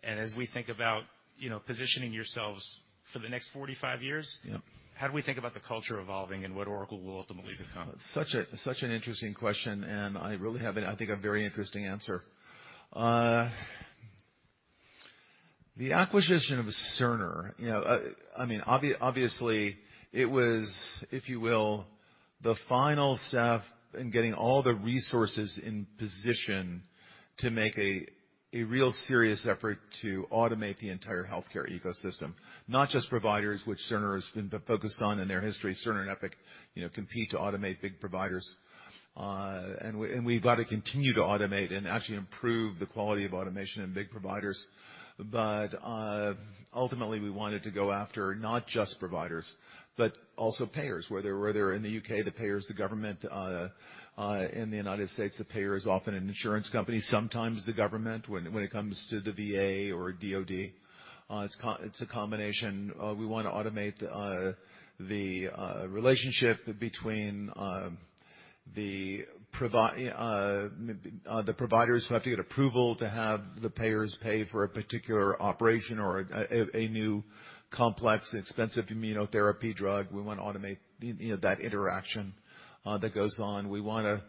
and as we think about, you know, positioning yourselves for the next 45 years. Yep. How do we think about the culture evolving and what Oracle will ultimately become? Such an interesting question, and I really have, I think, a very interesting answer. The acquisition of Cerner, you know, I mean, obviously it was, if you will, the final step in getting all the resources in position to make a real serious effort to automate the entire healthcare ecosystem. Not just providers, which Cerner has been focused on in their history. Cerner and Epic, you know, compete to automate big providers. We, we've got to continue to automate and actually improve the quality of automation in big providers. Ultimately, we wanted to go after not just providers, but also payers. Whether in the U.K., the payer is the government, in the United States, the payer is often an insurance company, sometimes the government when it comes to the V.A. or DoD. It's a combination. We wanna automate the relationship between the providers who have to get approval to have the payers pay for a particular operation or a new complex, expensive immunotherapy drug. We wanna automate, you know, that interaction that goes on. We wanna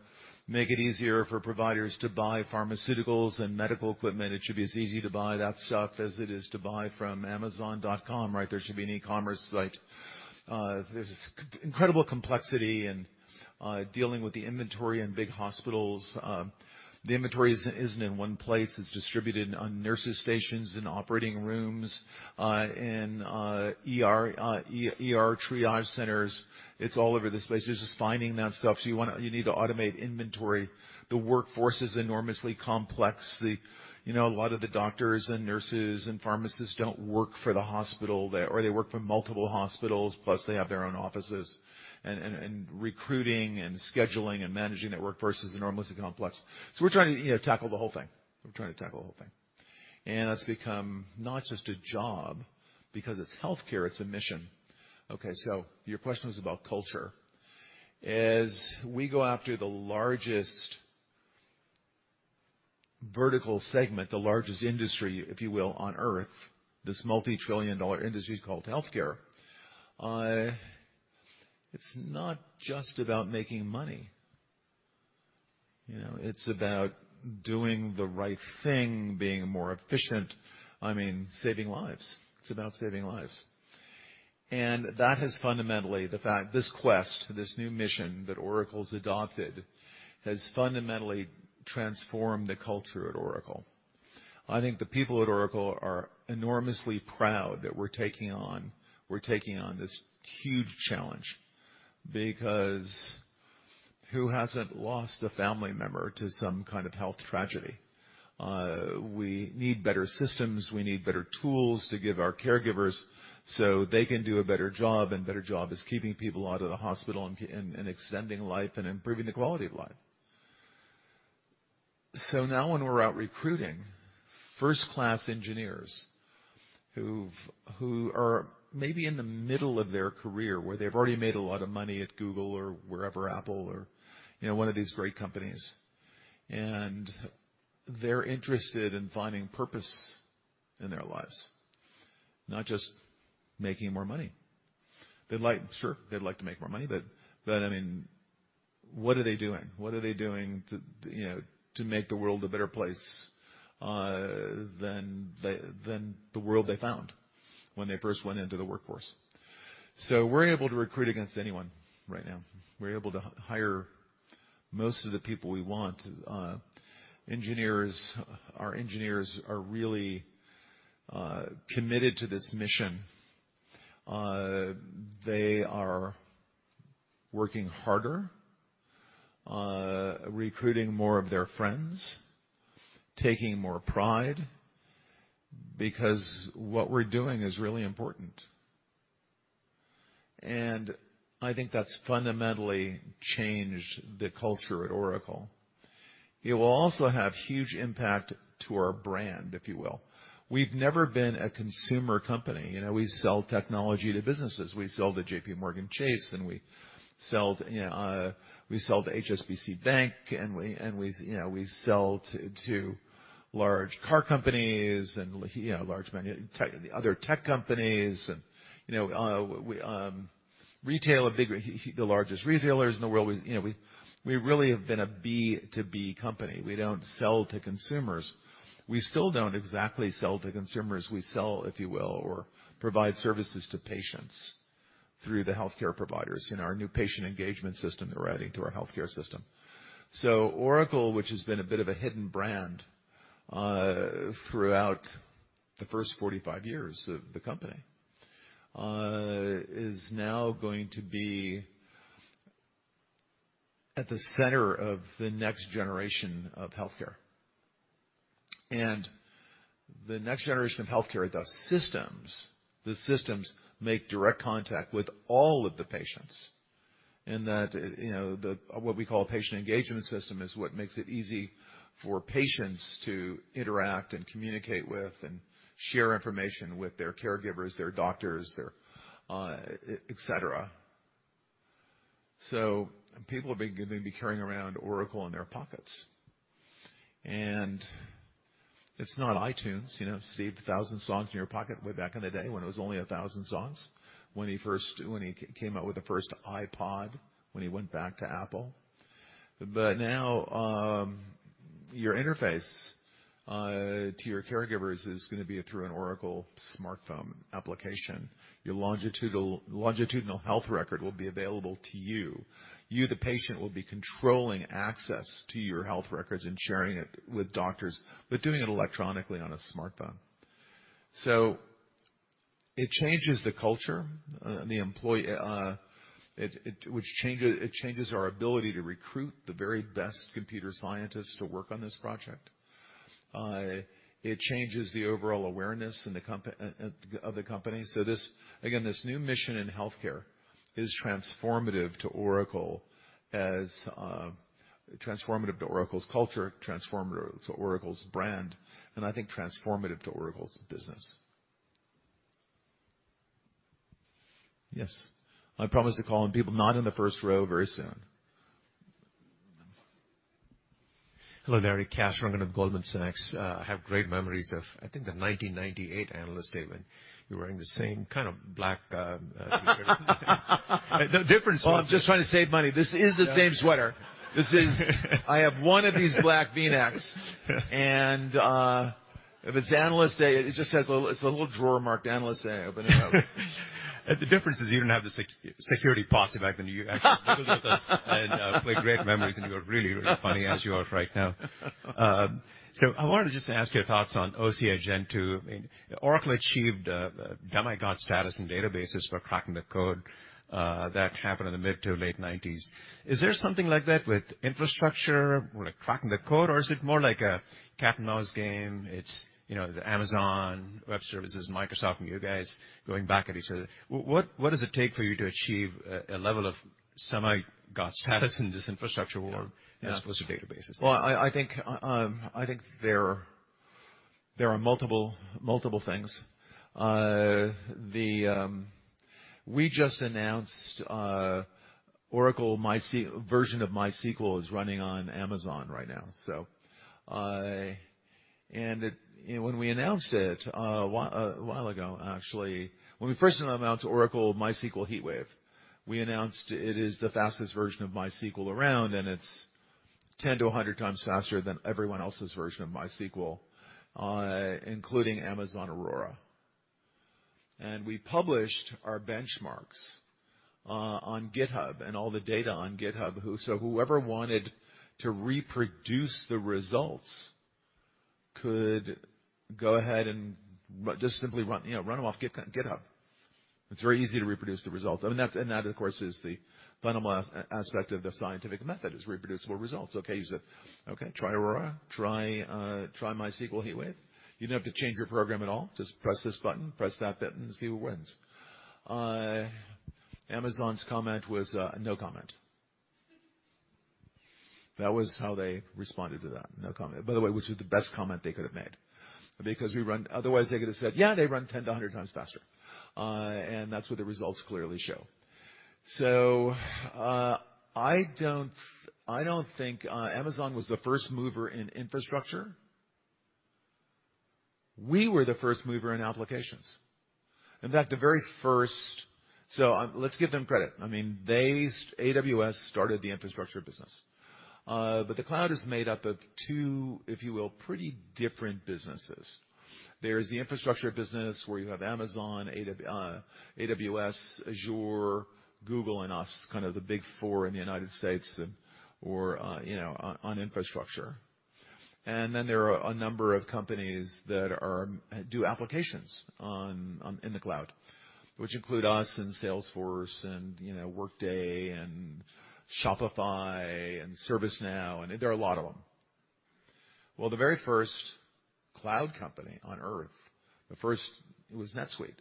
make it easier for providers to buy pharmaceuticals and medical equipment. It should be as easy to buy that stuff as it is to buy from Amazon.com, right? There should be an e-commerce site. There's incredible complexity in dealing with the inventory in big hospitals. The inventory isn't in one place. It's distributed on nurses' stations and operating rooms, in ER triage centers. It's all over the place. There's just finding that stuff. You need to automate inventory. The workforce is enormously complex. You know, a lot of the doctors and nurses and pharmacists don't work for the hospital. They or they work for multiple hospitals, plus they have their own offices. And recruiting and scheduling and managing that workforce is enormously complex. We're trying to, you know, tackle the whole thing. We're trying to tackle the whole thing. That's become not just a job because it's healthcare, it's a mission. Okay, your question was about culture. As we go after the largest vertical segment, the largest industry, if you will, on Earth, this multi-trillion-dollar industry called healthcare, it's not just about making money, you know. It's about doing the right thing, being more efficient, I mean, saving lives. It's about saving lives. That has fundamentally this quest, this new mission that Oracle's adopted, has fundamentally transformed the culture at Oracle. I think the people at Oracle are enormously proud that we're taking on this huge challenge, because who hasn't lost a family member to some kind of health tragedy? We need better systems. We need better tools to give our caregivers so they can do a better job. Better job is keeping people out of the hospital and extending life and improving the quality of life. Now when we're out recruiting first-class engineers who are maybe in the middle of their career, where they've already made a lot of money at Google or wherever, Apple or, you know, one of these great companies, and they're interested in finding purpose in their lives, not just making more money. They'd like, sure, they'd like to make more money, but I mean, what are they doing? What are they doing to, you know, to make the world a better place than the world they found when they first went into the workforce? We're able to recruit against anyone right now. We're able to hire most of the people we want. Engineers, our engineers are really committed to this mission. They are working harder, recruiting more of their friends, taking more pride, because what we're doing is really important. I think that's fundamentally changed the culture at Oracle. It will also have huge impact to our brand, if you will. We've never been a consumer company. You know, we sell technology to businesses. We sell to JPMorgan Chase, and we sell to HSBC Bank, and you know, we sell to large car companies and large manufacturing, tech, other tech companies and, you know, Retail, the largest retailers in the world. We really have been a B2B company. We don't sell to consumers. We still don't exactly sell to consumers. We sell, if you will, or provide services to patients through the healthcare providers in our new patient engagement system that we're adding to our healthcare system. Oracle, which has been a bit of a hidden brand throughout the first 45 years of the company, is now going to be at the center of the next generation of healthcare. The next generation of healthcare, the systems make direct contact with all of the patients. In that, what we call patient engagement system is what makes it easy for patients to interact and communicate with and share information with their caregivers, their doctors, their et cetera. People are gonna be carrying around Oracle in their pockets. It's not iTunes. Steve, 1,000 songs in your pocket way back in the day when it was only 1,000 songs, when he first came out with the first iPod, when he went back to Apple. Now, your interface to your caregivers is gonna be through an Oracle smartphone application. Your longitudinal health record will be available to you. You, the patient, will be controlling access to your health records and sharing it with doctors, but doing it electronically on a smartphone. It changes the culture. It changes our ability to recruit the very best computer scientists to work on this project. It changes the overall awareness of the company. Again, this new mission in healthcare is transformative to Oracle, transformative to Oracle's culture, transformative to Oracle's brand, and I think transformative to Oracle's business. Yes. I promise to call on people not in the first row very soon. Hello, Larry. Kash Rangan of Goldman Sachs. I have great memories of, I think, the 1998 analyst statement. You were wearing the same kind of black T-shirt. The difference was- Oh, I'm just trying to save money. This is the same sweater. I have one of these black V-necks. If it's Analyst Day, it just has a little drawer marked Analyst Day. I open it up. The difference is you didn't have the SEC security posse back then. You actually dealt with us and quite great memories, and you were really funny, as you are right now. I wanted to just ask your thoughts on OCI Gen 2. I mean, Oracle achieved demigod status in databases for cracking the code that happened in the mid to late nineties. Is there something like that with infrastructure, like cracking the code, or is it more like a cat and mouse game? It's you know the Amazon Web Services, Microsoft, and you guys going back at each other. What does it take for you to achieve a level of demigod status in this infrastructure war? Yeah. as opposed to databases? Well, I think there are multiple things. We just announced Oracle MySQL version of MySQL is running on Amazon right now, so. You know, when we announced it a while ago, actually, when we first announced Oracle MySQL HeatWave, we announced it is the fastest version of MySQL around, and it's 10-100 times faster than everyone else's version of MySQL, including Amazon Aurora. We published our benchmarks on GitHub and all the data on GitHub, so whoever wanted to reproduce the results could go ahead and just simply run, you know, run them off GitHub. It's very easy to reproduce the result. I mean, that of course is the fundamental aspect of the scientific method, is reproducible results, okay? Try Aurora. Try MySQL HeatWave. You don't have to change your program at all. Just press this button, press that button, and see who wins. Amazon's comment was, "No comment." That was how they responded to that, "No comment." By the way, which is the best comment they could have made. Otherwise, they could have said, "Yeah, they run 10-100 times faster." That's what the results clearly show. I don't think Amazon was the first mover in infrastructure. We were the first mover in applications. In fact, the very first. Let's give them credit. I mean, they, AWS, started the infrastructure business. The cloud is made up of two, if you will, pretty different businesses. There's the infrastructure business, where you have Amazon, AWS, Azure, Google, and us, kind of the big four in the United States and you know, on infrastructure. Then there are a number of companies that do applications on, in the cloud, which include us and Salesforce and, you know, Workday and Shopify and ServiceNow, and there are a lot of them. Well, the very first cloud company on Earth, the first, it was NetSuite,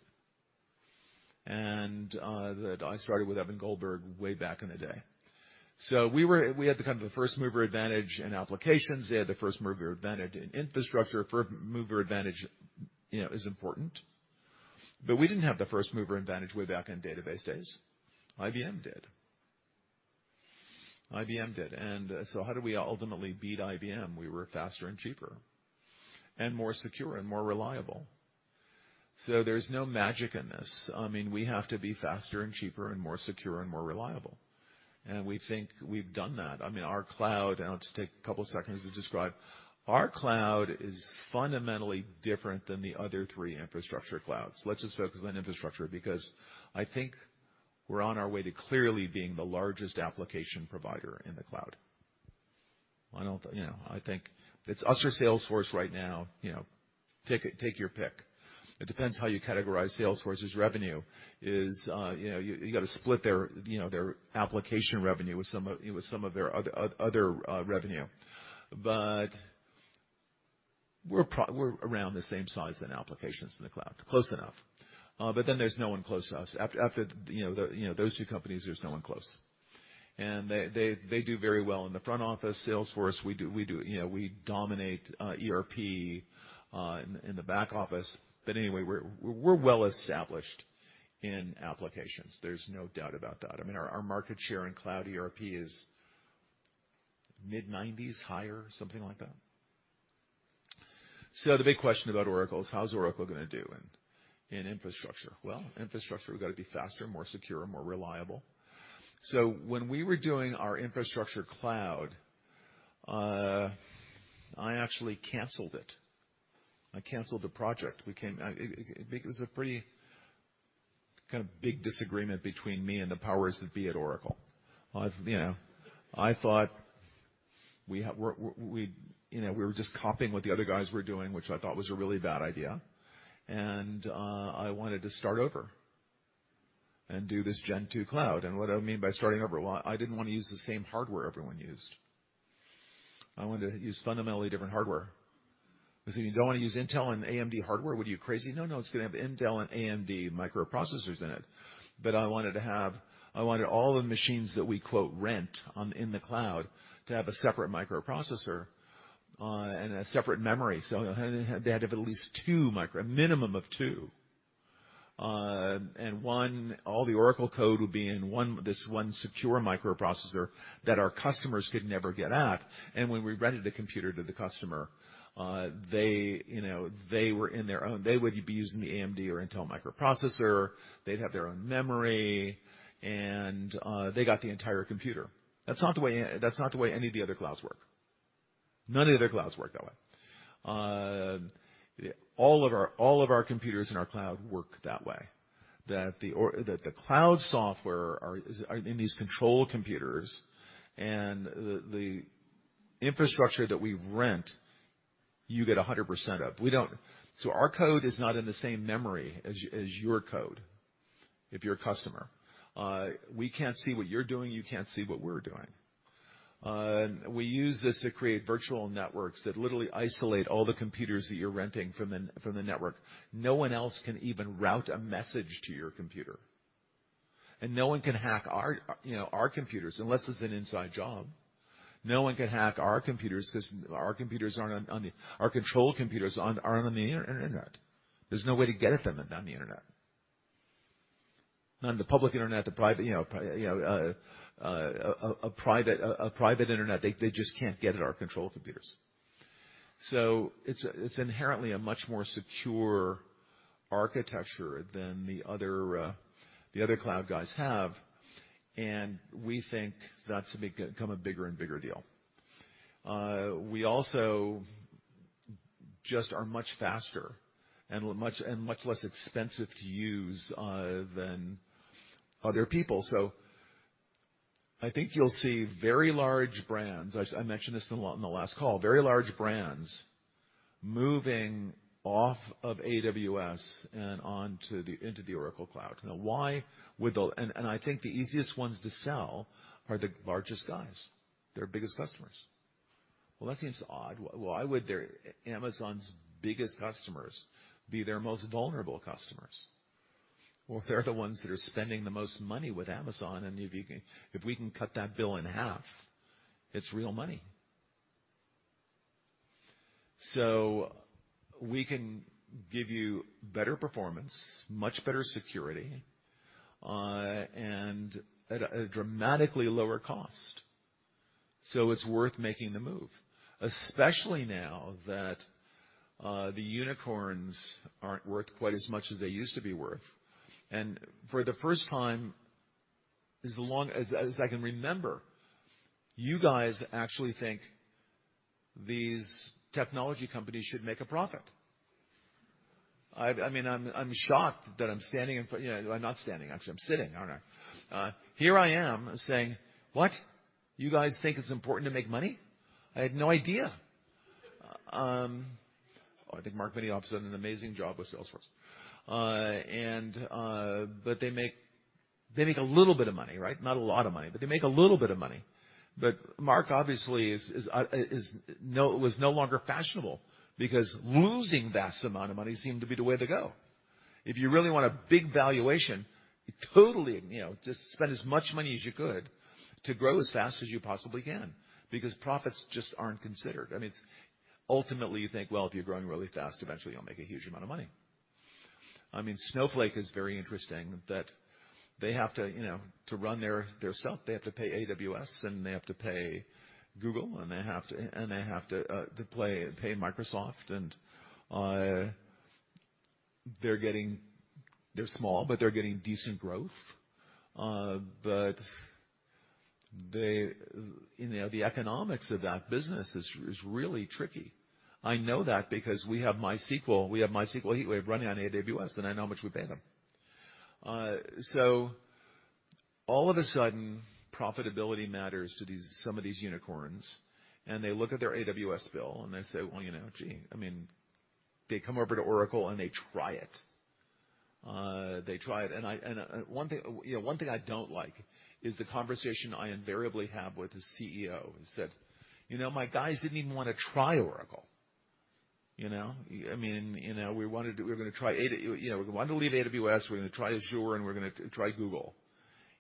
and that I started with Evan Goldberg way back in the day. We had the, kind of the first-mover advantage in applications. They had the first-mover advantage in infrastructure. First-mover advantage, you know, is important. We didn't have the first-mover advantage way back in database days. IBM did. How did we ultimately beat IBM? We were faster and cheaper and more secure and more reliable. There's no magic in this. I mean, we have to be faster and cheaper and more secure and more reliable, and we think we've done that. I mean, our cloud, and I'll just take a couple seconds to describe, our cloud is fundamentally different than the other three infrastructure clouds. Let's just focus on infrastructure because I think we're on our way to clearly being the largest application provider in the cloud. You know. I think it's us or Salesforce right now. You know, take your pick. It depends how you categorize Salesforce's revenue. Is, you know, you gotta split their, you know, their application revenue with some of their other revenue. But we're around the same size in applications in the cloud. Close enough. But then there's no one close to us. After you know, the you know, those two companies, there's no one close. They do very well in the front office. Salesforce, we do you know, we dominate ERP in the back office. But anyway, we're well established in applications. There's no doubt about that. I mean, our market share in cloud ERP is mid-nineties, higher, something like that. The big question about Oracle is. How is Oracle gonna do in infrastructure? Well, infrastructure, we've got to be faster, more secure, more reliable. When we were doing our infrastructure cloud, I actually canceled it. I canceled the project. It was a pretty kinda big disagreement between me and the powers that be at Oracle. You know, I thought we were just copying what the other guys were doing, which I thought was a really bad idea. I wanted to start over and do this Gen 2 cloud. What I mean by starting over, well, I didn't wanna use the same hardware everyone used. I wanted to use fundamentally different hardware. They said, "You don't want to use Intel and AMD hardware. What are you, crazy?" No, no, it's gonna have Intel and AMD microprocessors in it. But I wanted all the machines that we quote, rent on in the cloud to have a separate microprocessor and a separate memory. So they had to have at least two. A minimum of two. All the Oracle code would be in this one secure microprocessor that our customers could never get at. When we rented a computer to the customer, you know, they were in their own. They would be using the AMD or Intel microprocessor. They'd have their own memory, and they got the entire computer. That's not the way any of the other clouds work. None of the other clouds work that way. All of our computers in our cloud work that way, that the cloud software is in these control computers and the infrastructure that we rent, you get 100% of. We don't. Our code is not in the same memory as your code if you're a customer. We can't see what you're doing, you can't see what we're doing. We use this to create virtual networks that literally isolate all the computers that you're renting from the network. No one else can even route a message to your computer. No one can hack our, you know, our computers unless it's an inside job. No one can hack our computers 'cause our computers aren't on the—our control computers aren't on the internet. There's no way to get at them on the internet. On the public internet, the private, you know, private internet, they just can't get at our control computers. It's inherently a much more secure architecture than the other cloud guys have, and we think that's become a bigger and bigger deal. We also just are much faster and much less expensive to use than other people. I think you'll see very large brands. I mentioned this in the last call, very large brands moving off of AWS and into the Oracle Cloud. Now, I think the easiest ones to sell are the largest guys, their biggest customers. Well, that seems odd. Why would Amazon's biggest customers be their most vulnerable customers? Well, they're the ones that are spending the most money with Amazon, and if we can cut that bill in half, it's real money. We can give you better performance, much better security, and at a dramatically lower cost. It's worth making the move, especially now that the unicorns aren't worth quite as much as they used to be worth. For the first time, as long as I can remember, you guys actually think these technology companies should make a profit. I mean, I'm shocked that I'm standing in front, you know. I'm not standing, actually, I'm sitting, aren't I? Here I am saying, "What? You guys think it's important to make money? I had no idea." I think Marc Benioff has done an amazing job with Salesforce. But they make a little bit of money, right? Not a lot of money, but they make a little bit of money. Marc obviously was no longer fashionable because losing vast amount of money seemed to be the way to go. If you really want a big valuation, you totally, you know, just spend as much money as you could to grow as fast as you possibly can because profits just aren't considered. I mean, it's. Ultimately, you think, well, if you're growing really fast, eventually you'll make a huge amount of money. I mean, Snowflake is very interesting that they have to, you know, to run their stuff, they have to pay AWS, and they have to pay Google, and they have to pay Microsoft. They're getting. They're small, but they're getting decent growth. but they, you know, the economics of that business is really tricky. I know that because we have MySQL, we have MySQL HeatWave running on AWS, and I know how much we pay them. All of a sudden, profitability matters to these, some of these unicorns, and they look at their AWS bill and they say, "Well, you know, gee." I mean, they come over to Oracle, and they try it. They try it. One thing I don't like is the conversation I invariably have with the CEO and said, "You know, my guys didn't even wanna try Oracle. You know? I mean, you know, we wanted to leave AWS, we're gonna try Azure, and we're gonna try Google.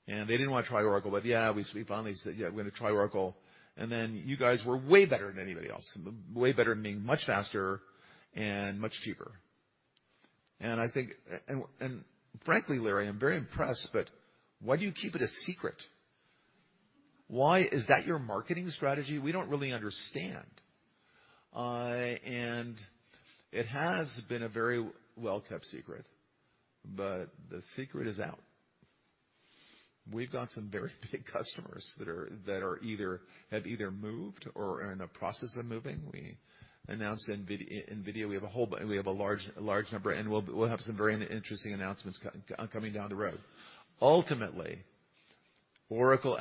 They didn't wanna try Oracle, but yeah, we finally said, 'Yeah, we're gonna try Oracle.' And then you guys were way better than anybody else. Way better meaning much faster and much cheaper. I think, frankly, Larry, I'm very impressed, but why do you keep it a secret? Why is that your marketing strategy? We don't really understand. It has been a very well-kept secret, but the secret is out. We've got some very big customers that have either moved or are in the process of moving. We announced NVIDIA, we have a large number, and we'll have some very interesting announcements coming down the road. Ultimately, the Oracle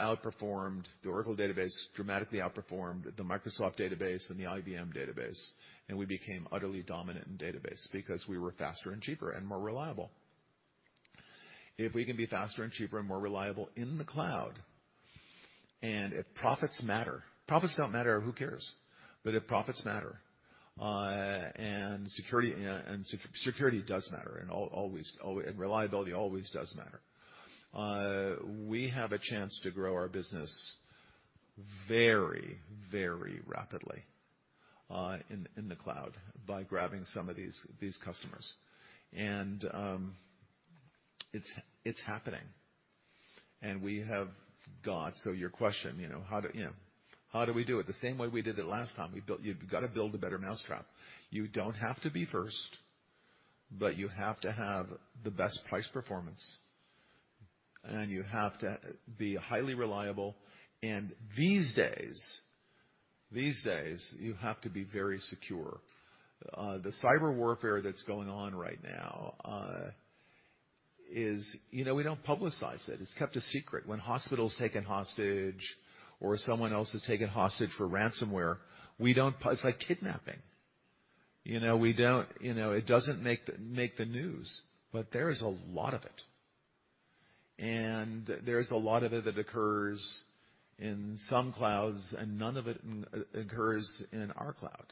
database dramatically outperformed the Microsoft database and the IBM database, and we became utterly dominant in database because we were faster and cheaper and more reliable. If we can be faster and cheaper and more reliable in the cloud, and if profits matter. Profits don't matter, who cares? If profits matter, and security does matter and always. Reliability always does matter. We have a chance to grow our business very rapidly in the cloud by grabbing some of these customers. It's happening. Your question, you know, how do we do it? The same way we did it last time. You've gotta build a better mousetrap. You don't have to be first, but you have to have the best price performance, and you have to be highly reliable. These days you have to be very secure. The cyber warfare that's going on right now is, you know, we don't publicize it. It's kept a secret. When hospitals taken hostage or someone else is taken hostage for ransomware, it's like kidnapping. You know, we don't. You know, it doesn't make the news, but there is a lot of it. There's a lot of it that occurs in some clouds, and none of it occurs in our cloud.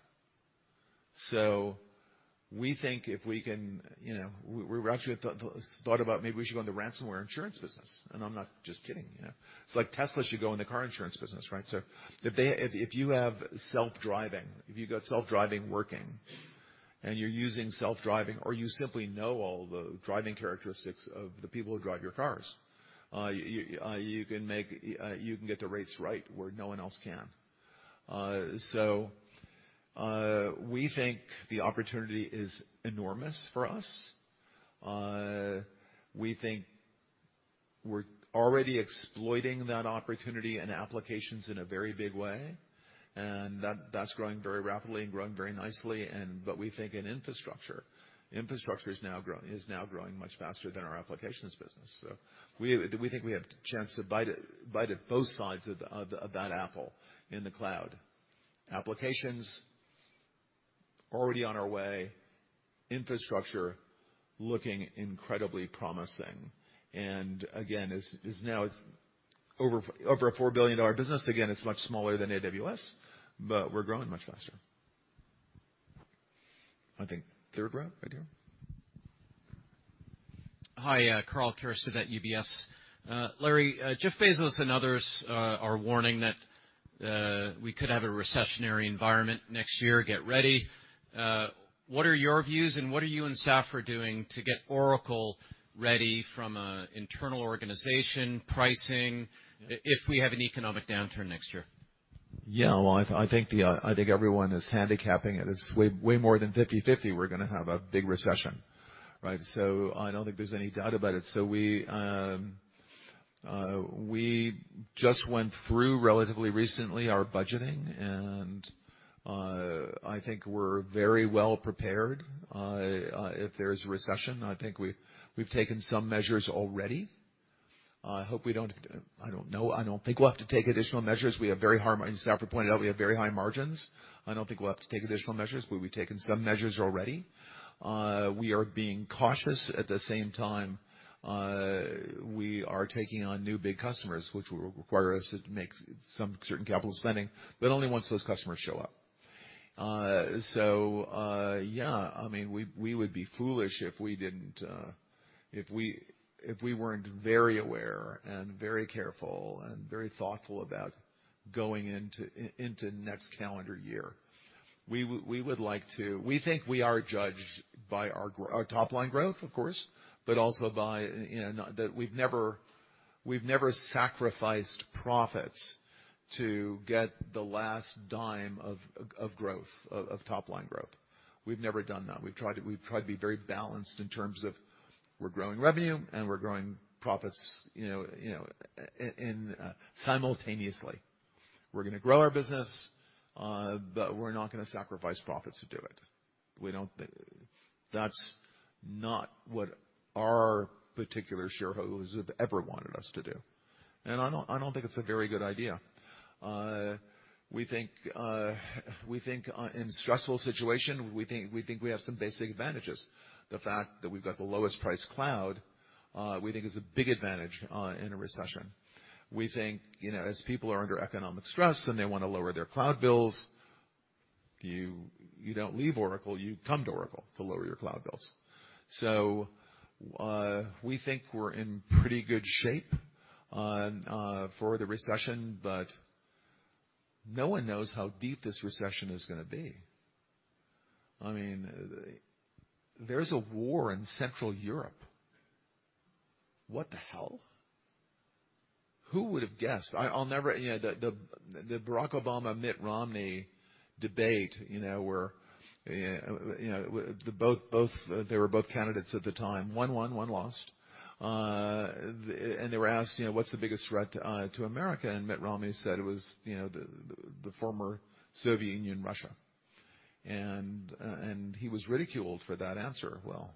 We think if we can, you know, we actually thought about maybe we should go in the ransomware insurance business, and I'm not just kidding, you know. It's like Tesla should go in the car insurance business, right? If you have self-driving, if you've got self-driving working and you're using self-driving, or you simply know all the driving characteristics of the people who drive your cars, you can get the rates right where no one else can. We think the opportunity is enormous for us. We think we're already exploiting that opportunity and applications in a very big way, and that's growing very rapidly and growing very nicely. We think in infrastructure is now growing much faster than our applications business. We think we have the chance to bite at both sides of that apple in the cloud. Applications, already on our way. Infrastructure, looking incredibly promising. Again, it's now over a $4 billion business. Again, it's much smaller than AWS, but we're growing much faster. I think third row, right here. Hi. Karl Keirstead at UBS. Larry, Jeff Bezos and others are warning that we could have a recessionary environment next year, get ready. What are your views, and what are you and Safra Catz doing to get Oracle ready from internal organization, pricing if we have an economic downturn next year? Yeah. Well, I think everyone is handicapping it. It's way more than 50-50 we're gonna have a big recession, right? I don't think there's any doubt about it. We just went through relatively recently our budgeting, and I think we're very well prepared. If there's a recession, I think we've taken some measures already. I hope we don't. I don't know. I don't think we'll have to take additional measures. As Safra pointed out, we have very high margins. I don't think we'll have to take additional measures, but we've taken some measures already. We are being cautious. At the same time, we are taking on new big customers, which will require us to make some certain capital spending, but only once those customers show up. Yeah. I mean, we would be foolish if we weren't very aware and very careful and very thoughtful about going into next calendar year. We would like to. We think we are judged by our top-line growth, of course, but also by, you know, not that we've never sacrificed profits to get the last dime of growth of top-line growth. We've never done that. We've tried to be very balanced in terms of we're growing revenue and we're growing profits, you know, in simultaneously. We're gonna grow our business, but we're not gonna sacrifice profits to do it. We don't. That's not what our particular shareholders have ever wanted us to do. I don't think it's a very good idea. We think in stressful situation we have some basic advantages. The fact that we've got the lowest price cloud, we think is a big advantage in a recession. We think, you know, as people are under economic stress and they wanna lower their cloud bills, you don't leave Oracle, you come to Oracle to lower your cloud bills. We think we're in pretty good shape for the recession, but no one knows how deep this recession is gonna be. I mean, there's a war in Central Europe. What the hell? Who would have guessed? I'll never, you know, the Barack Obama, Mitt Romney debate, you know, where, you know, both they were both candidates at the time. One won, one lost. They were asked, you know, what's the biggest threat to America? Mitt Romney said it was, you know, the former Soviet Union, Russia. He was ridiculed for that answer. Well,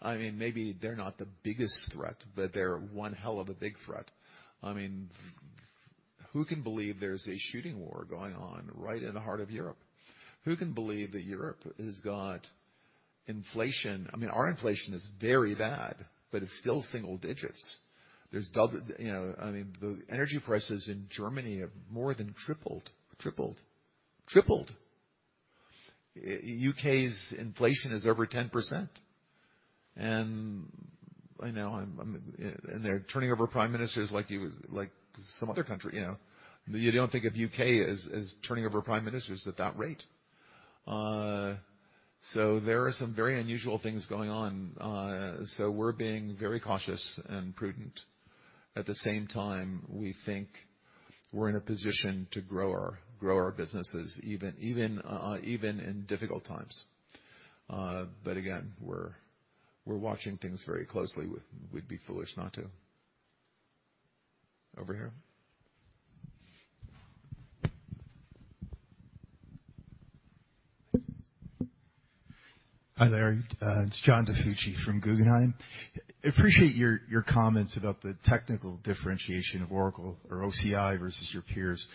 I mean, maybe they're not the biggest threat, but they're one hell of a big threat. I mean, who can believe there's a shooting war going on right in the heart of Europe? Who can believe that Europe has got inflation? I mean, our inflation is very bad, but it's still single digits. There's double, you know, I mean, the energy prices in Germany have more than tripled. Tripled. U.K.'s inflation is over 10%. I know they're turning over prime ministers like you, like some other country, you know. You don't think of the U.K. as turning over prime ministers at that rate. There are some very unusual things going on. We're being very cautious and prudent. At the same time, we think we're in a position to grow our businesses even in difficult times. Again, we're watching things very closely. We'd be foolish not to. Over here. Hi there. It's John DiFucci from Guggenheim. Appreciate your comments about the technical differentiation of Oracle or OCI versus your peers.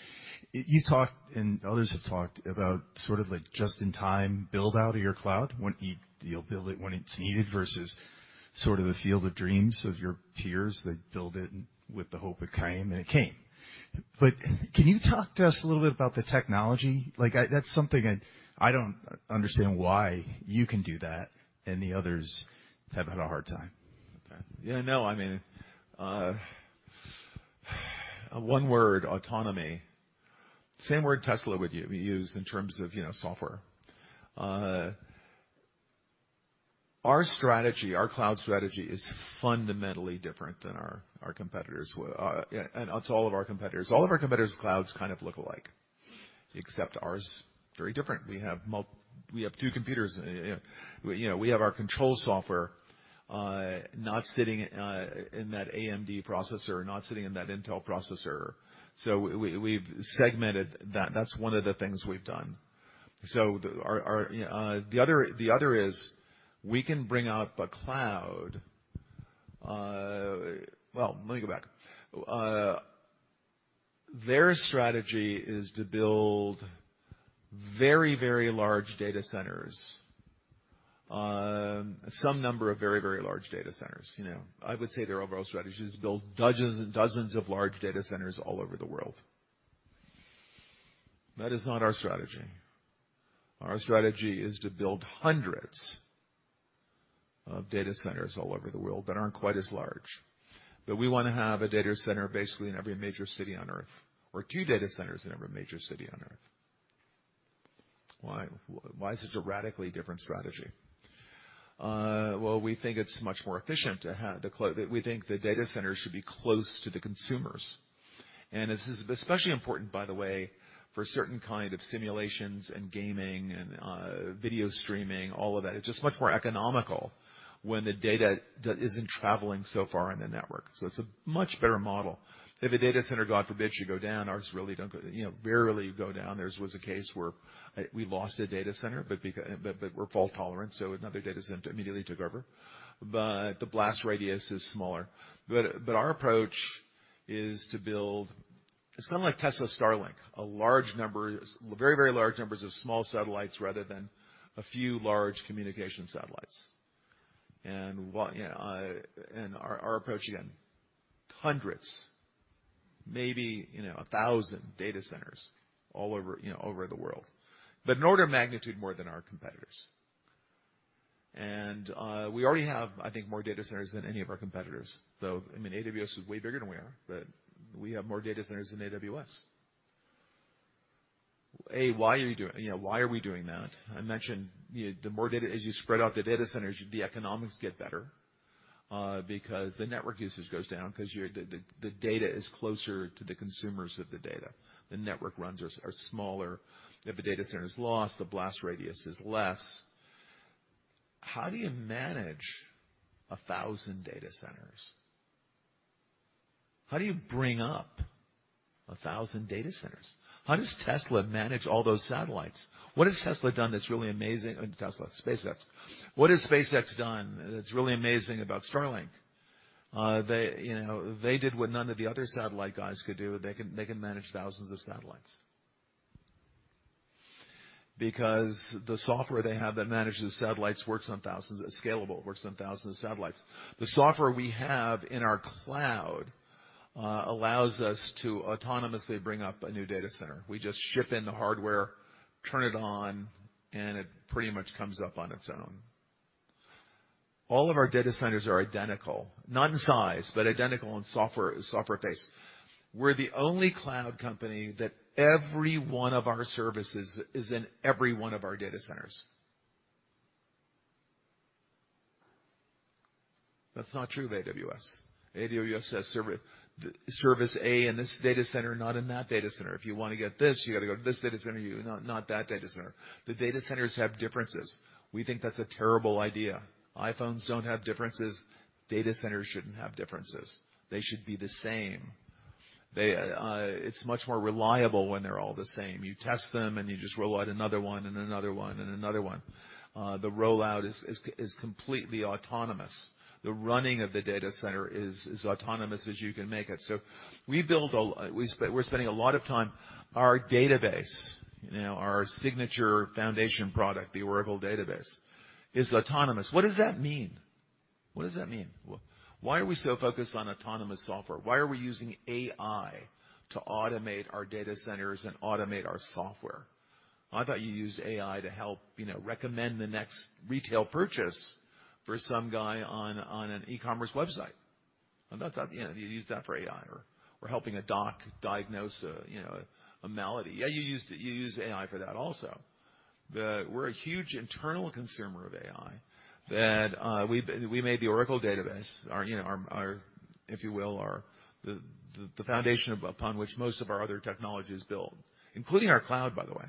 You talked, and others have talked, about sort of like just-in-time build out of your cloud, when you build it, when it's needed, versus sort of the field of dreams of your peers that build it with the hope they'll come, and they came. Can you talk to us a little bit about the technology? Like, that's something I don't understand why you can do that and the others have had a hard time. Okay. Yeah, no, I mean, one word, autonomy. Same word Tesla would use in terms of, you know, software. Our strategy, our cloud strategy is fundamentally different than our competitors. Yeah, and it's all of our competitors. All of our competitors' clouds kind of look alike, except ours, very different. We have two computers. You know, we have our control software, not sitting in that AMD processor, not sitting in that Intel processor. So we've segmented that. That's one of the things we've done. So the other is we can bring up a cloud. Well, let me go back. Their strategy is to build very, very large data centers, some number of very, very large data centers. You know, I would say their overall strategy is to build dozens and dozens of large data centers all over the world. That is not our strategy. Our strategy is to build hundreds of data centers all over the world that aren't quite as large. We wanna have a data center basically in every major city on Earth or two data centers in every major city on Earth. Why? Why is this a radically different strategy? We think it's much more efficient to have the data centers close to the consumers. This is especially important, by the way, for certain kind of simulations and gaming and video streaming, all of that. It's just much more economical when the data isn't traveling so far in the network. It's a much better model. If a data center, God forbid, should go down, ours really don't go down, you know, rarely. There was a case where we lost a data center, but we're fault-tolerant, so another data center immediately took over. The blast radius is smaller. Our approach is to build. It's kinda like Tesla's Starlink, a large number, very, very large numbers of small satellites rather than a few large communication satellites. You know, our approach, again, hundreds, maybe, you know, 1,000 data centers all over, you know, over the world, but an order of magnitude more than our competitors. We already have, I think, more data centers than any of our competitors. Though, I mean, AWS is way bigger than we are, but we have more data centers than AWS. Why are you doing, you know, why are we doing that? I mentioned, you know, the more data, as you spread out the data centers, the economics get better, because the network usage goes down 'cause the data is closer to the consumers of the data. The network runs are smaller. If a data center is lost, the blast radius is less. How do you manage 1,000 data centers? How do you bring up 1,000 data centers? How does Tesla manage all those satellites? What has Tesla done that's really amazing? Not Tesla, SpaceX. What has SpaceX done that's really amazing about Starlink? They, you know, they did what none of the other satellite guys could do. They can manage thousands of satellites. Because the software they have that manages satellites works on thousands, it's scalable, works on thousands of satellites. The software we have in our cloud allows us to autonomously bring up a new data center. We just ship in the hardware, turn it on, and it pretty much comes up on its own. All of our data centers are identical, not in size, but identical in software stack. We're the only cloud company that every one of our services is in every one of our data centers. That's not true of AWS. AWS has service A in this data center, not in that data center. If you wanna get this, you gotta go to this data center, not that data center. The data centers have differences. We think that's a terrible idea. iPhones don't have differences. Data centers shouldn't have differences. They should be the same. It's much more reliable when they're all the same. You test them, and you just roll out another one and another one and another one. The rollout is completely autonomous. The running of the data center is autonomous as you can make it. We're spending a lot of time. Our database, you know, our signature foundation product, the Oracle Database, is autonomous. What does that mean? Why are we so focused on autonomous software? Why are we using AI to automate our data centers and automate our software? I thought you used AI to help, you know, recommend the next retail purchase for some guy on an e-commerce website. I thought, you know, you use that for AI or helping a doc diagnose a, you know, a malady. Yeah, you use AI for that also. We're a huge internal consumer of AI that we made the Oracle Database our, you know, our, if you will, our foundation upon which most of our other technology is built, including our cloud, by the way.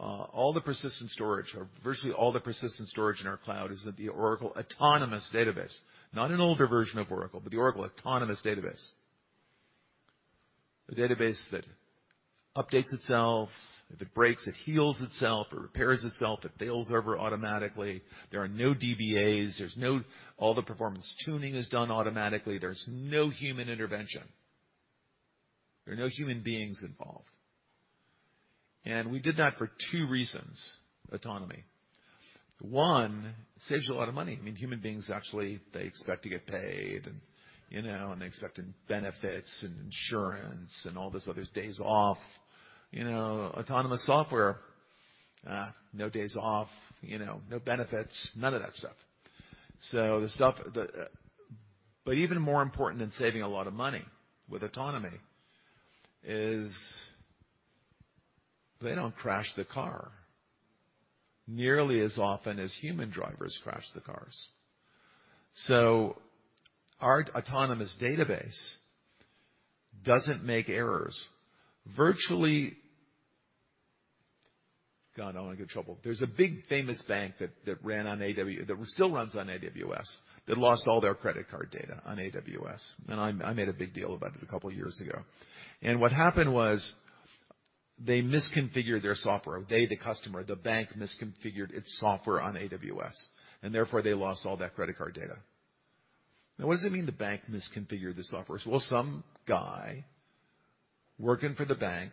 All the persistent storage or virtually all the persistent storage in our cloud is the Oracle Autonomous Database. Not an older version of Oracle, but the Oracle Autonomous Database. A database that updates itself. If it breaks, it heals itself or repairs itself. It fails over automatically. There are no DBAs. All the performance tuning is done automatically. There's no human intervention. There are no human beings involved. We did that for two reasons, autonomy. One, saves you a lot of money. I mean, human beings, actually, they expect to get paid and, you know, and they expect benefits and insurance and all this other days off. You know, autonomous software, no days off, you know, no benefits, none of that stuff. Even more important than saving a lot of money with autonomy is they don't crash the car nearly as often as human drivers crash the cars. Our autonomous database doesn't make errors. Virtually. God, I wanna get in trouble. There's a big famous bank that ran on AWS that still runs on AWS that lost all their credit card data on AWS, and I made a big deal about it a couple years ago. What happened was they misconfigured their software. They, the customer, the bank, misconfigured its software on AWS, and therefore they lost all that credit card data. Now, what does it mean the bank misconfigured the software? Well, some guy working for the bank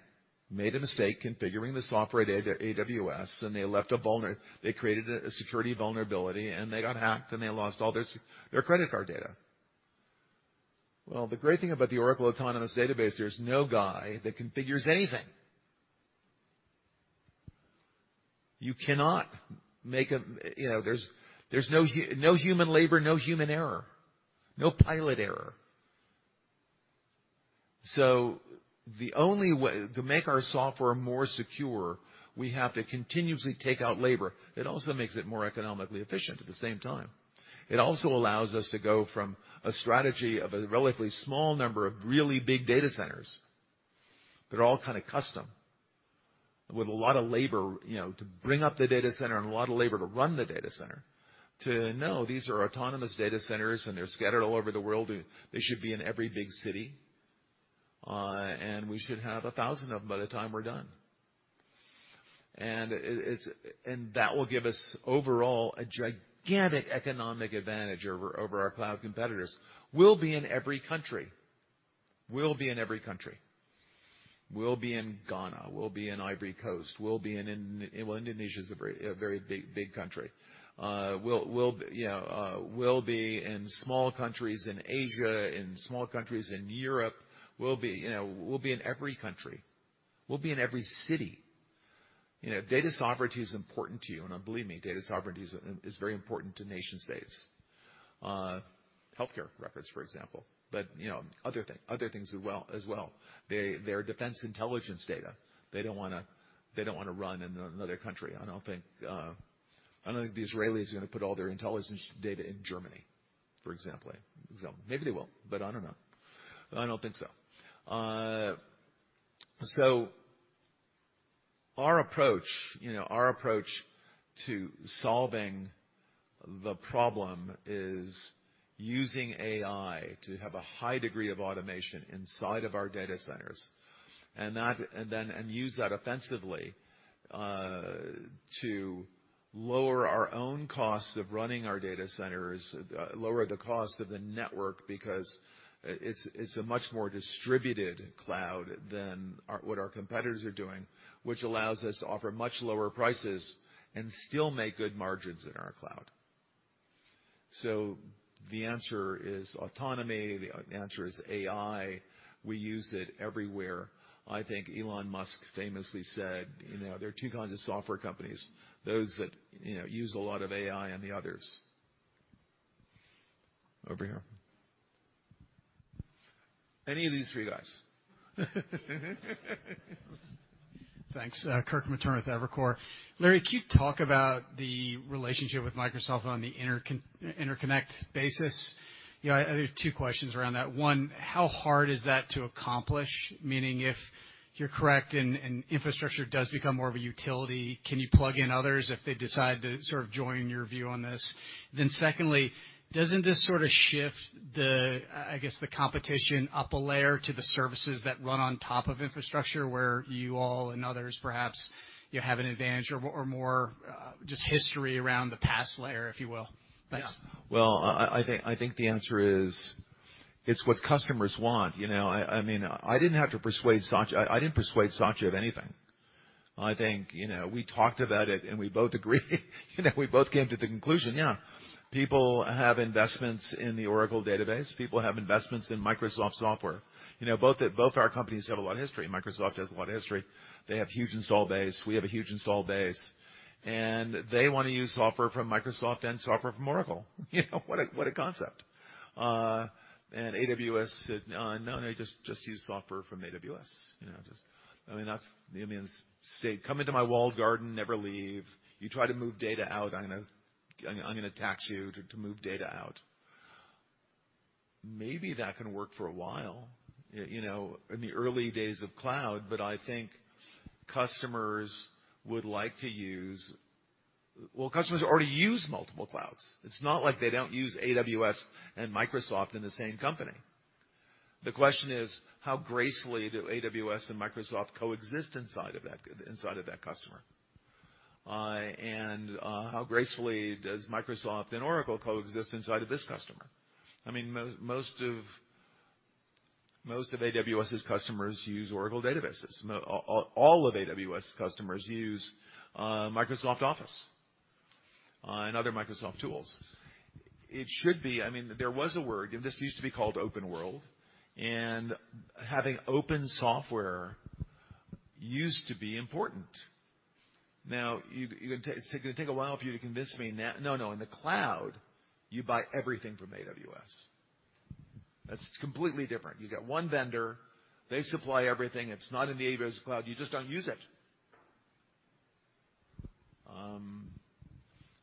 made a mistake configuring the software at AWS, and they created a security vulnerability, and they got hacked, and they lost all their credit card data. Well, the great thing about the Oracle Autonomous Database, there's no guy that configures anything. You know, there's no human labor, no human error, no pilot error. The only way to make our software more secure, we have to continuously take out labor. It also makes it more economically efficient at the same time. It also allows us to go from a strategy of a relatively small number of really big data centers that are all kinda custom with a lot of labor, you know, to bring up the data center and a lot of labor to run the data center to no, these are autonomous data centers, and they're scattered all over the world. They should be in every big city, and we should have 1,000 of them by the time we're done. That will give us overall a gigantic economic advantage over our cloud competitors. We'll be in every country. We'll be in Ghana. We'll be in Ivory Coast. Well, Indonesia is a very big country. We'll be in small countries in Asia, in small countries in Europe. We'll be, you know, we'll be in every country. We'll be in every city. You know, data sovereignty is important to you, and believe me, data sovereignty is very important to nation-states. Healthcare records, for example, but, you know, other things as well. Their defense intelligence data, they don't wanna run in another country. I don't think the Israelis are gonna put all their intelligence data in Germany, for example. Maybe they will, but I don't know. I don't think so. Our approach, you know, to solving the problem is using AI to have a high degree of automation inside of our data centers and that. Use that offensively to lower our own costs of running our data centers, lower the cost of the network because it's a much more distributed cloud than what our competitors are doing, which allows us to offer much lower prices and still make good margins in our cloud. The answer is autonomy. The answer is AI. We use it everywhere. I think Elon Musk famously said, you know, there are two kinds of software companies, those that, you know, use a lot of AI and the others. Over here. Any of these three guys. Thanks. Kirk Materne with Evercore. Larry, can you talk about the relationship with Microsoft on the interconnect basis? You know, I have two questions around that. One, how hard is that to accomplish? Meaning, if you're correct and infrastructure does become more of a utility, can you plug in others if they decide to sort of join your view on this? Then secondly, doesn't this sort of shift the, I guess, the competition up a layer to the services that run on top of infrastructure where you all and others, perhaps you have an advantage or more, just history around the PaaS layer, if you will? Thanks. Yeah. Well, I think the answer is it's what customers want, you know? I mean, I didn't have to persuade Satya. I didn't persuade Satya of anything. I think, you know, we talked about it and we both agreed. You know, we both came to the conclusion, yeah. People have investments in the Oracle Database. People have investments in Microsoft software. You know, both our companies have a lot of history. Microsoft has a lot of history. They have huge installed base. We have a huge installed base. They wanna use software from Microsoft and software from Oracle. You know, what a concept. AWS said, "No, just use software from AWS," you know, just. I mean, that's. I mean, it's say, "Come into my walled garden, never leave. You try to move data out, I'm gonna tax you to move data out." Maybe that can work for a while, you know, in the early days of cloud. I think customers would like to use multiple clouds. Well, customers already use multiple clouds. It's not like they don't use AWS and Microsoft in the same company. The question is, how gracefully do AWS and Microsoft coexist inside of that customer? How gracefully does Microsoft and Oracle coexist inside of this customer? I mean, most of AWS's customers use Oracle databases. All of AWS customers use Microsoft Office and other Microsoft tools. It should be. I mean, there was a word, and this used to be called Oracle OpenWorld, and having open software used to be important. It's gonna take a while for you to convince me now. No, no, in the cloud, you buy everything from AWS. That's completely different. You got one vendor. They supply everything. If it's not in the AWS cloud, you just don't use it.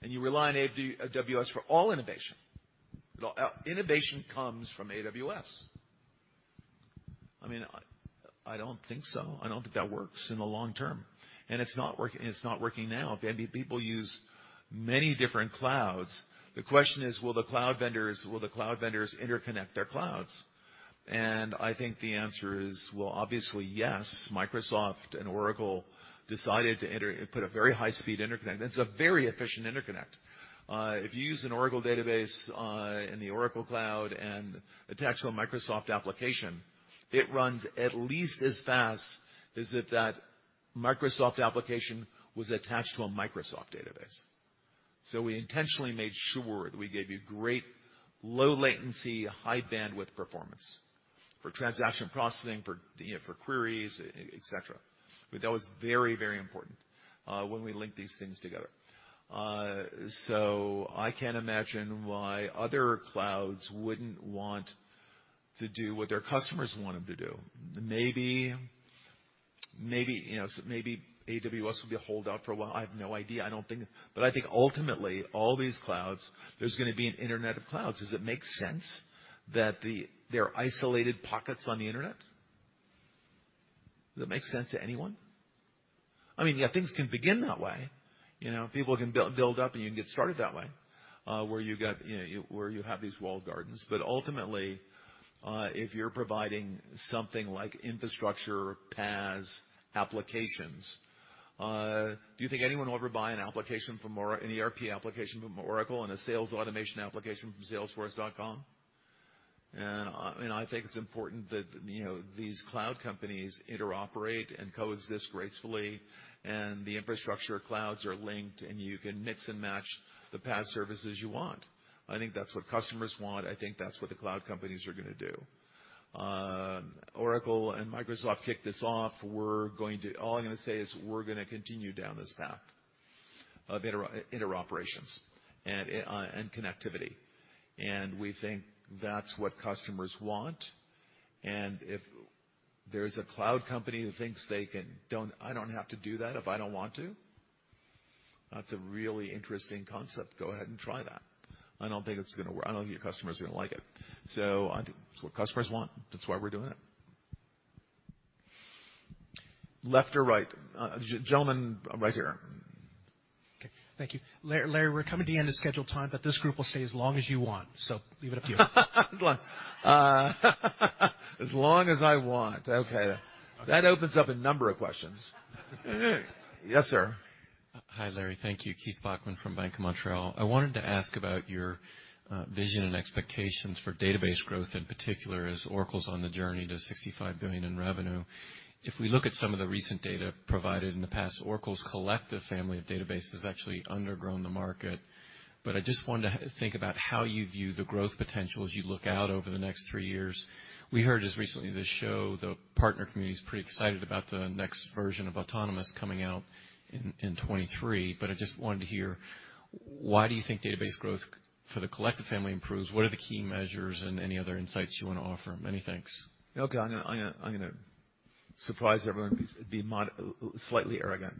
You rely on AWS for all innovation. Innovation comes from AWS. I mean, I don't think so. I don't think that works in the long term, and it's not working now. People use many different clouds. The question is, will the cloud vendors interconnect their clouds? I think the answer is, well, obviously, yes. Microsoft and Oracle decided to put a very high-speed interconnect. That's a very efficient interconnect. If you use an Oracle database in the Oracle Cloud and attach to a Microsoft application, it runs at least as fast as if that Microsoft application was attached to a Microsoft database. We intentionally made sure that we gave you great low latency, high bandwidth performance for transaction processing, for, you know, for queries, et cetera. That was very, very important when we link these things together. I can't imagine why other clouds wouldn't want to do what their customers want them to do. Maybe, you know, maybe AWS will be a holdout for a while. I have no idea. I think ultimately all these clouds, there's gonna be an internet of clouds. Does it make sense that there are isolated pockets on the Internet? Does that make sense to anyone? I mean, yeah, things can begin that way, you know. People can build up and you can get started that way, where you got, you know, where you have these walled gardens. Ultimately, if you're providing something like infrastructure, PaaS, applications, do you think anyone will ever buy an ERP application from Oracle and a sales automation application from Salesforce.com? I think it's important that, you know, these cloud companies interoperate and coexist gracefully, and the infrastructure clouds are linked, and you can mix and match the PaaS services you want. I think that's what customers want. I think that's what the cloud companies are gonna do. Oracle and Microsoft kicked this off. All I'm gonna say is we're gonna continue down this path of interoperability and connectivity. We think that's what customers want. If there's a cloud company who thinks they don't have to do that if I don't want to, that's a really interesting concept. Go ahead and try that. I don't think it's gonna work. I don't think your customers are gonna like it. I think it's what customers want. That's why we're doing it. Left or right. Gentleman right here. Okay. Thank you. Larry, we're coming to the end of scheduled time, but this group will stay as long as you want. Leave it up to you. As long as I want. Okay. Okay. That opens up a number of questions. Yes, sir. Hi, Larry. Thank you. Keith Bachman from Bank of Montreal. I wanted to ask about your vision and expectations for database growth, in particular, as Oracle's on the journey to $65 billion in revenue. If we look at some of the recent data provided in the past, Oracle's collective family of databases has actually undergrown the market. I just wanted to think about how you view the growth potential as you look out over the next three years. We heard just recently this show, the partner community is pretty excited about the next version of Autonomous coming out in 2023, I just wanted to hear why do you think database growth for the collective family improves? What are the key measures and any other insights you wanna offer? Many thanks. Okay. I'm gonna surprise everyone, slightly arrogant.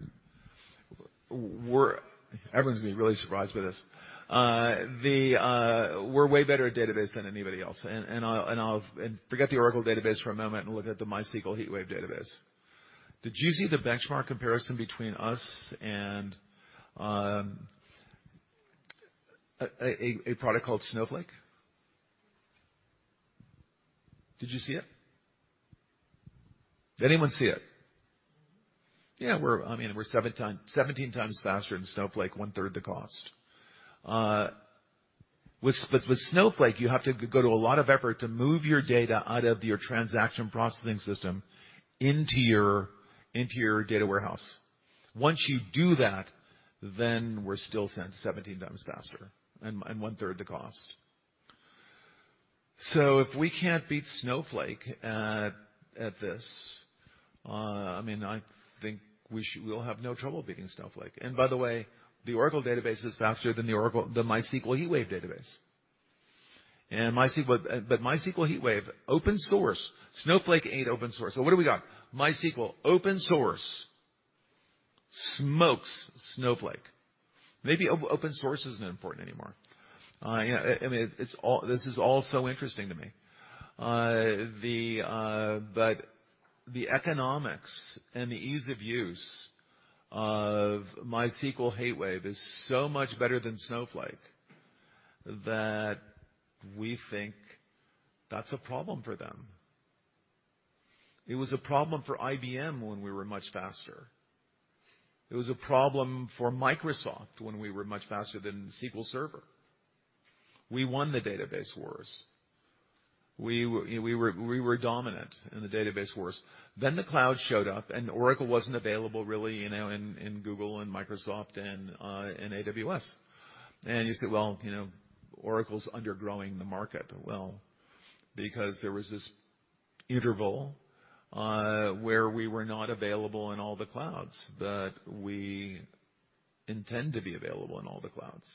Everyone's gonna be really surprised by this. We're way better at database than anybody else. Forget the Oracle Database for a moment and look at the MySQL HeatWave database. Did you see the benchmark comparison between us and a product called Snowflake? Did you see it? Did anyone see it? Yeah, I mean, we're 17x faster than Snowflake, one-third the cost. But with Snowflake, you have to go to a lot of effort to move your data out of your transaction processing system into your data warehouse. Once you do that, we're still 17 times faster and one-third the cost. If we can't beat Snowflake at this, I mean, I think we'll have no trouble beating Snowflake. By the way, the Oracle Database is faster than the MySQL HeatWave database. MySQL HeatWave, open source. Snowflake ain't open source. What do we got? MySQL, open source, smokes Snowflake. Maybe open source isn't important anymore. This is all so interesting to me. But the economics and the ease of use of MySQL HeatWave is so much better than Snowflake that we think that's a problem for them. It was a problem for IBM when we were much faster. It was a problem for Microsoft when we were much faster than SQL Server. We won the database wars. We were dominant in the database wars. The cloud showed up, and Oracle wasn't available really, you know, in Google and Microsoft and in AWS. You say, "Well, you know, Oracle's undergrowing the market." Well, because there was this interval where we were not available in all the clouds, but we intend to be available in all the clouds.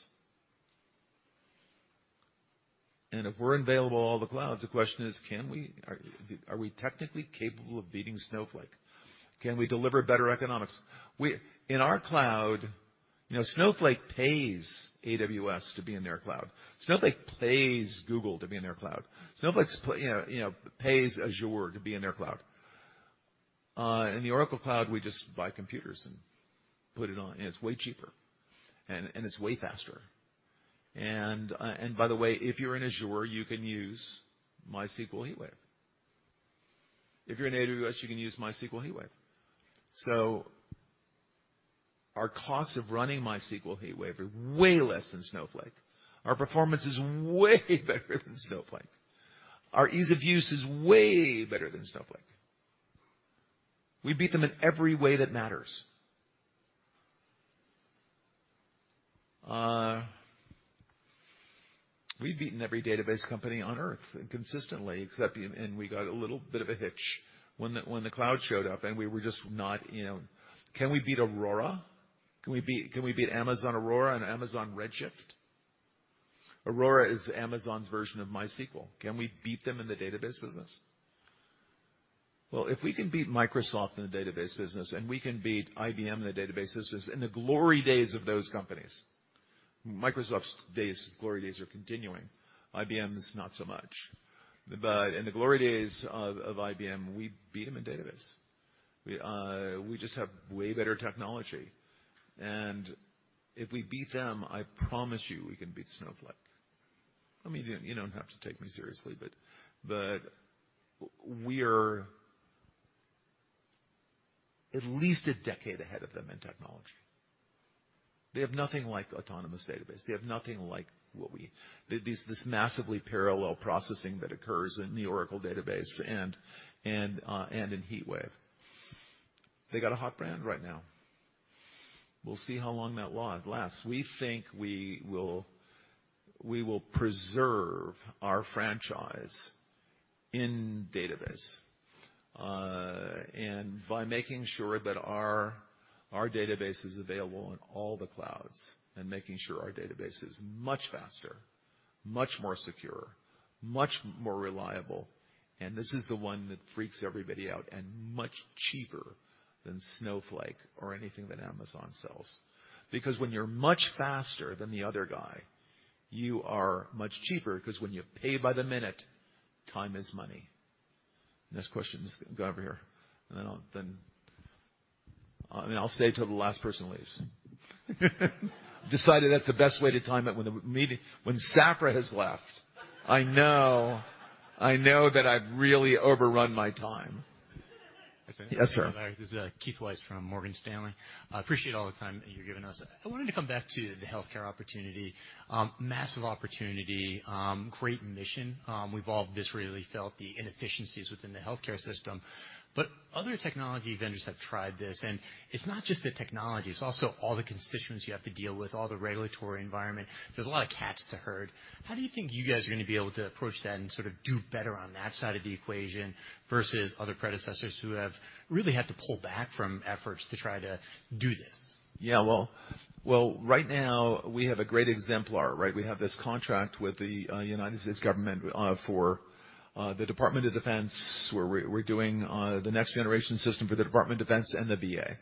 If we're available in all the clouds, the question is, are we technically capable of beating Snowflake? Can we deliver better economics? In our cloud, you know, Snowflake pays AWS to be in their cloud. Snowflake pays Google to be in their cloud. Snowflake you know pays Azure to be in their cloud. In the Oracle Cloud, we just buy computers and put it on, and it's way cheaper, and it's way faster. By the way, if you're in Azure, you can use MySQL HeatWave. If you're in AWS, you can use MySQL HeatWave. Our cost of running MySQL HeatWave are way less than Snowflake. Our performance is way better than Snowflake. Our ease of use is way better than Snowflake. We beat them in every way that matters. We've beaten every database company on Earth consistently, except, you know, we got a little bit of a hitch when the cloud showed up, and we were just not, you know. Can we beat Aurora? Can we beat Amazon Aurora and Amazon Redshift? Aurora is Amazon's version of MySQL. Can we beat them in the database business? Well, if we can beat Microsoft in the database business, and we can beat IBM in the database business in the glory days of those companies. Microsoft's glory days are continuing. IBM's not so much. In the glory days of IBM, we beat them in database. We just have way better technology. If we beat them, I promise you we can beat Snowflake. I mean, you don't have to take me seriously, but we are at least a decade ahead of them in technology. They have nothing like Autonomous Database. They have nothing like this massively parallel processing that occurs in the Oracle Database and in HeatWave. They got a hot brand right now. We'll see how long that lasts. We think we will preserve our franchise in database, and by making sure that our database is available in all the clouds and making sure our database is much faster, much more secure, much more reliable, and this is the one that freaks everybody out, and much cheaper than Snowflake or anything that Amazon sells. Because when you're much faster than the other guy, you are much cheaper, 'cause when you pay by the minute, time is money. Next question. Let's go over here. I'll, I mean, I'll stay till the last person leaves. Decided that's the best way to time it. When Safra has left, I know that I've really overrun my time. Yes, sir. This is Keith Weiss from Morgan Stanley. I appreciate all the time you're giving us. I wanted to come back to the healthcare opportunity. Massive opportunity, great mission. We've all viscerally felt the inefficiencies within the healthcare system. Other technology vendors have tried this, and it's not just the technology, it's also all the constituents you have to deal with, all the regulatory environment. There's a lot of cats to herd. How do you think you guys are gonna be able to approach that and sort of do better on that side of the equation versus other predecessors who have really had to pull back from efforts to try to do this? Yeah. Well, right now, we have a great exemplar, right? We have this contract with the United States government for the Department of Defense, where we're doing the next generation system for the Department of Defense and the VA.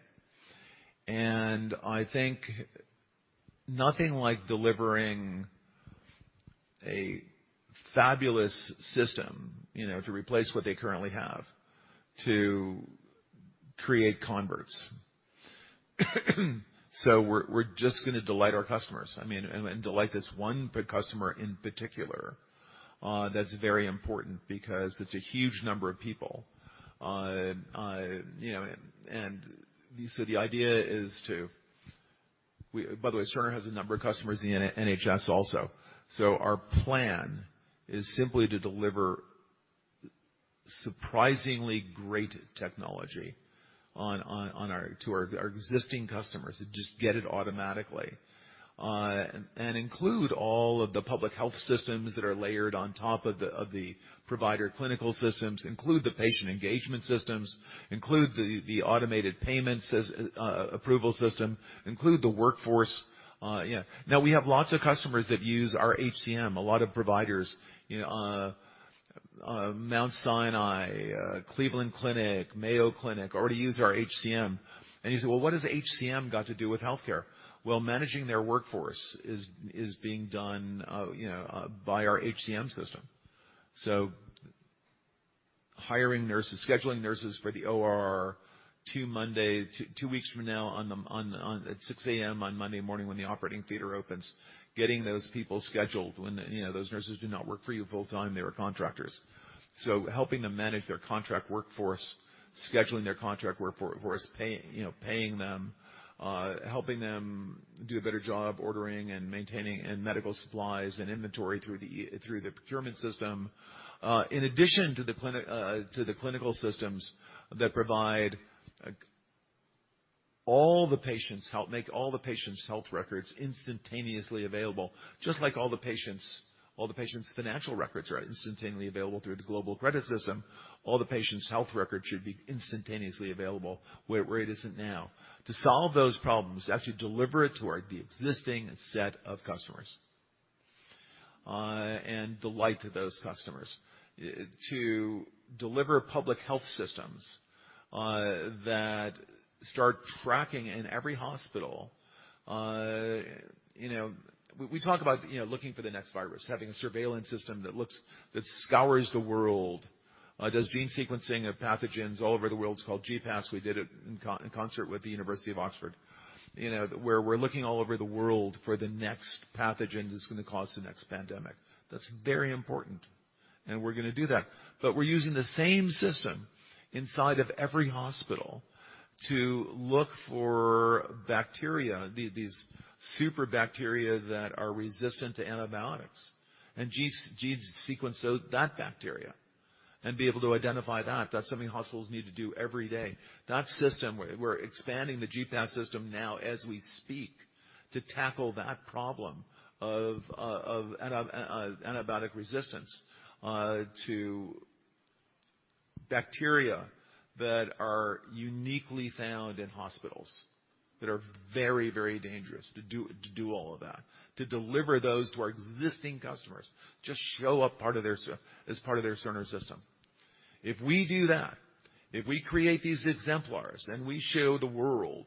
I think nothing like delivering a fabulous system, you know, to replace what they currently have to create converts. We're just gonna delight our customers. I mean, delight this one prime customer in particular. That's very important because it's a huge number of people. You know, the idea is to. By the way, Cerner has a number of customers in NHS also. Our plan is simply to deliver surprisingly great technology to our existing customers, just get it automatically, and include all of the public health systems that are layered on top of the provider clinical systems, include the patient engagement systems, include the automated payments approval system, include the workforce. Now, we have lots of customers that use our HCM, a lot of providers. Mount Sinai, Cleveland Clinic, Mayo Clinic already use our HCM. You say, "Well, what does HCM got to do with healthcare?" Managing their workforce is being done by our HCM system. Hiring nurses, scheduling nurses for the OR two weeks from now, at 6 a.m. on Monday morning when the operating theater opens. Getting those people scheduled when, you know, those nurses do not work for you full time, they were contractors. Helping them manage their contract workforce, scheduling their contract workforce, pay, you know, paying them, helping them do a better job ordering and maintaining medical supplies and inventory through the procurement system. In addition to the clinical systems that provide all the patient's health records instantaneously available, just like all the patient's financial records are instantaneously available through the global credit system, all the patient's health records should be instantaneously available where it isn't now. To solve those problems is actually delightful to the existing set of customers, and delight to those customers. To deliver public health systems that start tracking in every hospital. You know, we talk about looking for the next virus, having a surveillance system that looks, that scours the world, does gene sequencing of pathogens all over the world. It's called GPAS. We did it in concert with the University of Oxford. You know, where we're looking all over the world for the next pathogen that's gonna cause the next pandemic. That's very important. We're gonna do that. We're using the same system inside of every hospital to look for bacteria, these super bacteria that are resistant to antibiotics, and gene sequence out that bacteria and be able to identify that. That's something hospitals need to do every day. That system, we're expanding the GPAS system now as we speak to tackle that problem of antibiotic resistance to bacteria that are uniquely found in hospitals that are very, very dangerous to do all of that. To deliver those to our existing customers, just show up as part of their Cerner system. If we do that, if we create these exemplars, then we show the world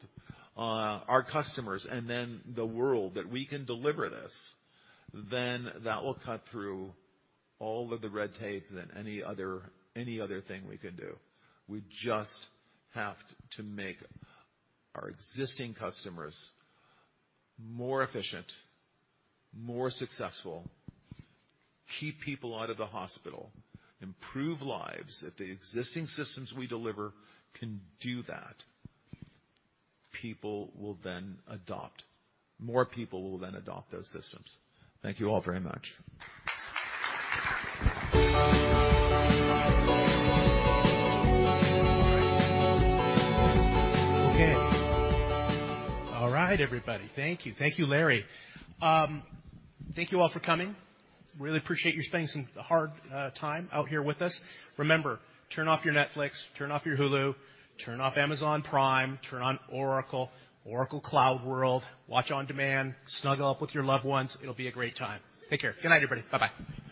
our customers and then the world that we can deliver this, then that will cut through all of the red tape than any other thing we can do. We just have to make our existing customers more efficient, more successful, keep people out of the hospital, improve lives. If the existing systems we deliver can do that, people will then adopt. More people will then adopt those systems. Thank you all very much. Okay. All right, everybody. Thank you. Thank you, Larry. Thank you all for coming. Really appreciate you spending some hard time out here with us. Remember, turn off your Netflix, turn off your Hulu, turn off Amazon Prime, turn on Oracle CloudWorld. Watch on demand, snuggle up with your loved ones. It'll be a great time. Take care. Good night, everybody. Bye-bye. Thank you.